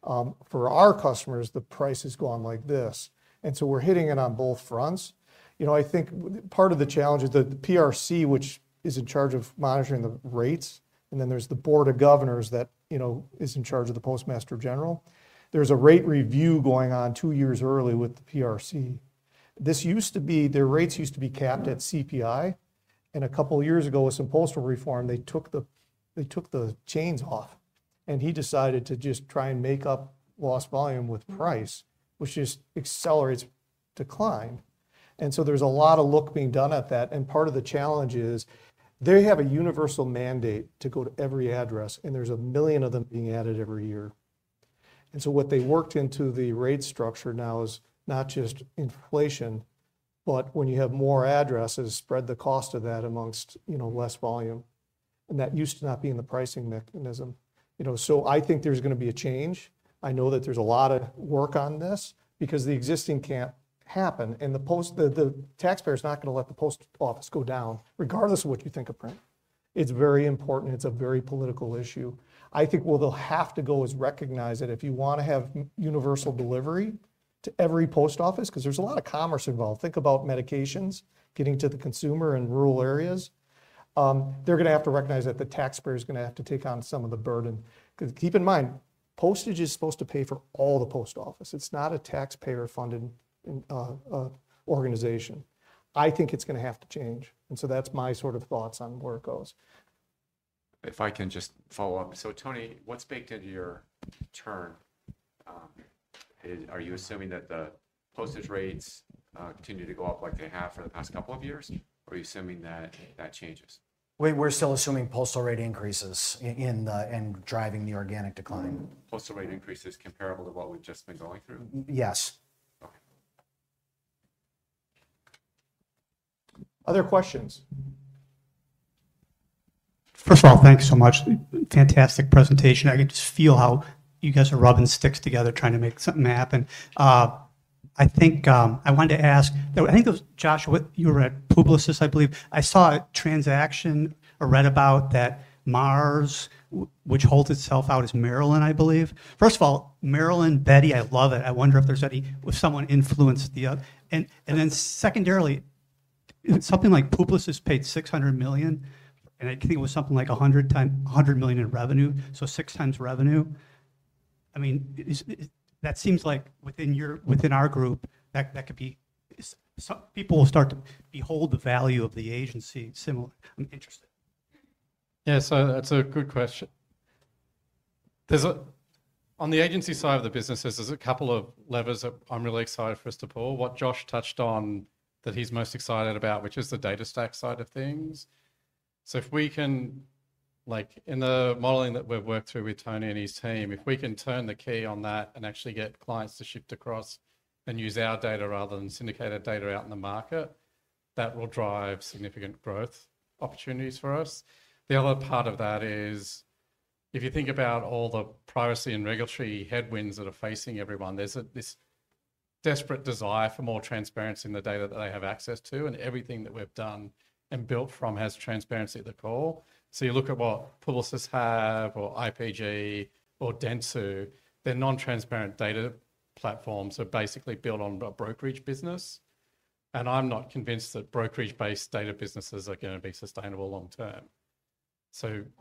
For our customers, the price has gone like this. And so we're hitting it on both fronts. I think part of the challenge is that the PRC, which is in charge of monitoring the rates, and then there's the Board of Governors that is in charge of the Postmaster General. There's a rate review going on two years early with the PRC. Their rates used to be capped at CPI. And a couple of years ago, with some postal reform, they took the chains off. And he decided to just try and make up lost volume with price, which just accelerates decline. And so there's a lot of looking being done at that. And part of the challenge is they have a universal mandate to go to every address, and there's a million of them being added every year. And so what they worked into the rate structure now is not just inflation, but when you have more addresses, spread the cost of that among less volume. And that used to not be in the pricing mechanism. So I think there's going to be a change. I know that there's a lot of work on this because the existing can't happen. And the taxpayer is not going to let the post office go down, regardless of what you think of print. It's very important. It's a very political issue. I think what they'll have to do is recognize that if you want to have universal delivery to every post office, because there's a lot of commerce involved, think about medications getting to the consumer in rural areas. They're going to have to recognize that the taxpayer is going to have to take on some of the burden. Keep in mind, postage is supposed to pay for all the post office. It's not a taxpayer-funded organization. I think it's going to have to change. And so that's my sort of thoughts on where it goes. If I can just follow up. So Tony, what's baked into your term? Are you assuming that the postage rates continue to go up like they have for the past couple of years? Or are you assuming that that changes? We're still assuming postal rate increases and driving the organic decline. Postal rate increases comparable to what we've just been going through? Yes. Okay. Other questions? First of all, thanks so much. Fantastic presentation. I can just feel how you guys are rubbing sticks together trying to make something happen. I think I wanted to ask, I think it was Joshua, you were at Publicis, I believe. I saw a transaction or read about that Mars, which holds itself out, is Marilyn, I believe. First of all, Marilyn, Betty, I love it. I wonder if there's any, was someone influenced? And then secondarily, something like Publicis paid $600 million, and I think it was something like $100 million in revenue, so six times revenue. I mean, that seems like within our group, that could be people will start to behold the value of the agency similarly. I'm interested. Yeah, so that's a good question. On the agency side of the businesses, there's a couple of levers that I'm really excited for us to pull. What Josh touched on that he's most excited about, which is the data stack side of things, so if we can, in the modeling that we've worked through with Tony and his team, if we can turn the key on that and actually get clients to shift across and use our data rather than syndicated data out in the market, that will drive significant growth opportunities for us. The other part of that is, if you think about all the privacy and regulatory headwinds that are facing everyone, there's this desperate desire for more transparency in the data that they have access to, and everything that we've done and built from has transparency at the core. You look at what Publicis has or IPG or Dentsu. Their non-transparent data platforms are basically built on a brokerage business, and I'm not convinced that brokerage-based data businesses are going to be sustainable long term.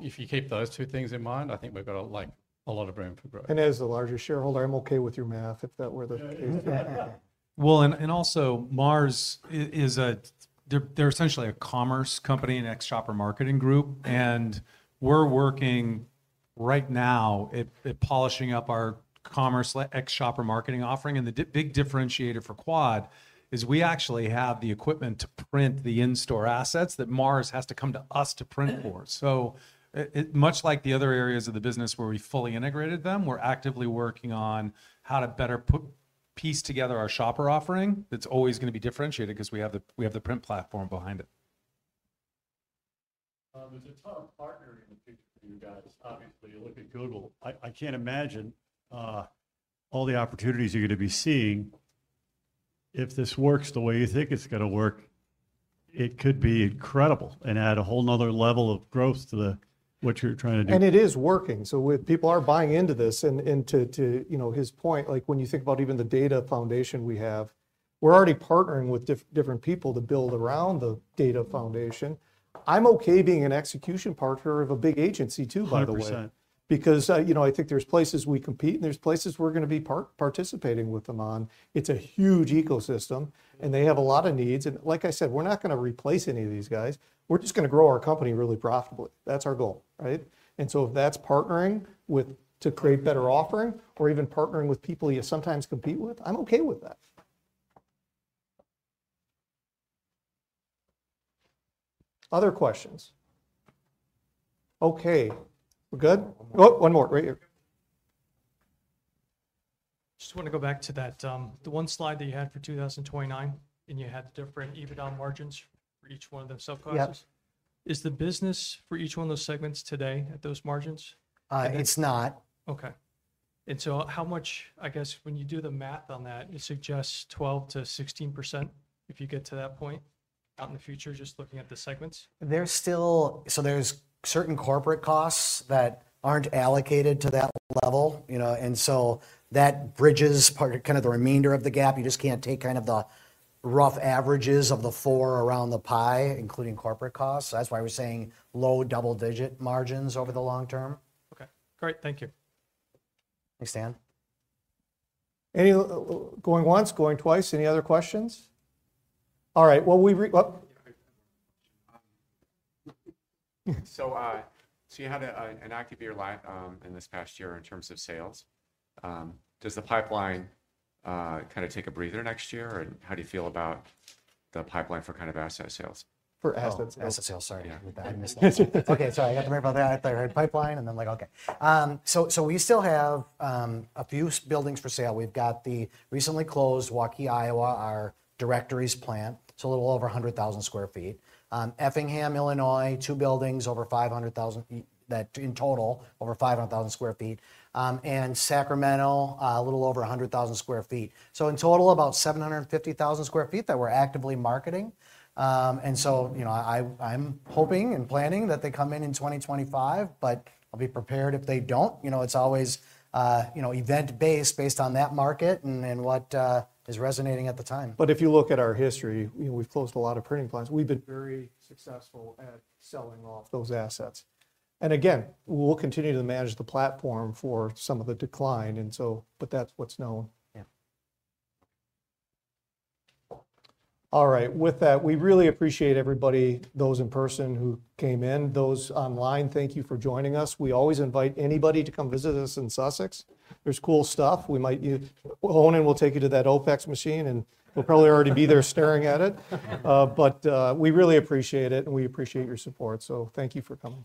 If you keep those two things in mind, I think we've got a lot of room for growth. And as a larger shareholder, I'm okay with your math if that were the case. Also, Mars is essentially a commerce company, an and shopper marketing group. We're working right now at polishing up our commerce and shopper marketing offering, and the big differentiator for Quad is we actually have the equipment to print the in-store assets that Mars has to come to us to print for. So much like the other areas of the business where we fully integrated them, we're actively working on how to better piece together our shopper offering that's always going to be differentiated because we have the print platform behind it. It's a tough partnering for you guys. Obviously, look at Google. I can't imagine all the opportunities you're going to be seeing. If this works the way you think it's going to work, it could be incredible and add a whole another level of growth to what you're trying to do. And it is working. So people are buying into this. And to his point, when you think about even the data foundation we have, we're already partnering with different people to build around the data foundation. I'm okay being an execution partner of a big agency too, by the way. 100%. Because I think there's places we compete and there's places we're going to be participating with them on. It's a huge ecosystem, and they have a lot of needs. And like I said, we're not going to replace any of these guys. We're just going to grow our company really profitably. That's our goal, right? And so if that's partnering to create better offering or even partnering with people you sometimes compete with, I'm okay with that. Other questions? Okay. We're good? One more. Right here. Just want to go back to that. The one slide that you had for 2029, and you had different EBITDA margins for each one of those subclasses. Is the business for each one of those segments today at those margins? It's not. Okay. And so how much, I guess, when you do the math on that, it suggests 12%-16% if you get to that point out in the future, just looking at the segments? So there's certain corporate costs that aren't allocated to that level. And so that bridges kind of the remainder of the gap. You just can't take kind of the rough averages of the four around the pie, including corporate costs. That's why we're saying low double-digit margins over the long term. Okay. Great. Thank you. Thanks, Dan. Any going once, going twice? Any other questions? All right. Well, we wrap. So you had an activity in this past year in terms of sales. Does the pipeline kind of take a breather next year? And how do you feel about the pipeline for kind of asset sales? For asset sales, sorry. I missed that. Okay, sorry. I got to worry about that. I thought I heard pipeline and then like, okay. So we still have a few buildings for sale. We've got the recently closed Waukee, Iowa, our directories plant. It's a little over 100,000 sq ft. Effingham, Illinois, two buildings over 500,000 in total, over 500,000 sq ft. And Sacramento, a little over 100,000 sq ft. So in total, about 750,000 sq ft that we're actively marketing. And so I'm hoping and planning that they come in in 2025, but I'll be prepared if they don't. It's always event-based on that market and what is resonating at the time. But if you look at our history, we've closed a lot of printing plants. We've been very successful at selling off those assets. And again, we'll continue to manage the platform for some of the decline, but that's what's known. All right. With that, we really appreciate everybody, those in person who came in, those online. Thank you for joining us. We always invite anybody to come visit us in Sussex. There's cool stuff. We might even and we'll take you to that OPEX machine, and we'll probably already be there staring at it. But we really appreciate it, and we appreciate your support. So thank you for coming.